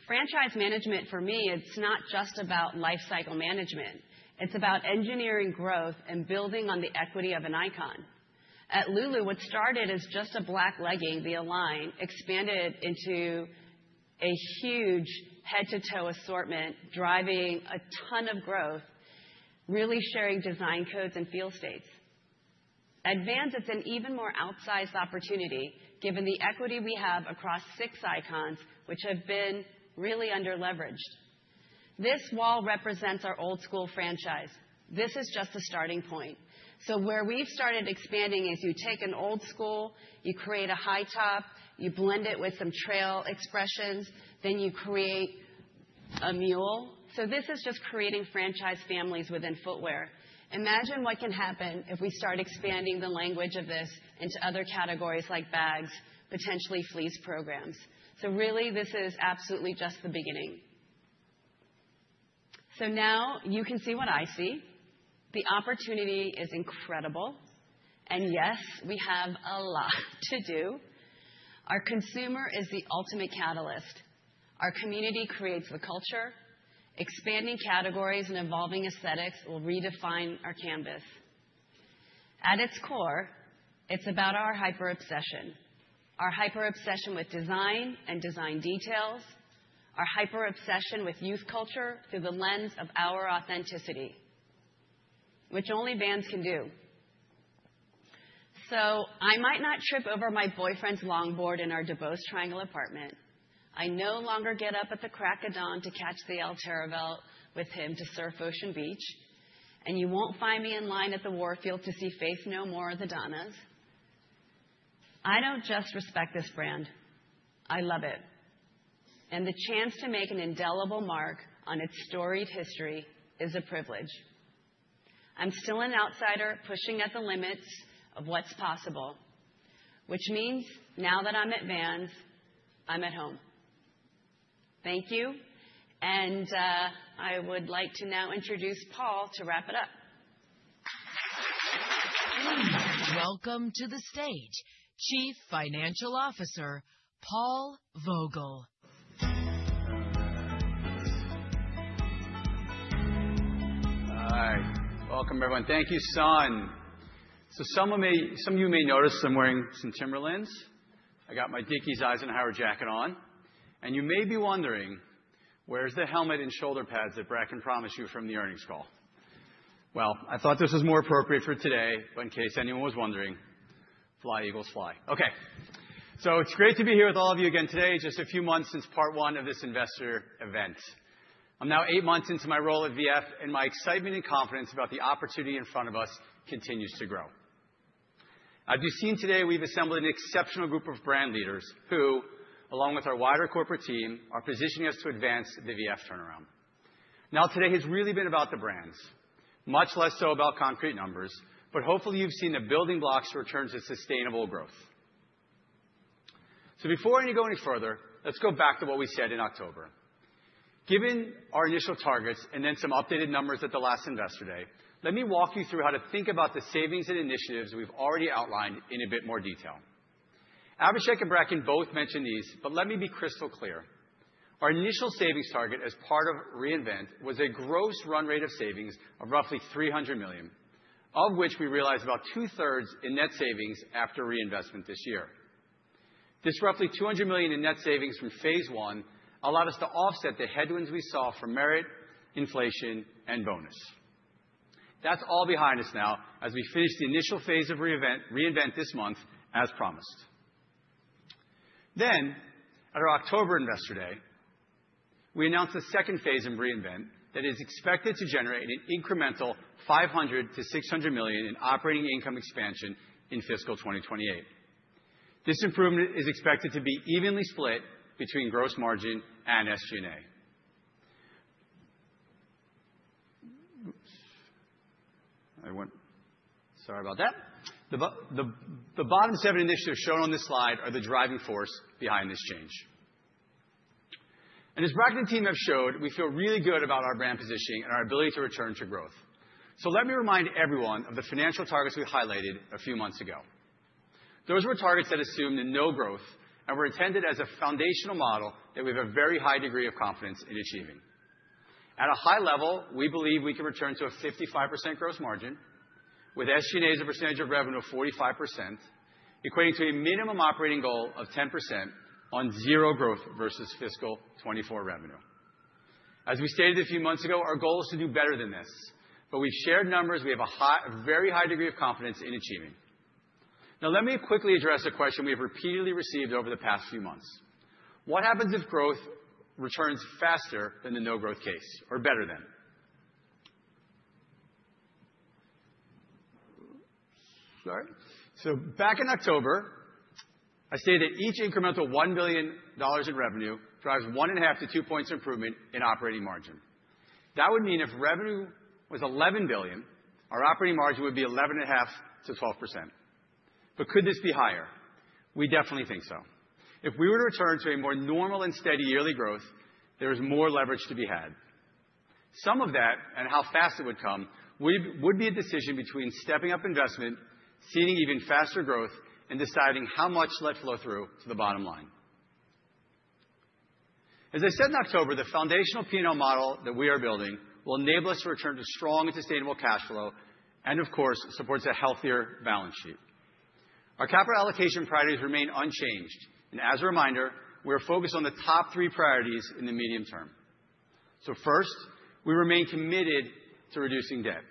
S9: Franchise management, for me, it's not just about lifecycle management. It's about engineering growth and building on the equity of an icon. At Lulu, what started as just a black legging, the Align, expanded into a huge head-to-toe assortment, driving a ton of growth, really sharing design codes and feel states. At Vans, it's an even more outsized opportunity given the equity we have across six icons, which have been really underleveraged. This wall represents our old-school franchise. This is just a starting point. So where we've started expanding is you take an old school, you create a high top, you blend it with some trail expressions, then you create a mule. So this is just creating franchise families within footwear. Imagine what can happen if we start expanding the language of this into other categories like bags, potentially fleece programs. So really, this is absolutely just the beginning. So now you can see what I see. The opportunity is incredible. And yes, we have a lot to do. Our consumer is the ultimate catalyst. Our community creates the culture. Expanding categories and evolving aesthetics will redefine our canvas. At its core, it's about our hyper-obsession. Our hyper-obsession with design and design details, our hyper-obsession with youth culture through the lens of our authenticity, which only Vans can do. So I might not trip over my boyfriend's longboard in our Duboce Triangle apartment. I no longer get up at the crack of dawn to catch the Altra belt with him to surf Ocean Beach, and you won't find me in line at the Warfield to see Faith No More or the Donnas. I don't just respect this brand. I love it, and the chance to make an indelible mark on its storied history is a privilege. I'm still an outsider pushing at the limits of what's possible, which means now that I'm at Vans, I'm at home. Thank you, and I would like to now introduce Paul to wrap it up.
S1: Welcome to the stage, Chief Financial Officer, Paul Vogel.
S10: All right. Welcome, everyone. Thank you, son, so some of you may notice I'm wearing some Timberlands. I got my Dickies Eisenhower jacket on, and you may be wondering, where's the helmet and shoulder pads that Bracken promised you from the earnings call? I thought this was more appropriate for today, but in case anyone was wondering, fly eagles fly. Okay. It's great to be here with all of you again today, just a few months since part one of this investor event. I'm now eight months into my role at VF, and my excitement and confidence about the opportunity in front of us continues to grow. As you've seen today, we've assembled an exceptional group of brand leaders who, along with our wider corporate team, are positioning us to advance the VF turnaround. Now, today has really been about the brands, much less so about concrete numbers, but hopefully you've seen the building blocks to return to sustainable growth. Before I go any further, let's go back to what we said in October. Given our initial targets and then some updated numbers at the last investor day, let me walk you through how to think about the savings and initiatives we've already outlined in a bit more detail. Abhishek and Bracken both mentioned these, but let me be crystal clear. Our initial savings target as part of reinvent was a gross run rate of savings of roughly $300 million, of which we realized about two-thirds in net savings after reinvestment this year. This roughly $200 million in net savings from phase one allowed us to offset the headwinds we saw for merit, inflation, and bonus. That's all behind us now as we finish the initial phase of reinvent this month, as promised. Then, at our October investor day, we announced a second phase of reinvent that is expected to generate an incremental $500 million-$600 million in operating income expansion in fiscal 2028. This improvement is expected to be evenly split between gross margin and SG&A. Sorry about that. The bottom seven initiatives shown on this slide are the driving force behind this change, and as Bracken and team have showed, we feel really good about our brand positioning and our ability to return to growth, so let me remind everyone of the financial targets we highlighted a few months ago. Those were targets that assumed no growth and were intended as a foundational model that we have a very high degree of confidence in achieving. At a high level, we believe we can return to a 55% gross margin, with SG&A as a percentage of revenue of 45%, equating to a minimum operating goal of 10% on zero growth versus fiscal 2024 revenue. As we stated a few months ago, our goal is to do better than this, but we've shared numbers. We have a very high degree of confidence in achieving. Now, let me quickly address a question we have repeatedly received over the past few months. What happens if growth returns faster than the no-growth case or better than? Sorry. So back in October, I stated each incremental $1 billion in revenue drives 1.5-2 points improvement in operating margin. That would mean if revenue was $11 billion, our operating margin would be 11.5-12%. But could this be higher? We definitely think so. If we were to return to a more normal and steady yearly growth, there is more leverage to be had. Some of that and how fast it would come would be a decision between stepping up investment, seeing even faster growth, and deciding how much let flow through to the bottom line. As I said in October, the foundational P&L model that we are building will enable us to return to strong and sustainable cash flow and, of course, supports a healthier balance sheet. Our capital allocation priorities remain unchanged. And as a reminder, we are focused on the top three priorities in the medium term. So first, we remain committed to reducing debt.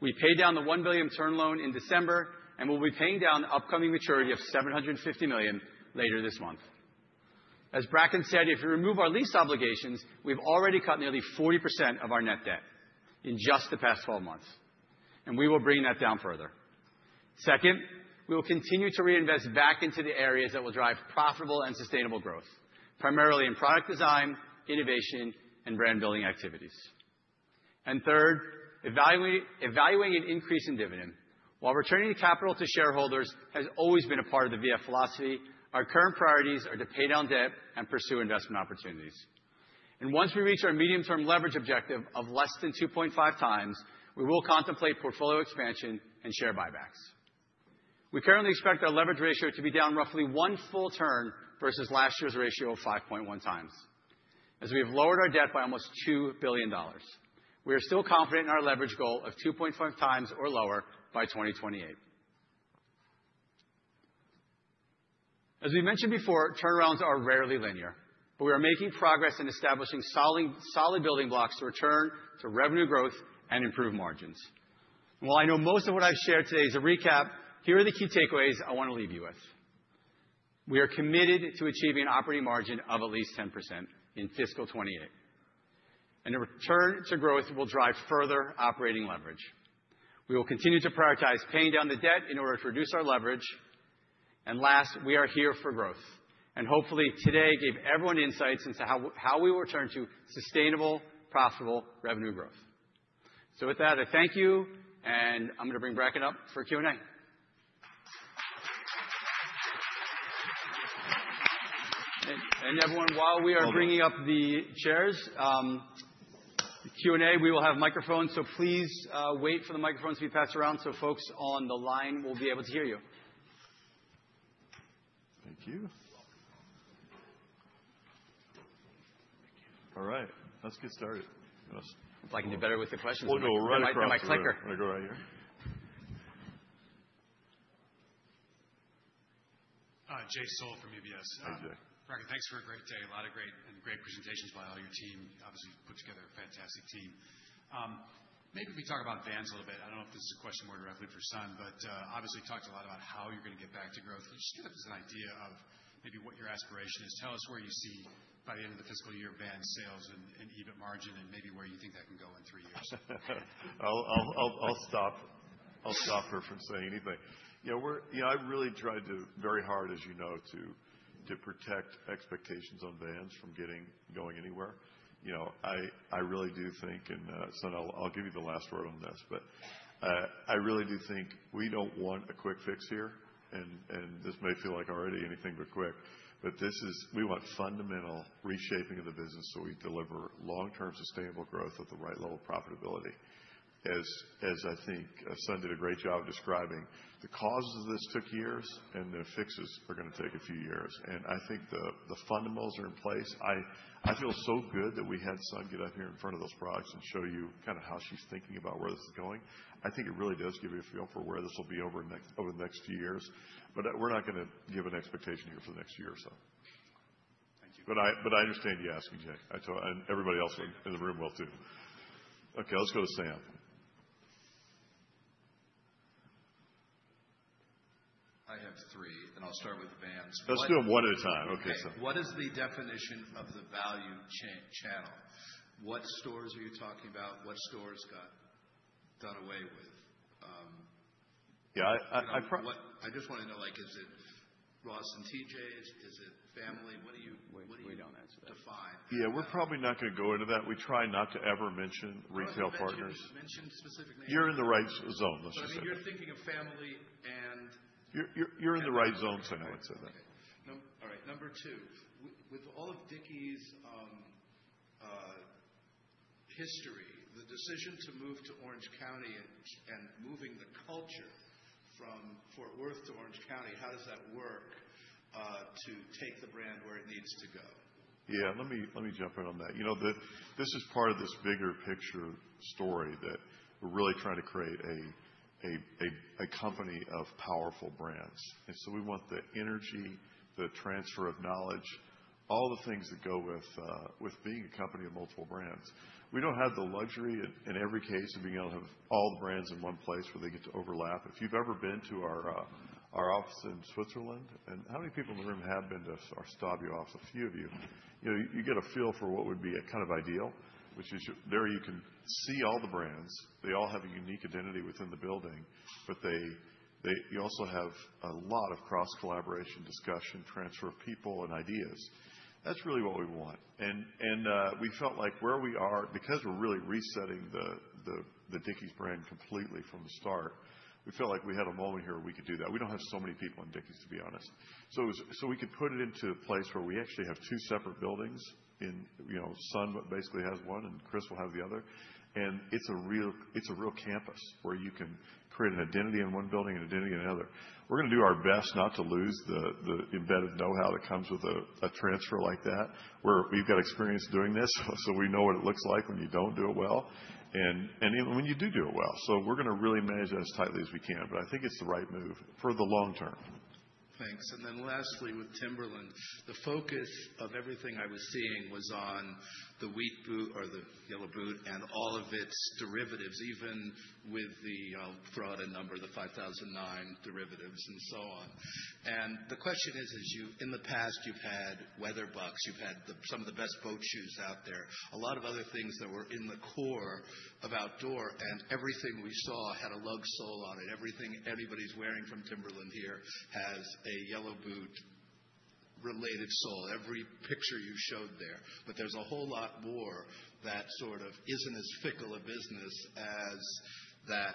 S10: We paid down the $1 billion term loan in December and will be paying down the upcoming maturity of $750 million later this month. As Bracken said, if we remove our lease obligations, we've already cut nearly 40% of our net debt in just the past 12 months, and we will bring that down further. Second, we will continue to reinvest back into the areas that will drive profitable and sustainable growth, primarily in product design, innovation, and brand-building activities. And third, evaluating an increase in dividend. While returning capital to shareholders has always been a part of the VF philosophy, our current priorities are to pay down debt and pursue investment opportunities. And once we reach our medium-term leverage objective of less than 2.5 times, we will contemplate portfolio expansion and share buybacks. We currently expect our leverage ratio to be down roughly one full turn versus last year's ratio of 5.1 times. As we have lowered our debt by almost $2 billion, we are still confident in our leverage goal of 2.5 times or lower by 2028. As we mentioned before, turnarounds are rarely linear, but we are making progress in establishing solid building blocks to return to revenue growth and improve margins. And while I know most of what I've shared today is a recap, here are the key takeaways I want to leave you with. We are committed to achieving an operating margin of at least 10% in fiscal 2028. And a return to growth will drive further operating leverage. We will continue to prioritize paying down the debt in order to reduce our leverage. And last, we are here for growth. And hopefully, today gave everyone insights into how we will return to sustainable, profitable revenue growth. So with that, I thank you, and I'm going to bring Bracken up for Q&A. And everyone, while we are bringing up the chairs, Q&A, we will have microphones. So please wait for the microphones to be passed around so folks on the line will be able to hear you.
S2: Thank you. All right. Let's get started.
S10: If I can do better with the questions. We'll go right ahead. Am I clicker?
S2: I'm going to go right here.
S11: Jay Sole from UBS.
S2: Hi, Jay.
S11: Bracken, thanks for a great day. A lot of great and great presentations by all your team. Obviously, you've put together a fantastic team. Maybe if we talk about Vans a little bit, I don't know if this is a question more directly for Son, but obviously talked a lot about how you're going to get back to growth. Can you just give us an idea of maybe what your aspiration is? Tell us where you see by the end of the fiscal year Vans sales and EBIT margin and maybe where you think that can go in three years.
S2: I'll stop referencing anything. I really tried very hard, as you know, to protect expectations on Vans from going anywhere. I really do think, and Son, I'll give you the last word on this, but I really do think we don't want a quick fix here. And this may feel like already anything but quick, but we want fundamental reshaping of the business so we deliver long-term sustainable growth at the right level of profitability. As I think Sun did a great job describing, the causes of this took years, and the fixes are going to take a few years. And I think the fundamentals are in place. I feel so good that we had Son get up here in front of those products and show you kind of how she's thinking about where this is going. I think it really does give you a feel for where this will be over the next few years. But we're not going to give an expectation here for the next year or so. Thank you. But I understand you asking, Jay. And everybody else in the room will too. Okay, let's go to Sam.
S12: I have three, and I'll start with Vans. Let's do them one at a time. Okay, Sam. What is the definition of the value channel? What stores are you talking about? What stores got done away with? Yeah, I just want to know, is it Ross and TJ's? Is it family? What do you define?
S2: Yeah, we're probably not going to go into that. We try not to ever mention retail partners. You're in the right zone, let's just say.
S12: I mean, you're thinking of family and
S2: you're in the right zone, so now I'd say that.
S12: All right. Number two, with all of Dickies' history, the decision to move to Orange County and moving the culture from Fort Worth to Orange County, how does that work to take the brand where it needs to go?
S2: Yeah, let me jump in on that. This is part of this bigger picture story that we're really trying to create a company of powerful brands, and so we want the energy, the transfer of knowledge, all the things that go with being a company of multiple brands. We don't have the luxury in every case of being able to have all the brands in one place where they get to overlap. If you've ever been to our office in Switzerland, and how many people in the room have been to our Starbucks office, a few of you, you get a feel for what would be kind of ideal, which is there you can see all the brands. They all have a unique identity within the building, but you also have a lot of cross-collaboration, discussion, transfer of people, and ideas. That's really what we want. We felt like where we are, because we're really resetting the Dickies brand completely from the start, we felt like we had a moment here where we could do that. We don't have so many people in Dickies, to be honest. We could put it into a place where we actually have two separate buildings. Son basically has one, and Chris will have the other. It's a real campus where you can create an identity in one building and an identity in another. We're going to do our best not to lose the embedded know-how that comes with a transfer like that. We've got experience doing this, so we know what it looks like when you don't do it well and even when you do do it well. So we're going to really manage that as tightly as we can, but I think it's the right move for the long term.
S12: Thanks. And then lastly, with Timberland, the focus of everything I was seeing was on the Wheat Boot or the Yellow Boot and all of its derivatives, even with the broad number, the 5,009 derivatives and so on. And the question is, in the past, you've had weather boots. You've had some of the best boat shoes out there, a lot of other things that were in the core of outdoor. And everything we saw had a lug sole on it. Everything everybody's wearing from Timberland here has a Yellow Boot-related sole, every picture you showed there. But there's a whole lot more that sort of isn't as fickle a business as that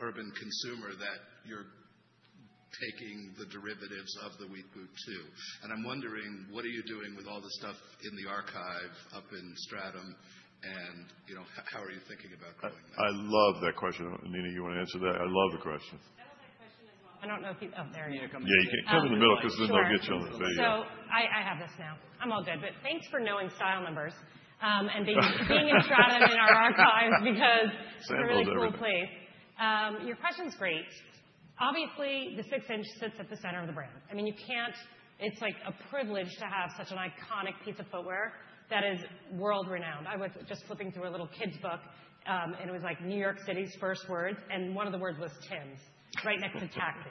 S12: urban consumer that you're taking the derivatives of the Wheat Boot to. And I'm wondering, what are you doing with all the stuff in the archive up in Stratham? And how are you thinking about going there?
S2: I love that question. Nina, you want to answer that? I love the question.
S5: That was my question as well. I don't know if you, oh,
S2: there you go. Yeah, you can come in the middle because then they'll get you on the video.
S5: So I have this now. I'm all good. But thanks for knowing style numbers and being in Stratham in our archives because it's a really cool place. Your question's great. Obviously, the six-inch sits at the center of the brand. I mean, it's like a privilege to have such an iconic piece of footwear that is world-renowned. I was just flipping through a little kid's book, and it was like New York City's first words, and one of the words was Tim's right next to taxi.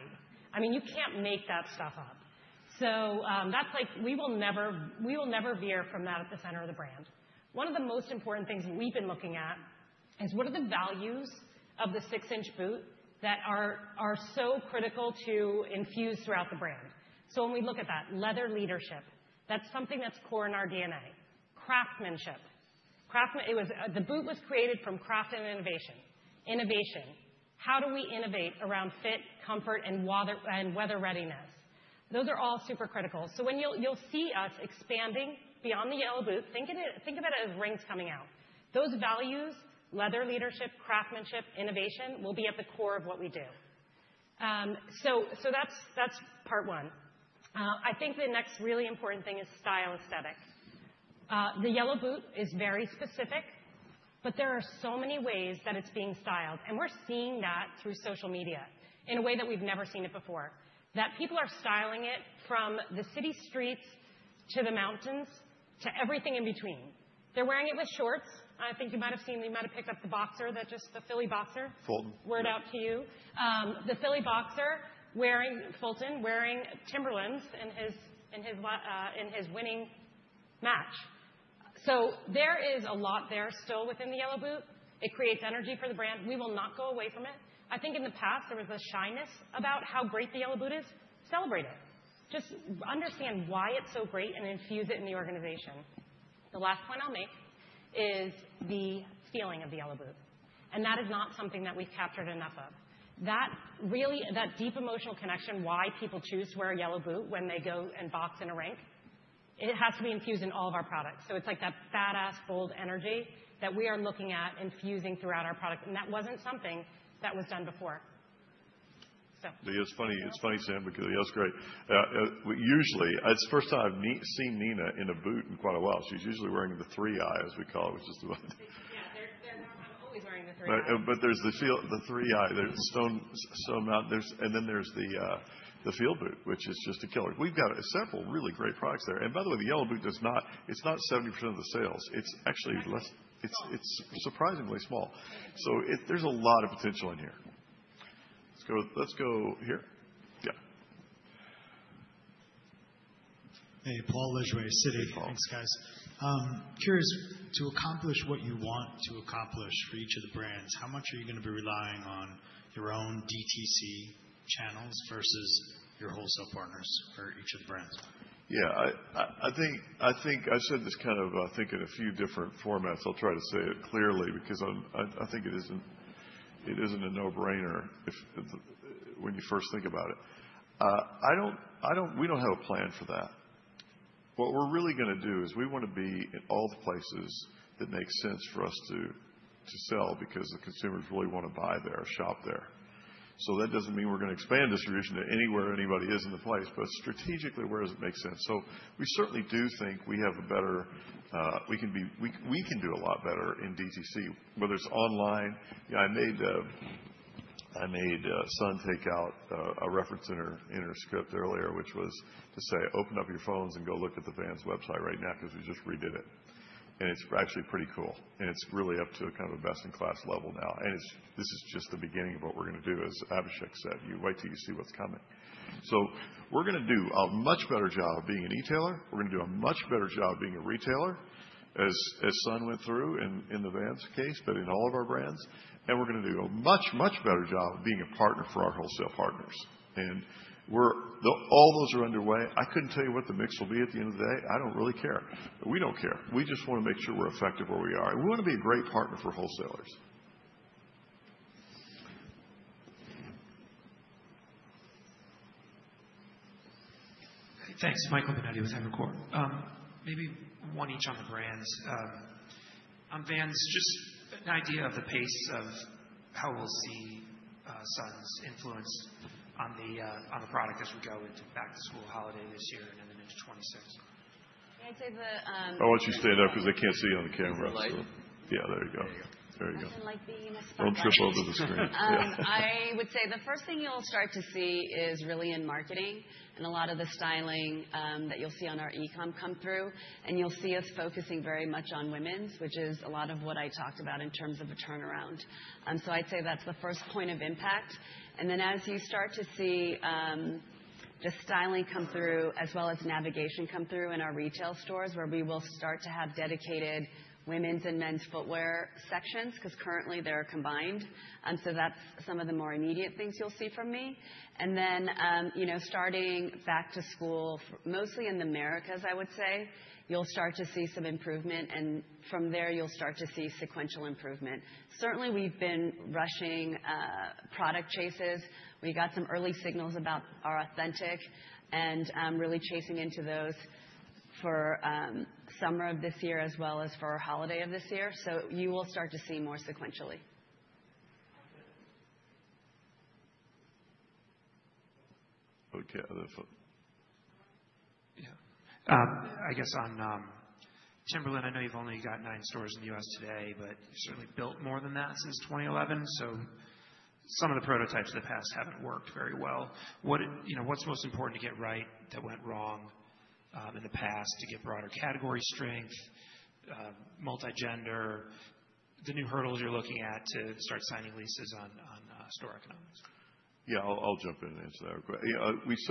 S5: I mean, you can't make that stuff up. So we will never veer from that at the center of the brand. One of the most important things we've been looking at is what are the values of the six-inch boot that are so critical to infuse throughout the brand. So when we look at that, leather leadership, that's something that's core in our DNA. Craftsmanship. The boot was created from craft and innovation. Innovation. How do we innovate around fit, comfort, and weather readiness? Those are all super critical. So when you'll see us expanding beyond the Yellow Boot, think of it as rings coming out. Those values, leather leadership, craftsmanship, innovation will be at the core of what we do. So that's part one. I think the next really important thing is style aesthetic. The Yellow Boot is very specific, but there are so many ways that it's being styled. And we're seeing that through social media in a way that we've never seen it before, that people are styling it from the city streets to the mountains to everything in between. They're wearing it with shorts. I think you might have seen, you might have picked up the boxer, just the Philly boxer Fulton. Shout out to you. The Philly boxer Fulton wearing Timberlands in his winning match. So there is a lot there still within the Yellow Boot. It creates energy for the brand. We will not go away from it. I think in the past, there was a shyness about how great the Yellow Boot is. Celebrate it. Just understand why it's so great and infuse it in the organization. The last point I'll make is the feeling of the Yellow Boot. That is not something that we've captured enough of. That deep emotional connection, why people choose to wear a Yellow Boot when they go and walk in the rain, it has to be infused in all of our products. So it's like that badass, bold energy that we are looking at infusing throughout our product. And that wasn't something that was done before.
S2: It's funny, Sam, because that's great. Usually, it's the first time I've seen Nina in a boot in quite a while. She's usually wearing the three-eye, as we call it, which is the,
S5: yeah, they're always wearing the three-eye.
S2: But there's the three-eye, the stone mountain, and then there's the field boot, which is just a killer. We've got several really great products there. And by the way, the Yellow Boot is not 70% of the sales. It's actually less. It's surprisingly small. So there's a lot of potential in here. Let's go here. Yeah.
S13: Hey, Paul Lejuez, Citi.
S2: Hey, Paul.
S13: Thanks, guys. Curious, to accomplish what you want to accomplish for each of the brands, how much are you going to be relying on your own DTC channels versus your wholesale partners for each of the brands?
S2: Yeah, I think I've said this kind of, I think, in a few different formats. I'll try to say it clearly because I think it isn't a no-brainer when you first think about it. We don't have a plan for that. What we're really going to do is we want to be in all the places that make sense for us to sell because the consumers really want to buy there, shop there. So that doesn't mean we're going to expand distribution to anywhere anybody is in the place, but strategically, where does it make sense? So we certainly do think we have a better, we can do a lot better in DTC, whether it's online. I made Son take out a reference in her script earlier, which was to say, "Open up your phones and go look at the Vans website right now because we just redid it," and it's actually pretty cool, and it's really up to kind of a best-in-class level now. And this is just the beginning of what we're going to do, as Abhishek said, "Wait till you see what's coming." So we're going to do a much better job of being an e-tailer. We're going to do a much better job of being a retailer, as Son went through in the Vans case, but in all of our brands. And we're going to do a much, much better job of being a partner for our wholesale partners. And all those are underway. I couldn't tell you what the mix will be at the end of the day. I don't really care. We don't care. We just want to make sure we're effective where we are. And we want to be a great partner for wholesalers.
S14: Thanks. Michael Binetti with Evercore. Maybe one each on the brands. On Vans, just an idea of the pace of how we'll see Son's influence on the product as we go into back-to-school holiday this year and then into 2026.
S9: Can I say,
S2: I'll let you stand up because they can't see you on the camera. Yeah, there you go. There you go.
S9: And, like, being a sponsor. Don't trip over the screen. Yes. I would say the first thing you'll start to see is really in marketing and a lot of the styling that you'll see on our e-comm come through. And you'll see us focusing very much on women's, which is a lot of what I talked about in terms of a turnaround. So I'd say that's the first point of impact. And then, as you start to see the styling come through, as well as navigation come through in our retail stores, where we will start to have dedicated women's and men's footwear sections because currently they're combined. So that's some of the more immediate things you'll see from me. And then, starting back to school, mostly in the Americas, I would say, you'll start to see some improvement. And from there, you'll start to see sequential improvement. Certainly, we've been rushing product chases. We got some early signals about our authentic and really chasing into those for summer of this year as well as for our holiday of this year. So you will start to see more sequentially.
S2: Okay.
S14: Yeah. I guess on Timberland, I know you've only got nine stores in the U.S. today, but you've certainly built more than that since 2011. So some of the prototypes of the past haven't worked very well. What's most important to get right that went wrong in the past to get broader category strength, multi-gender, the new hurdles you're looking at to start signing leases on store economics?
S2: Yeah, I'll jump in and answer that real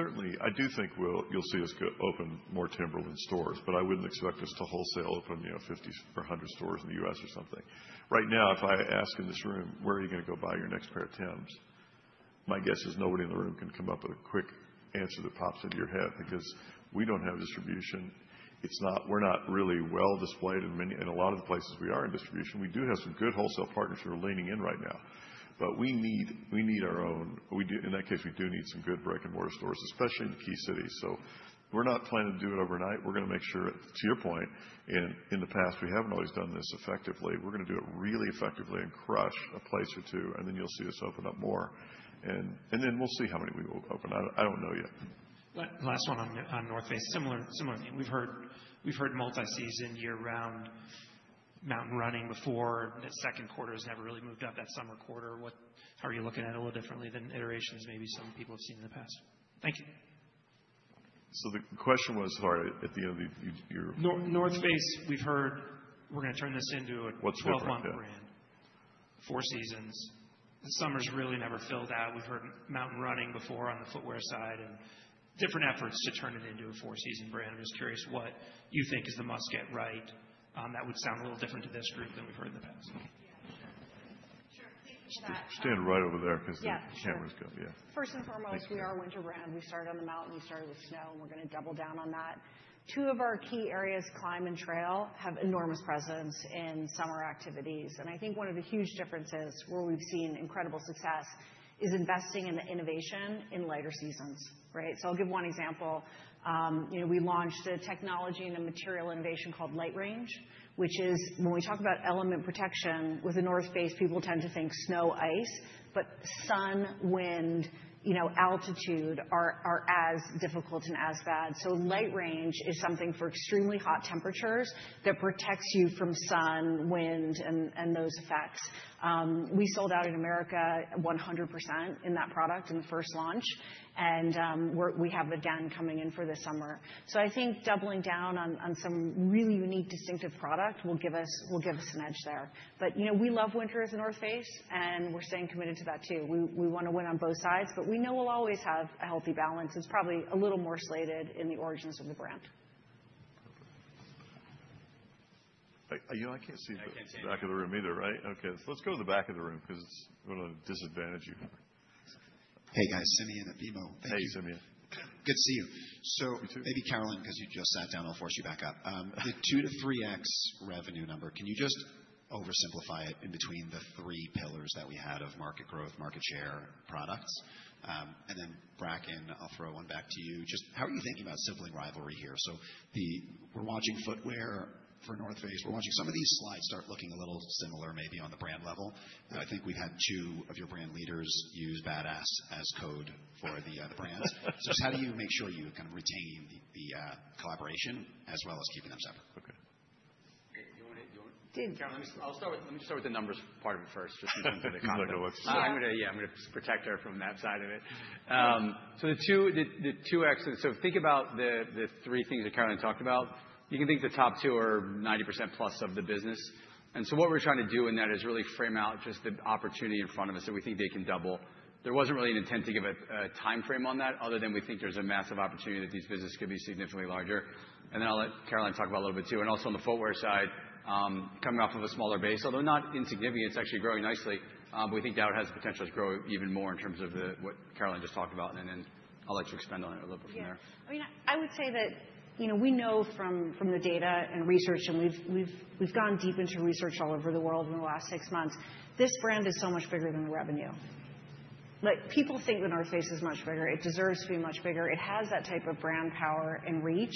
S2: quick. I do think you'll see us open more Timberland stores, but I wouldn't expect us to wholesale open 50 or 100 stores in the U.S. or something. Right now, if I ask in this room, "Where are you going to go buy your next pair of Tims?" my guess is nobody in the room can come up with a quick answer that pops into your head because we don't have distribution. We're not really well displayed in a lot of the places we are in distribution. We do have some good wholesale partners that are leaning in right now, but we need our own, in that case, we do need some good brick-and-mortar stores, especially in the key cities, so we're not planning to do it overnight. We're going to make sure, to your point, in the past, we haven't always done this effectively. We're going to do it really effectively and crush a place or two, and then you'll see us open up more, and then we'll see how many we will open. I don't know yet.
S14: Last one on North Face. Similar theme. We've heard multi-season year-round mountain running before. That second quarter has never really moved up that summer quarter. How are you looking at it a little differently than iterations maybe some people have seen in the past? Thank you.
S2: So the question was hard at the end of your
S14: The North Face. We've heard we're going to turn this into a 12-month brand. Four seasons. The summer's really never filled out. We've heard mountain running before on the footwear side and different efforts to turn it into a four-season brand. I'm just curious what you think is the must-get right that would sound a little different to this group than we've heard in the past.
S6: Yeah. Sure. Sure. Thank you for that.
S2: Stand right over there because the camera's coming. Yeah.
S6: First and foremost, we are a winter brand. We started on the mountain. We started with snow. We're going to double down on that. Two of our key areas, climb and trail, have enormous presence in summer activities. And I think one of the huge differences where we've seen incredible success is investing in the innovation in lighter seasons. Right? So I'll give one example. We launched a technology and a material innovation called Light Range, which is when we talk about elements protection with The North Face, people tend to think snow, ice, but sun, wind, altitude are as difficult and as bad. So Light Range is something for extremely hot temperatures that protects you from sun, wind, and those effects. We sold out in America 100% in that product in the first launch. And we have again coming in for this summer. So I think doubling down on some really unique distinctive product will give us an edge there. But we love winter as The North Face, and we're staying committed to that too. We want to win on both sides, but we know we'll always have a healthy balance. It's probably a little more slanted in the origins of the brand.
S2: I can't see the back of the room either, right? Okay. Let's go to the back of the room because we're going to disadvantage you.
S15: Hey, guys. Simeon and Bimo. Thank you.
S2: Hey, Simeon.
S15: Good to see you. So maybe Carolyn, because you just sat down, I'll force you back up. The 2 to 3X revenue number, can you just oversimplify it in between the three pillars that we had of market growth, market share, products? And then Bracken, I'll throw one back to you. Just how are you thinking about sibling rivalry here? So we're watching footwear for The North Face. We're watching some of these slides start looking a little similar maybe on the brand level. I think we've had two of your brand leaders use badass as code for the brands. So just how do you make sure you kind of retain the collaboration as well as keeping them separate? Okay.
S10: You want it?
S6: You want it? Tim.
S10: Caroline, let me just start with the numbers part of it first, just in terms of the context. I'm going to, yeah, I'm going to protect her from that side of it. So the 2X, so think about the three things that Caroline talked about. You can think the top two are 90% plus of the business. And so what we're trying to do in that is really frame out just the opportunity in front of us that we think they can double. There wasn't really an intent to give a timeframe on that other than we think there's a massive opportunity that these businesses could be significantly larger. And then I'll let Caroline talk about a little bit too. And also on the footwear side, coming off of a smaller base, although not insignificant, it's actually growing nicely. But we think Vans has the potential to grow even more in terms of what Caroline just talked about. And then I'll let you expand on it a little bit from there.
S6: Yeah. I mean, I would say that we know from the data and research, and we've gone deep into research all over the world in the last six months. This brand is so much bigger than the revenue. People think The North Face is much bigger. It deserves to be much bigger. It has that type of brand power and reach.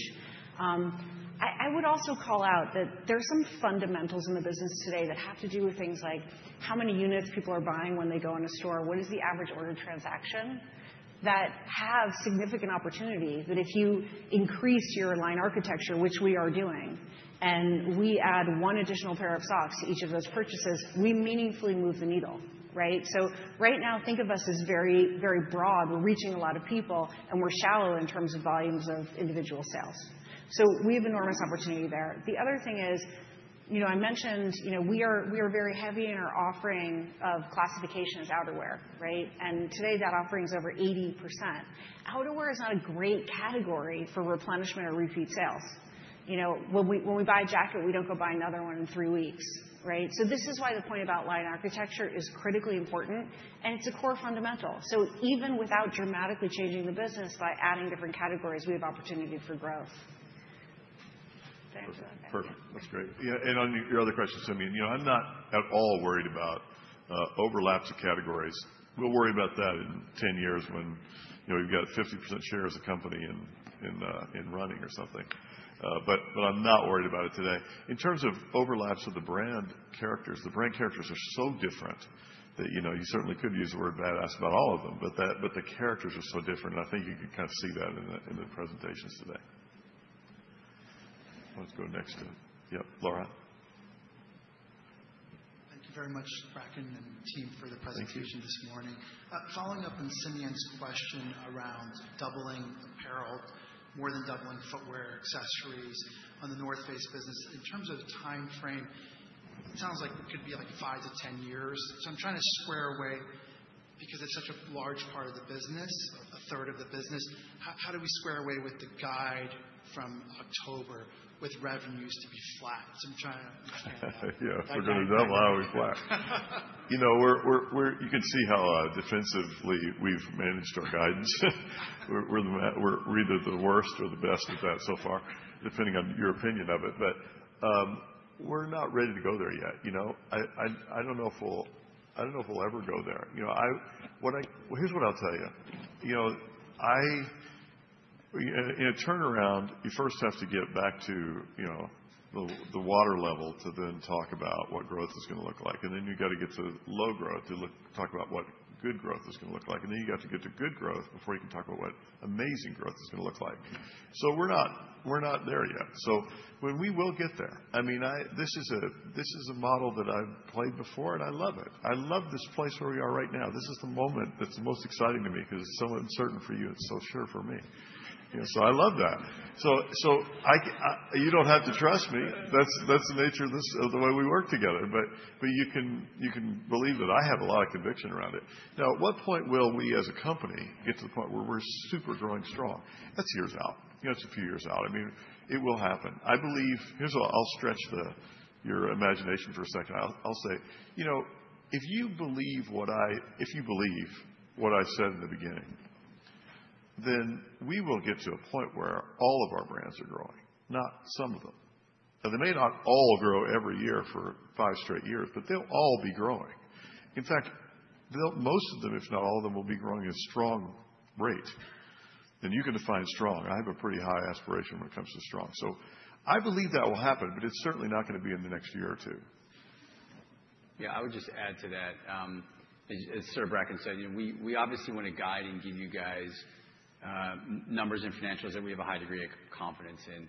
S6: I would also call out that there are some fundamentals in the business today that have to do with things like how many units people are buying when they go in a store, what is the average order transaction that have significant opportunity that if you increase your line architecture, which we are doing, and we add one additional pair of socks to each of those purchases, we meaningfully move the needle. Right? So right now, think of us as very, very broad. We're reaching a lot of people, and we're shallow in terms of volumes of individual sales. So we have enormous opportunity there. The other thing is I mentioned we are very heavy in our offering of classification as outerwear. Right? And today, that offering is over 80%. Outerwear is not a great category for replenishment or repeat sales. When we buy a jacket, we don't go buy another one in three weeks. Right? So this is why the point about line architecture is critically important, and it's a core fundamental. So even without dramatically changing the business by adding different categories, we have opportunity for growth.
S2: Thank you. Perfect. That's great. Yeah. And on your other question, Simeon, I'm not at all worried about overlaps of categories. We'll worry about that in 10 years when we've got 50% share as a company in running or something. But I'm not worried about it today. In terms of overlaps of the brand characters, the brand characters are so different that you certainly could use the word badass about all of them, but the characters are so different. And I think you can kind of see that in the presentations today. Let's go next to, yep, Laura.
S16: Thank you very much, Bracken and team, for the presentation this morning. Following up on Simeon's question around doubling apparel, more than doubling footwear accessories on The North Face business, in terms of timeframe, it sounds like it could be like five to 10 years. So I'm trying to square away because it's such a large part of the business, a third of the business. How do we square away with the guidance from October with revenues to be flat? So I'm trying to understand that.
S2: Yeah. If we're going to double, how are we flat? You can see how defensively we've managed our guidance. We're either the worst or the best at that so far, depending on your opinion of it. But we're not ready to go there yet. I don't know if we'll—I don't know if we'll ever go there. Here's what I'll tell you. In a turnaround, you first have to get back to the water level to then talk about what growth is going to look like. And then you've got to get to low growth to talk about what good growth is going to look like. And then you've got to get to good growth before you can talk about what amazing growth is going to look like. So we're not there yet. So when we will get there, I mean, this is a model that I've played before, and I love it. I love this place where we are right now. This is the moment that's the most exciting to me because it's so uncertain for you. It's so sure for me. So I love that. So you don't have to trust me. That's the nature of the way we work together. But you can believe that I have a lot of conviction around it. Now, at what point will we, as a company, get to the point where we're super growing strong? That's years out. That's a few years out. I mean, it will happen. I believe. Here's how I'll stretch your imagination for a second. I'll say, if you believe what I said in the beginning, then we will get to a point where all of our brands are growing, not some of them. Now, they may not all grow every year for five straight years, but they'll all be growing. In fact, most of them, if not all of them, will be growing at a strong rate. And you can define strong. I have a pretty high aspiration when it comes to strong. So I believe that will happen, but it's certainly not going to be in the next year or two.
S10: Yeah. I would just add to that. As Sir Bracken said, we obviously want to guide and give you guys numbers and financials that we have a high degree of confidence in.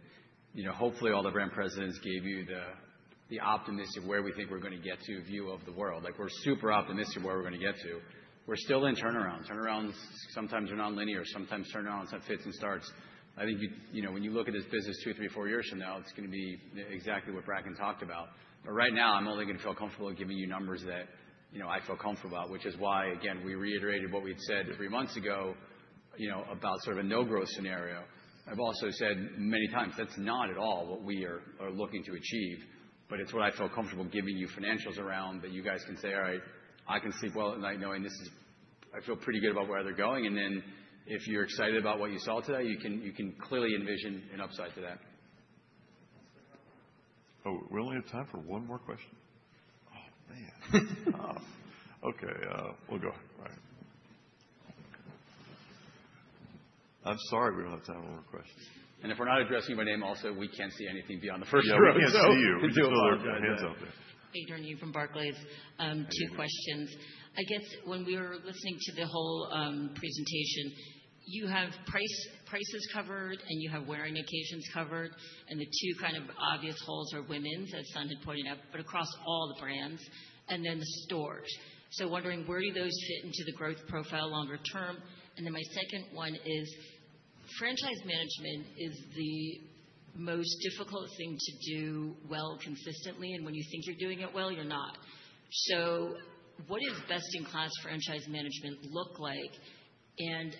S10: Hopefully, all the brand presidents gave you the optimistic where we think we're going to get to view of the world. We're super optimistic where we're going to get to. We're still in turnaround. Turnarounds sometimes are non-linear. Sometimes turnarounds have fits and starts. I think when you look at this business two or three, four years from now, it's going to be exactly what Bracken talked about. But right now, I'm only going to feel comfortable giving you numbers that I feel comfortable about, which is why, again, we reiterated what we'd said three months ago about sort of a no-growth scenario. I've also said many times, that's not at all what we are looking to achieve, but it's what I feel comfortable giving you financials around that you guys can say, "All right. I can sleep well at night knowing I feel pretty good about where they're going." And then if you're excited about what you saw today, you can clearly envision an upside to that.
S2: Oh, we only have time for one more question? Oh, man. Okay. We'll go ahead. All right. I'm sorry we don't have time for one more question.
S10: And if we're not addressing you by name also, we can't see anything beyond the first room.
S2: Yeah. We can't see you. We can still have hands on there.
S17: Hey, Dern. You from Barclays. Two questions. I guess when we were listening to the whole presentation, you have prices covered, and you have wearing occasions covered. And the two kind of obvious holes are women's, as Sun had pointed out, but across all the brands, and then the stores. So wondering, where do those fit into the growth profile longer term? And then my second one is franchise management is the most difficult thing to do well consistently. And when you think you're doing it well, you're not. So what does best-in-class franchise management look like? And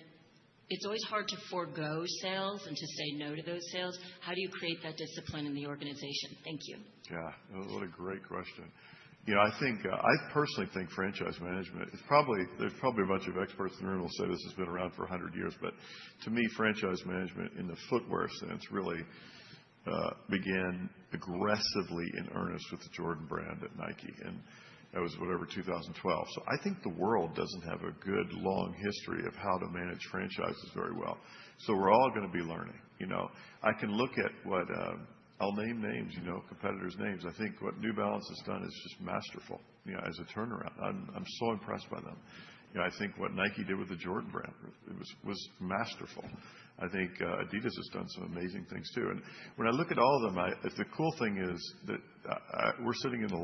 S17: it's always hard to forgo sales and to say no to those sales. How do you create that discipline in the organization? Thank you.
S2: Yeah. What a great question. I personally think franchise management is probably - there's probably a bunch of experts in the room who will say this has been around for 100 years, but to me, franchise management in the footwear sense really began aggressively in earnest with the Jordan brand at Nike, and that was whatever, 2012, so I think the world doesn't have a good long history of how to manage franchises very well, so we're all going to be learning. I can look at what - I'll name names, competitors' names. I think what New Balance has done is just masterful as a turnaround. I'm so impressed by them. I think what Nike did with the Jordan brand was masterful. I think Adidas has done some amazing things too. When I look at all of them, the cool thing is that we're sitting in a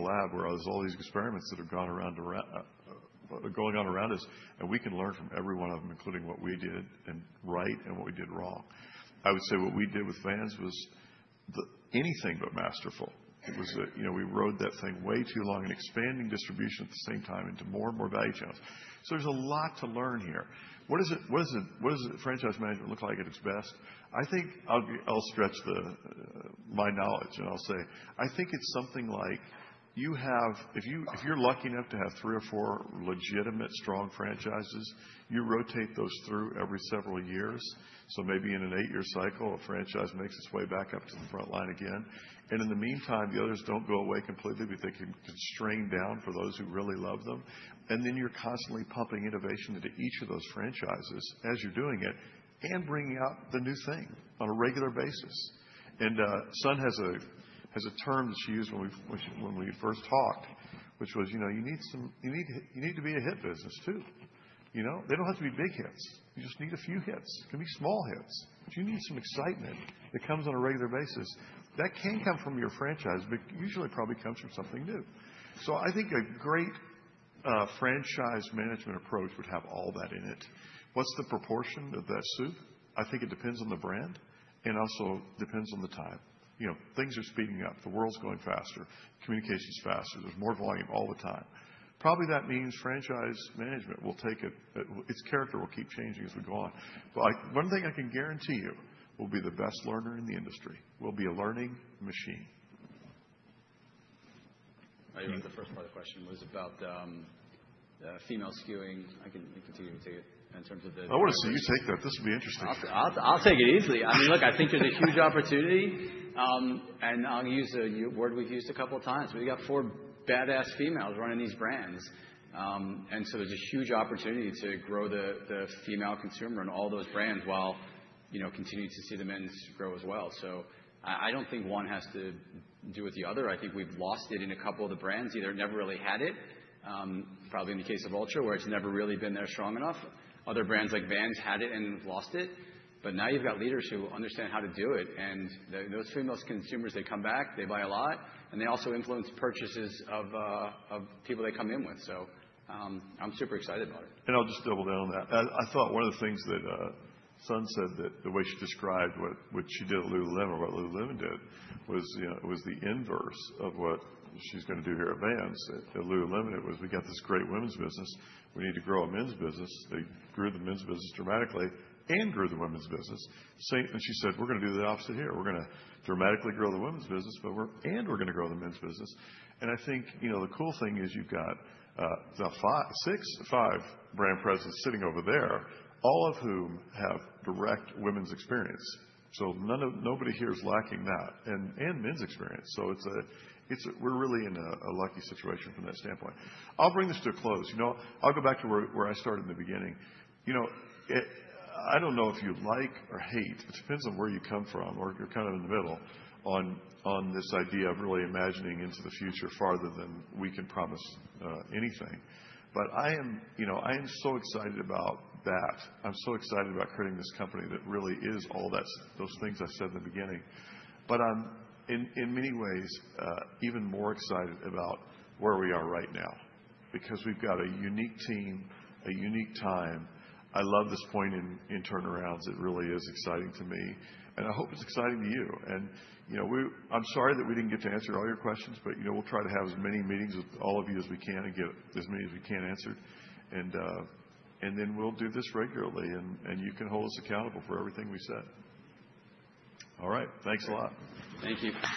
S2: lab where there's all these experiments that are going on around us, and we can learn from every one of them, including what we did right and what we did wrong. I would say what we did with Vans was anything but masterful. It was that we rode that thing way too long and expanding distribution at the same time into more and more value channels. There's a lot to learn here. What does franchise management look like at its best? I think I'll stretch my knowledge, and I'll say I think it's something like if you're lucky enough to have three or four legitimate strong franchises, you rotate those through every several years. Maybe in an eight-year cycle, a franchise makes its way back up to the front line again. In the meantime, the others don't go away completely because they can constrain down for those who really love them. Then you're constantly pumping innovation into each of those franchises as you're doing it and bringing out the new thing on a regular basis. Sun has a term that she used when we first talked, which was, "You need to be a hit business too." They don't have to be big hits. You just need a few hits. It can be small hits. But you need some excitement that comes on a regular basis. That can come from your franchise, but usually it probably comes from something new. So I think a great franchise management approach would have all that in it. What's the proportion of that soup? I think it depends on the brand and also depends on the time. Things are speeding up. The world's going faster. Communication's faster. There's more volume all the time. Probably that means franchise management will take its character will keep changing as we go on. But one thing I can guarantee you will be the best learner in the industry. We'll be a learning machine.
S10: I think the first part of the question was about female skewing. I can continue to take it in terms of the, I want to see you take that. This will be interesting. I'll take it easily. I mean, look, I think there's a huge opportunity. And I'll use a word we've used a couple of times. We've got four badass females running these brands. And so there's a huge opportunity to grow the female consumer in all those brands while continuing to see the men's grow as well. So I don't think one has to do with the other. I think we've lost it in a couple of the brands. They never really had it, probably in the case of Altra, where it's never really been there strong enough. Other brands like Vans had it and lost it. But now you've got leaders who understand how to do it. And those female consumers, they come back, they buy a lot, and they also influence purchases of people they come in with. So I'm super excited about it.
S2: And I'll just double down on that. I thought one of the things that Sun said, the way she described what she did at Lululemon or what Lululemon did, was the inverse of what she's going to do here at Vans. At Lululemon, it was, "We got this great women's business. We need to grow a men's business." They grew the men's business dramatically and grew the women's business. And she said, "We're going to do the opposite here. We're going to dramatically grow the women's business, and we're going to grow the men's business." And I think the cool thing is you've got six or five brand presidents sitting over there, all of whom have direct women's experience. So nobody here is lacking that and men's experience. So we're really in a lucky situation from that standpoint. I'll bring this to a close. I'll go back to where I started in the beginning. I don't know if you like or hate. It depends on where you come from, or you're kind of in the middle on this idea of really imagining into the future farther than we can promise anything. But I am so excited about that. I'm so excited about creating this company that really is all those things I said in the beginning. But I'm, in many ways, even more excited about where we are right now because we've got a unique team, a unique time. I love this point in turnarounds. It really is exciting to me. And I hope it's exciting to you. And I'm sorry that we didn't get to answer all your questions, but we'll try to have as many meetings with all of you as we can and get as many as we can answered. And then we'll do this regularly, and you can hold us accountable for everything we said. All right. Thanks a lot.
S10: Thank you.